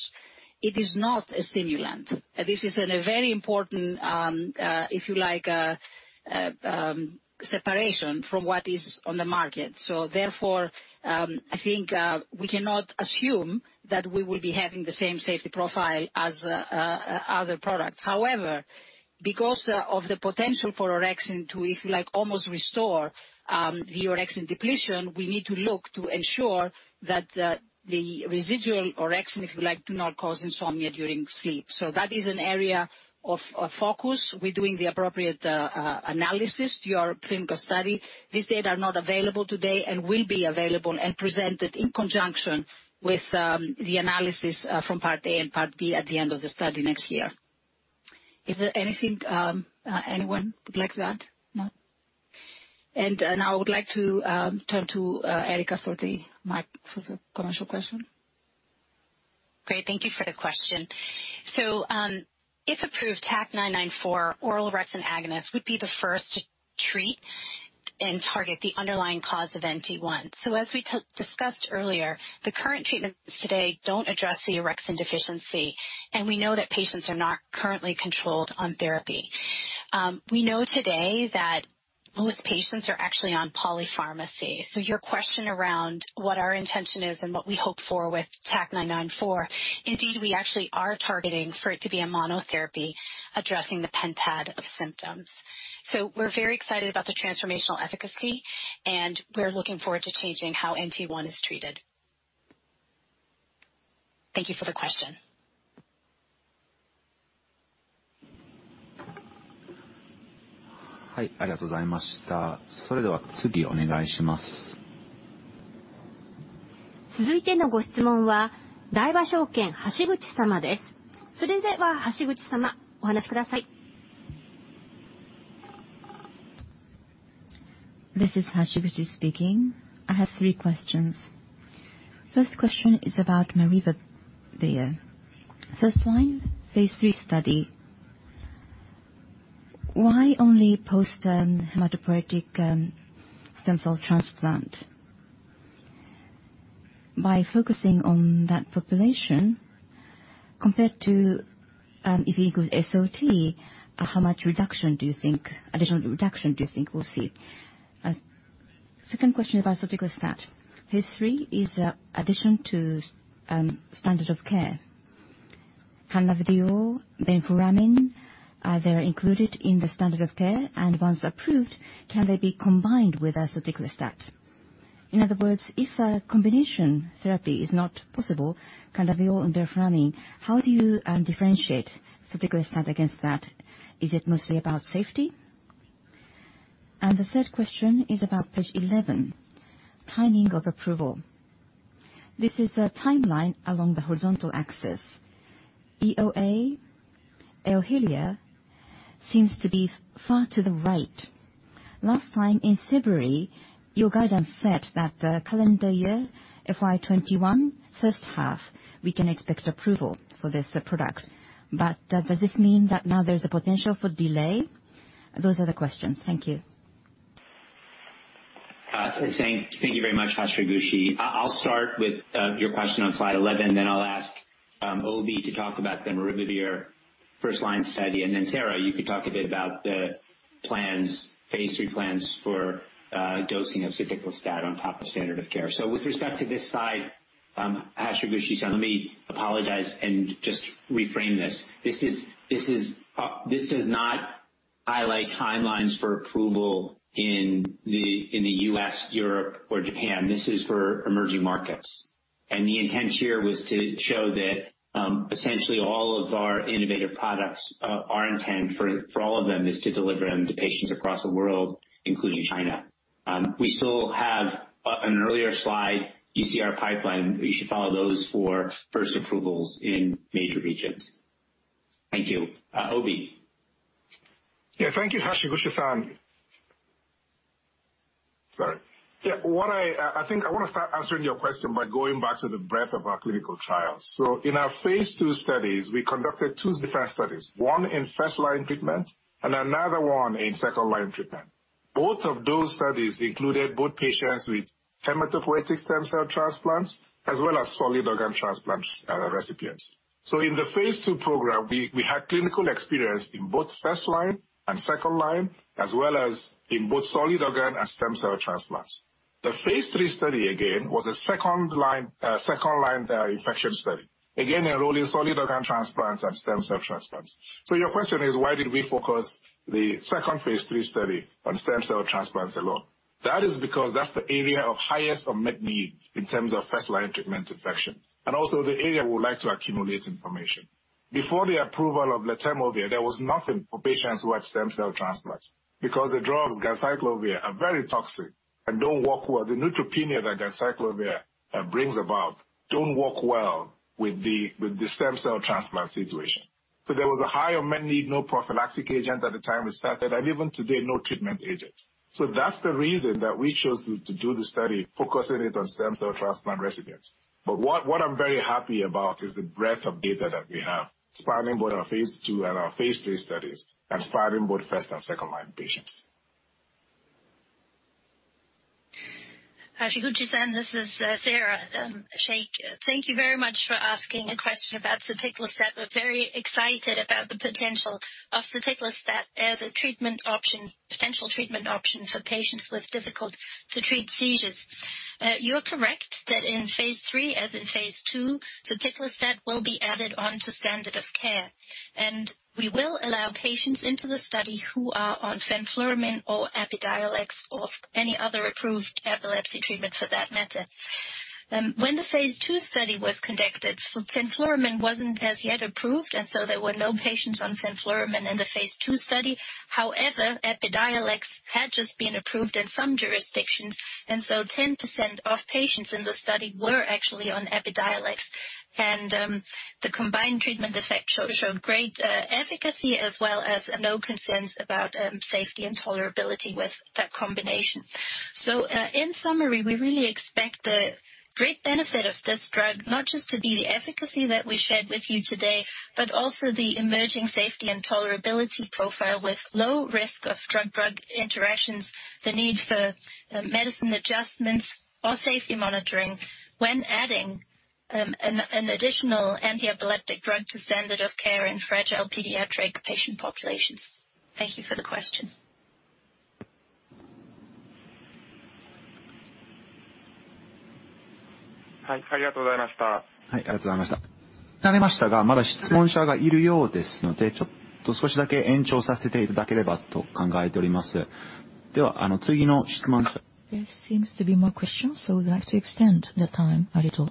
It is not a stimulant. This is a very important, if you like, separation from what is on the market. So therefore, I think we cannot assume that we will be having the same safety profile as other products. However, because of the potential for orexin to, if you like, almost restore the orexin depletion, we need to look to ensure that the residual orexin, if you like, do not cause insomnia during sleep. So that is an area of focus. We're doing the appropriate analysis to your clinical study. These data are not available today and will be available and presented in conjunction with the analysis from part A and part B at the end of the study next year. Is there anything anyone would like to add? No? And now I would like to turn to Erika for the commercial question. Great. Thank you for the question. So if approved, TAK-994 oral orexin agonist would be the first to treat and target the underlying cause of NT1. So as we discussed earlier, the current treatments today don't address the orexin deficiency, and we know that patients are not currently controlled on therapy. We know today that most patients are actually on polypharmacy. So your question around what our intention is and what we hope for with TAK-994, indeed, we actually are targeting for it to be a monotherapy addressing the pentad of symptoms. So we're very excited about the transformational efficacy, and we're looking forward to changing how NT1 is treated. Thank you for the question. はい、ありがとうございました。それでは次お願いします。続いてのご質問は大和証券橋口様です。それでは橋口様、お話しください。This is Hashiguchi speaking. I have three questions. First question is about Maribavir. First line, phase 3 study. Why only post-hematopoietic stem cell transplant? By focusing on that population compared to, if you go SOT, how much reduction do you think, additional reduction do you think we'll see? Second question about surgical stat. Phase 3 is addition to standard of care. cannabidiol, fenfluramine are they included in the standard of care? And once approved, can they be combined with surgical stat? In other words, if a combination therapy is not possible, cannabidiol and fenfluramine, how do you differentiate surgical stat against that? Is it mostly about safety? And the third question is about page 11, timing of approval. This is a timeline along the horizontal axis. EoE, Eohilia seems to be far to the right. Last time in February, your guidance said that calendar year FY21 first half, we can expect approval for this product. But does this mean that now there's a potential for delay? Those are the questions. Thank you. Thank you very much, Hashiguchi. I'll start with your question on slide 11, then I'll ask Obi to talk about the river first line study. And then Sarah, you could talk a bit about the plans, phase three plans for dosing of surgical stat on top of standard of care. So with respect to this side, Hashiguchi, so let me apologize and just reframe this. This does not highlight timelines for approval in the U.S., Europe, or Japan. This is for emerging markets. And the intent here was to show that essentially all of our innovative products, our intent for all of them is to deliver them to patients across the world, including China. We still have an earlier slide. You see our pipeline. You should follow those for first approvals in major regions. Thank you. Obi. Yeah, thank you, Hashiguchi-san. Sorry. Yeah, I think I want to start answering your question by going back to the breadth of our clinical trials. So in our phase two studies, we conducted two different studies. One in first line treatment and another one in second line treatment. Both of those studies included both patients with hematopoietic stem cell transplants as well as solid organ transplant recipients. So in the phase two program, we had clinical experience in both first line and second line, as well as in both solid organ and stem cell transplants. The phase three study, again, was a second line infection study, again, enrolling solid organ transplants and stem cell transplants, so your question is, why did we focus the second phase three study on stem cell transplants alone? That is because that's the area of highest unmet need in terms of first line treatment infection, and also the area we would like to accumulate information. Before the approval of Letermovir, there was nothing for patients who had stem cell transplants because the drugs ganciclovir are very toxic and don't work well. The neutropenia that ganciclovir brings about don't work well with the stem cell transplant situation, so there was a higher unmet need, no prophylactic agent at the time we started, and even today, no treatment agents, so that's the reason that we chose to do the study focusing it on stem cell transplant recipients. But what I'm very happy about is the breadth of data that we have spanning both our phase two and our phase three studies and spanning both first and second line patients. Hashiguchi-san, this is Sarah Sheikh. Thank you very much for asking a question about soticlestat. We're very excited about the potential of soticlestat as a treatment option, potential treatment option for patients with difficult-to-treat seizures. You're correct that in phase three, as in phase two, soticlestat will be added on to standard of care, and we will allow patients into the study who are on fenfluramine or Epidiolex or any other approved epilepsy treatment for that matter. When the phase two study was conducted, fenfluramine wasn't as yet approved, and so there were no patients on fenfluramine in the phase two study. However, Epidiolex had just been approved in some jurisdictions, and so 10% of patients in the study were actually on Epidiolex. And the combined treatment effect showed great efficacy as well as no concerns about safety and tolerability with that combination. So in summary, we really expect the great benefit of this drug, not just to be the efficacy that we shared with you today, but also the emerging safety and tolerability profile with low risk of drug-drug interactions, the need for medicine adjustments, or safety monitoring when adding an additional anti-epileptic drug to standard of care in fragile pediatric patient populations. Thank you for the question. はい、ありがとうございました。はい、ありがとうございました。なりましたが、まだ質問者がいるようですので、ちょっと少しだけ延長させていただければと考えております。では、次の質問者。Yes, seems to be more questions, so we'd like to extend the time a little.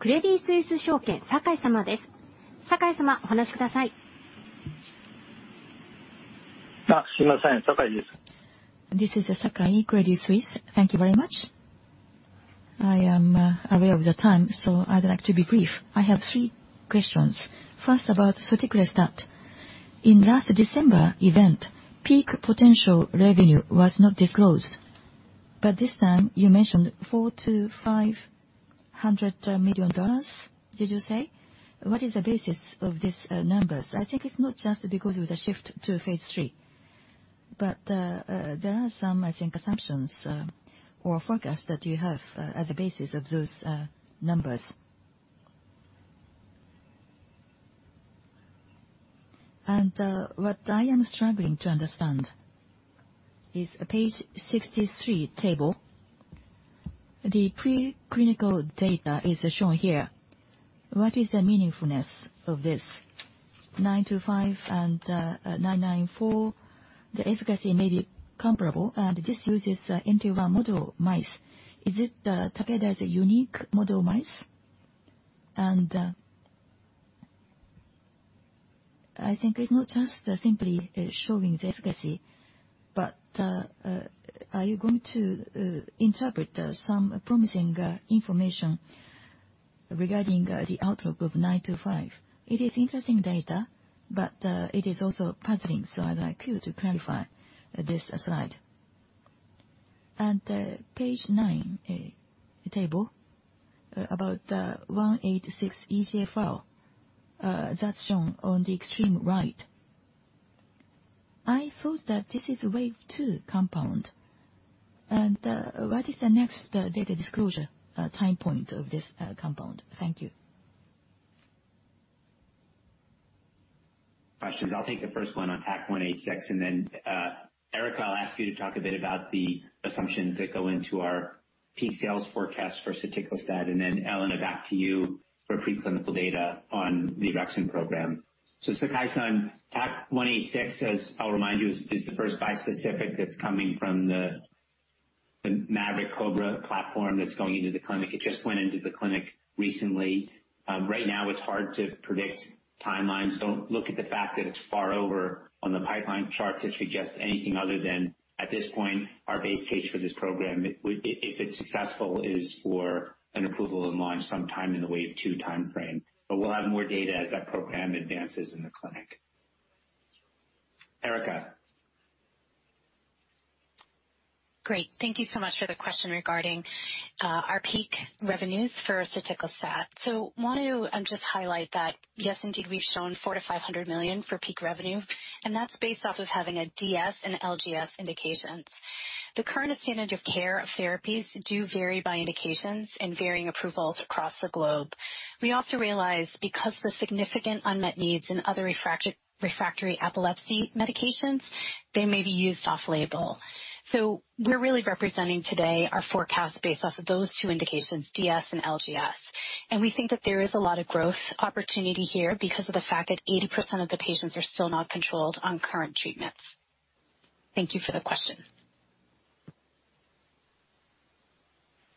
クレディスイス証券、酒井様です。酒井様、お話しください。すいません、酒井です。This is Sakai in Credit Suisse. Thank you very much. I am aware of the time, so I'd like to be brief. I have three questions. First, about Soticlestat. In last December event, peak potential revenue was not disclosed, but this time you mentioned $400 million-$500 million, did you say? What is the basis of these numbers? I think it's not just because of the shift to phase three, but there are some, I think, assumptions or focus that you have as a basis of those numbers. And what I am struggling to understand is page 63 table. The preclinical data is shown here. What is the meaningfulness of this? 995 and 994, the efficacy may be comparable, and this uses NT1 model mice. Is it Takeda's unique model mice? And I think it's not just simply showing the efficacy, but are you going to interpret some promising information regarding the outlook of 995? It is interesting data, but it is also puzzling, so I'd like you to clarify this slide and page nine table about TAK-186 that's shown on the extreme right. I thought that this is wave two compound, and what is the next data disclosure time point of this compound? Thank you. Questions. I'll take the first one on TAK-186, and then Erika, I'll ask you to talk a bit about the assumptions that go into our peak sales forecast for suticular stat, and then Elena, back to you for preclinical data on the Orexin program, so Sakai-san, TAK-186, as I'll remind you, is the first bispecific that's coming from the Maverick Cobra platform that's going into the clinic. It just went into the clinic recently. Right now, it's hard to predict timelines. Don't look at the fact that it's far over on the pipeline chart to suggest anything other than at this point, our base case for this program, if it's successful, is for an approval and launch sometime in the wave two timeframe. But we'll have more data as that program advances in the clinic. Erika. Great. Thank you so much for the question regarding our peak revenues for soticlestat. So I want to just highlight that, yes, indeed, we've shown $400-$500 million for peak revenue, and that's based off of having a DS and LGS indications. The current standard of care of therapies do vary by indications and varying approvals across the globe. We also realize because of the significant unmet needs in other refractory epilepsy medications, they may be used off-label. We're really representing today our forecast based off of those two indications, DS and LGS. We think that there is a lot of growth opportunity here because of the fact that 80% of the patients are still not controlled on current treatments. Thank you for the question.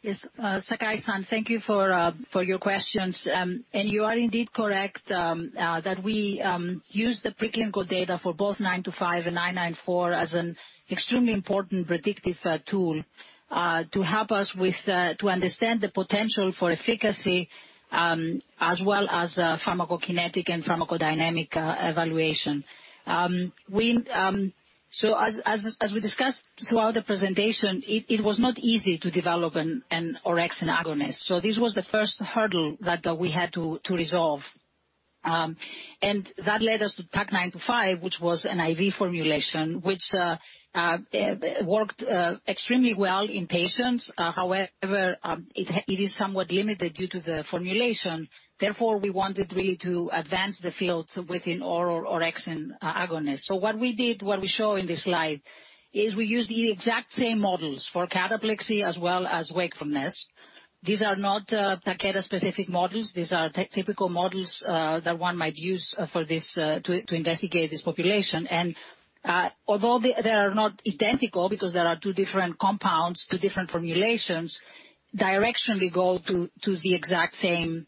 Yes, Sakai-san, thank you for your questions. You are indeed correct that we use the preclinical data for both TAK-925 and TAK-994 as an extremely important predictive tool to help us to understand the potential for efficacy as well as pharmacokinetic and pharmacodynamic evaluation. As we discussed throughout the presentation, it was not easy to develop an orexin agonist. This was the first hurdle that we had to resolve. That led us to TAK-925, which was an IV formulation, which worked extremely well in patients. However, it is somewhat limited due to the formulation. Therefore, we wanted really to advance the field within oral orexin agonist, so what we did, what we show in this slide is we used the exact same models for cataplexy as well as wakefulness. These are not Takeda-specific models. These are typical models that one might use for this to investigate this population, and although they are not identical because there are two different compounds, two different formulations, directionally go to the exact same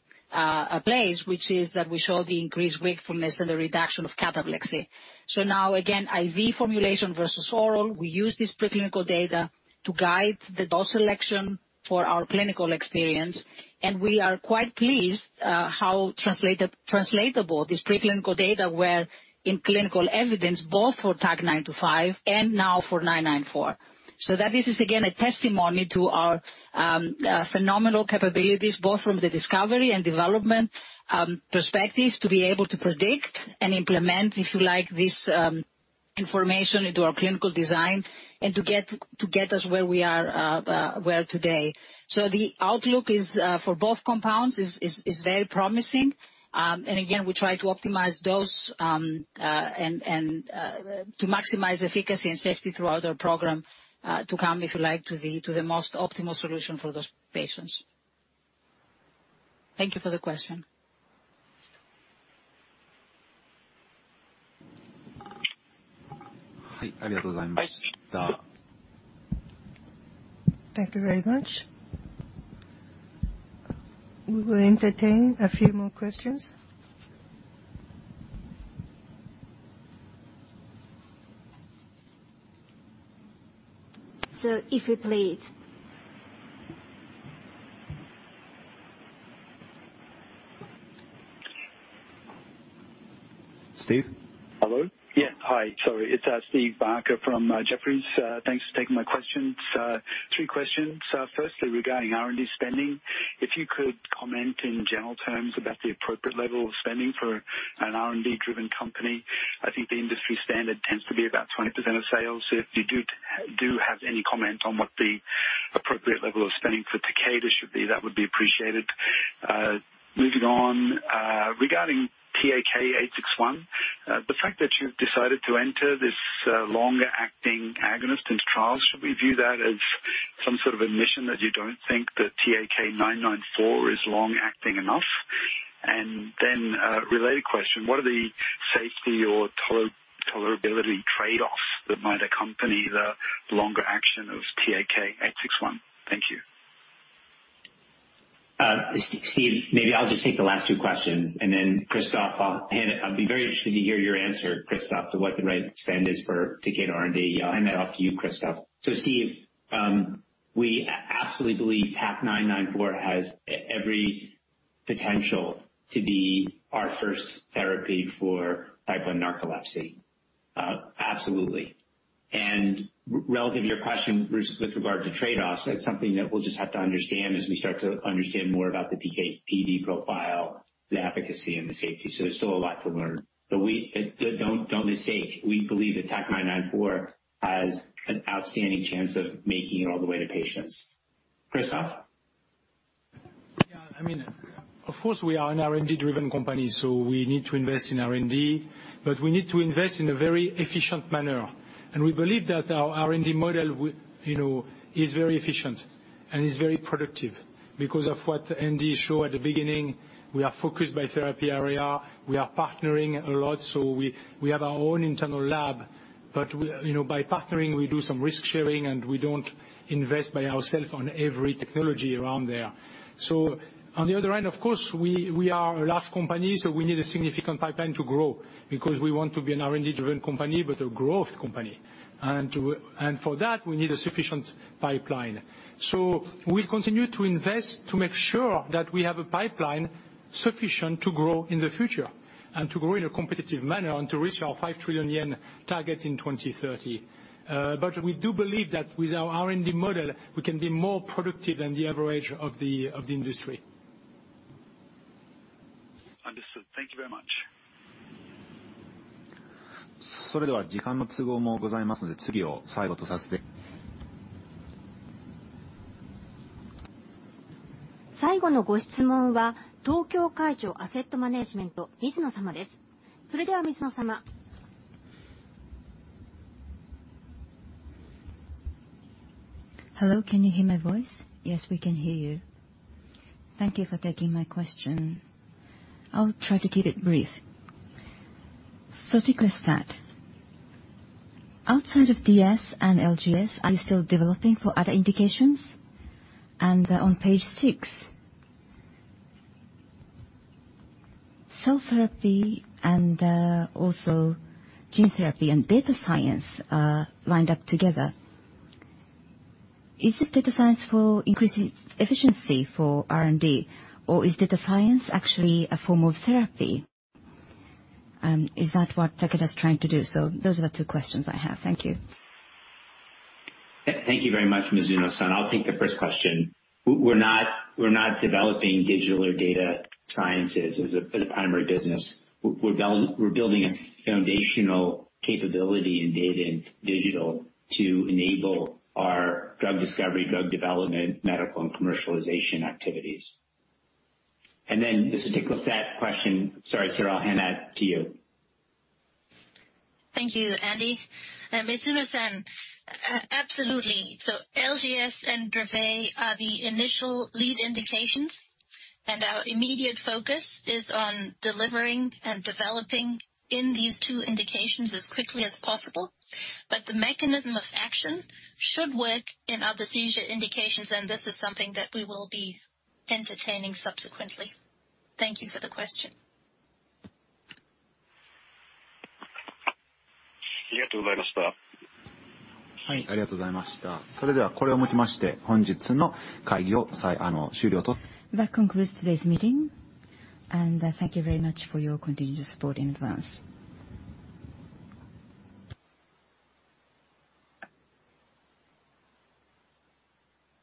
place, which is that we show the increased wakefulness and the reduction of cataplexy, so now, again, IV formulation versus oral, we use this preclinical data to guide the dose selection for our clinical experience, and we are quite pleased how translatable this preclinical data were in clinical evidence both for TAK-925 and now for 994. So that this is, again, a testimony to our phenomenal capabilities both from the discovery and development perspective to be able to predict and implement, if you like, this information into our clinical design and to get us where we are today. So the outlook for both compounds is very promising. And again, we try to optimize dose and to maximize efficacy and safety throughout our program to come, if you like, to the most optimal solution for those patients. Thank you for the question. Thank you very much. We will entertain a few more questions. So if you please. Steve? Hello? Yeah, hi. Sorry. It's Steve Barker from Jefferies. Thanks for taking my questions. Three questions. Firstly, regarding R&D spending, if you could comment in general terms about the appropriate level of spending for an R&D-driven company. I think the industry standard tends to be about 20% of sales. So if you do have any comment on what the appropriate level of spending for Takeda should be, that would be appreciated. Moving on. Regarding TAK861, the fact that you've decided to enter this longer-acting agonist into trials, should we view that as some sort of admission that you don't think that TAK994 is long-acting enough? And then related question, what are the safety or tolerability trade-offs that might accompany the longer action of TAK861? Thank you. Steve, maybe I'll just take the last two questions. And then, Christophe, I'll be very interested to hear your answer, Christophe, to what the right spend is for Takeda R&D. I'll hand that off to you, Christophe. So Steve, we absolutely believe TAK994 has every potential to be our first therapy for type 1 narcolepsy. Absolutely. And relative to your question with regard to trade-offs, that's something that we'll just have to understand as we start to understand more about the PD profile, the efficacy, and the safety. So there's still a lot to learn. But don't mistake, we believe that TAC994 has an outstanding chance of making it all the way to patients. Christophe? Yeah, I mean, of course, we are an R&D-driven company, so we need to invest in R&D, but we need to invest in a very efficient manner. And we believe that our R&D model is very efficient and is very productive because of what Andy showed at the beginning. We are focused by therapy area. We are partnering a lot, so we have our own internal lab. But by partnering, we do some risk sharing, and we don't invest by ourselves on every technology around there. So on the other hand, of course, we are a large company, so we need a significant pipeline to grow because we want to be an R&D-driven company, but a growth company. And for that, we need a sufficient pipeline. So we'll continue to invest to make sure that we have a pipeline sufficient to grow in the future and to grow in a competitive manner and to reach our ¥5 trillion target in 2030. But we do believe that with our R&D model, we can be more productive than the average of the industry. Understood. Thank you very much. それでは時間の都合もございますので、次を最後とさせて。最後のご質問は東京海上アセットマネージメント、水野様です。それでは水野様。Hello, can you hear my voice? Yes, we can hear you. Thank you for taking my question. I'll try to keep it brief. Soticlestat. Outside of DS and LGS, are you still developing for other indications? On page six, cell therapy and also gene therapy and data science are lined up together. Is this data science for increasing efficiency for R&D, or is data science actually a form of therapy? Is that what Takeda is trying to do? Those are the two questions I have. Thank you. Thank you very much, Mizuno-san. I'll take the first question. We're not developing digital or data sciences as a primary business. We're building a foundational capability in data and digital to enable our drug discovery, drug development, medical, and commercialization activities. Then the particular second question, sorry, Sarah, I'll hand that to you. Thank you, Andy. Mizuno-san, absolutely. LGS and Dravet are the initial lead indications, and our immediate focus is on delivering and developing in these two indications as quickly as possible. But the mechanism of action should work in other seizure indications, and this is something that we will be entertaining subsequently. Thank you for the question. ありがとうございました。はい、ありがとうございました。それではこれをもちまして本日の会議を終了。That concludes today's meeting, and thank you very much for your continued support in advance.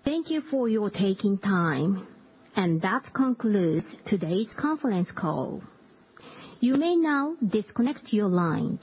Thank you for your taking time, and that concludes today's conference call. You may now disconnect your line.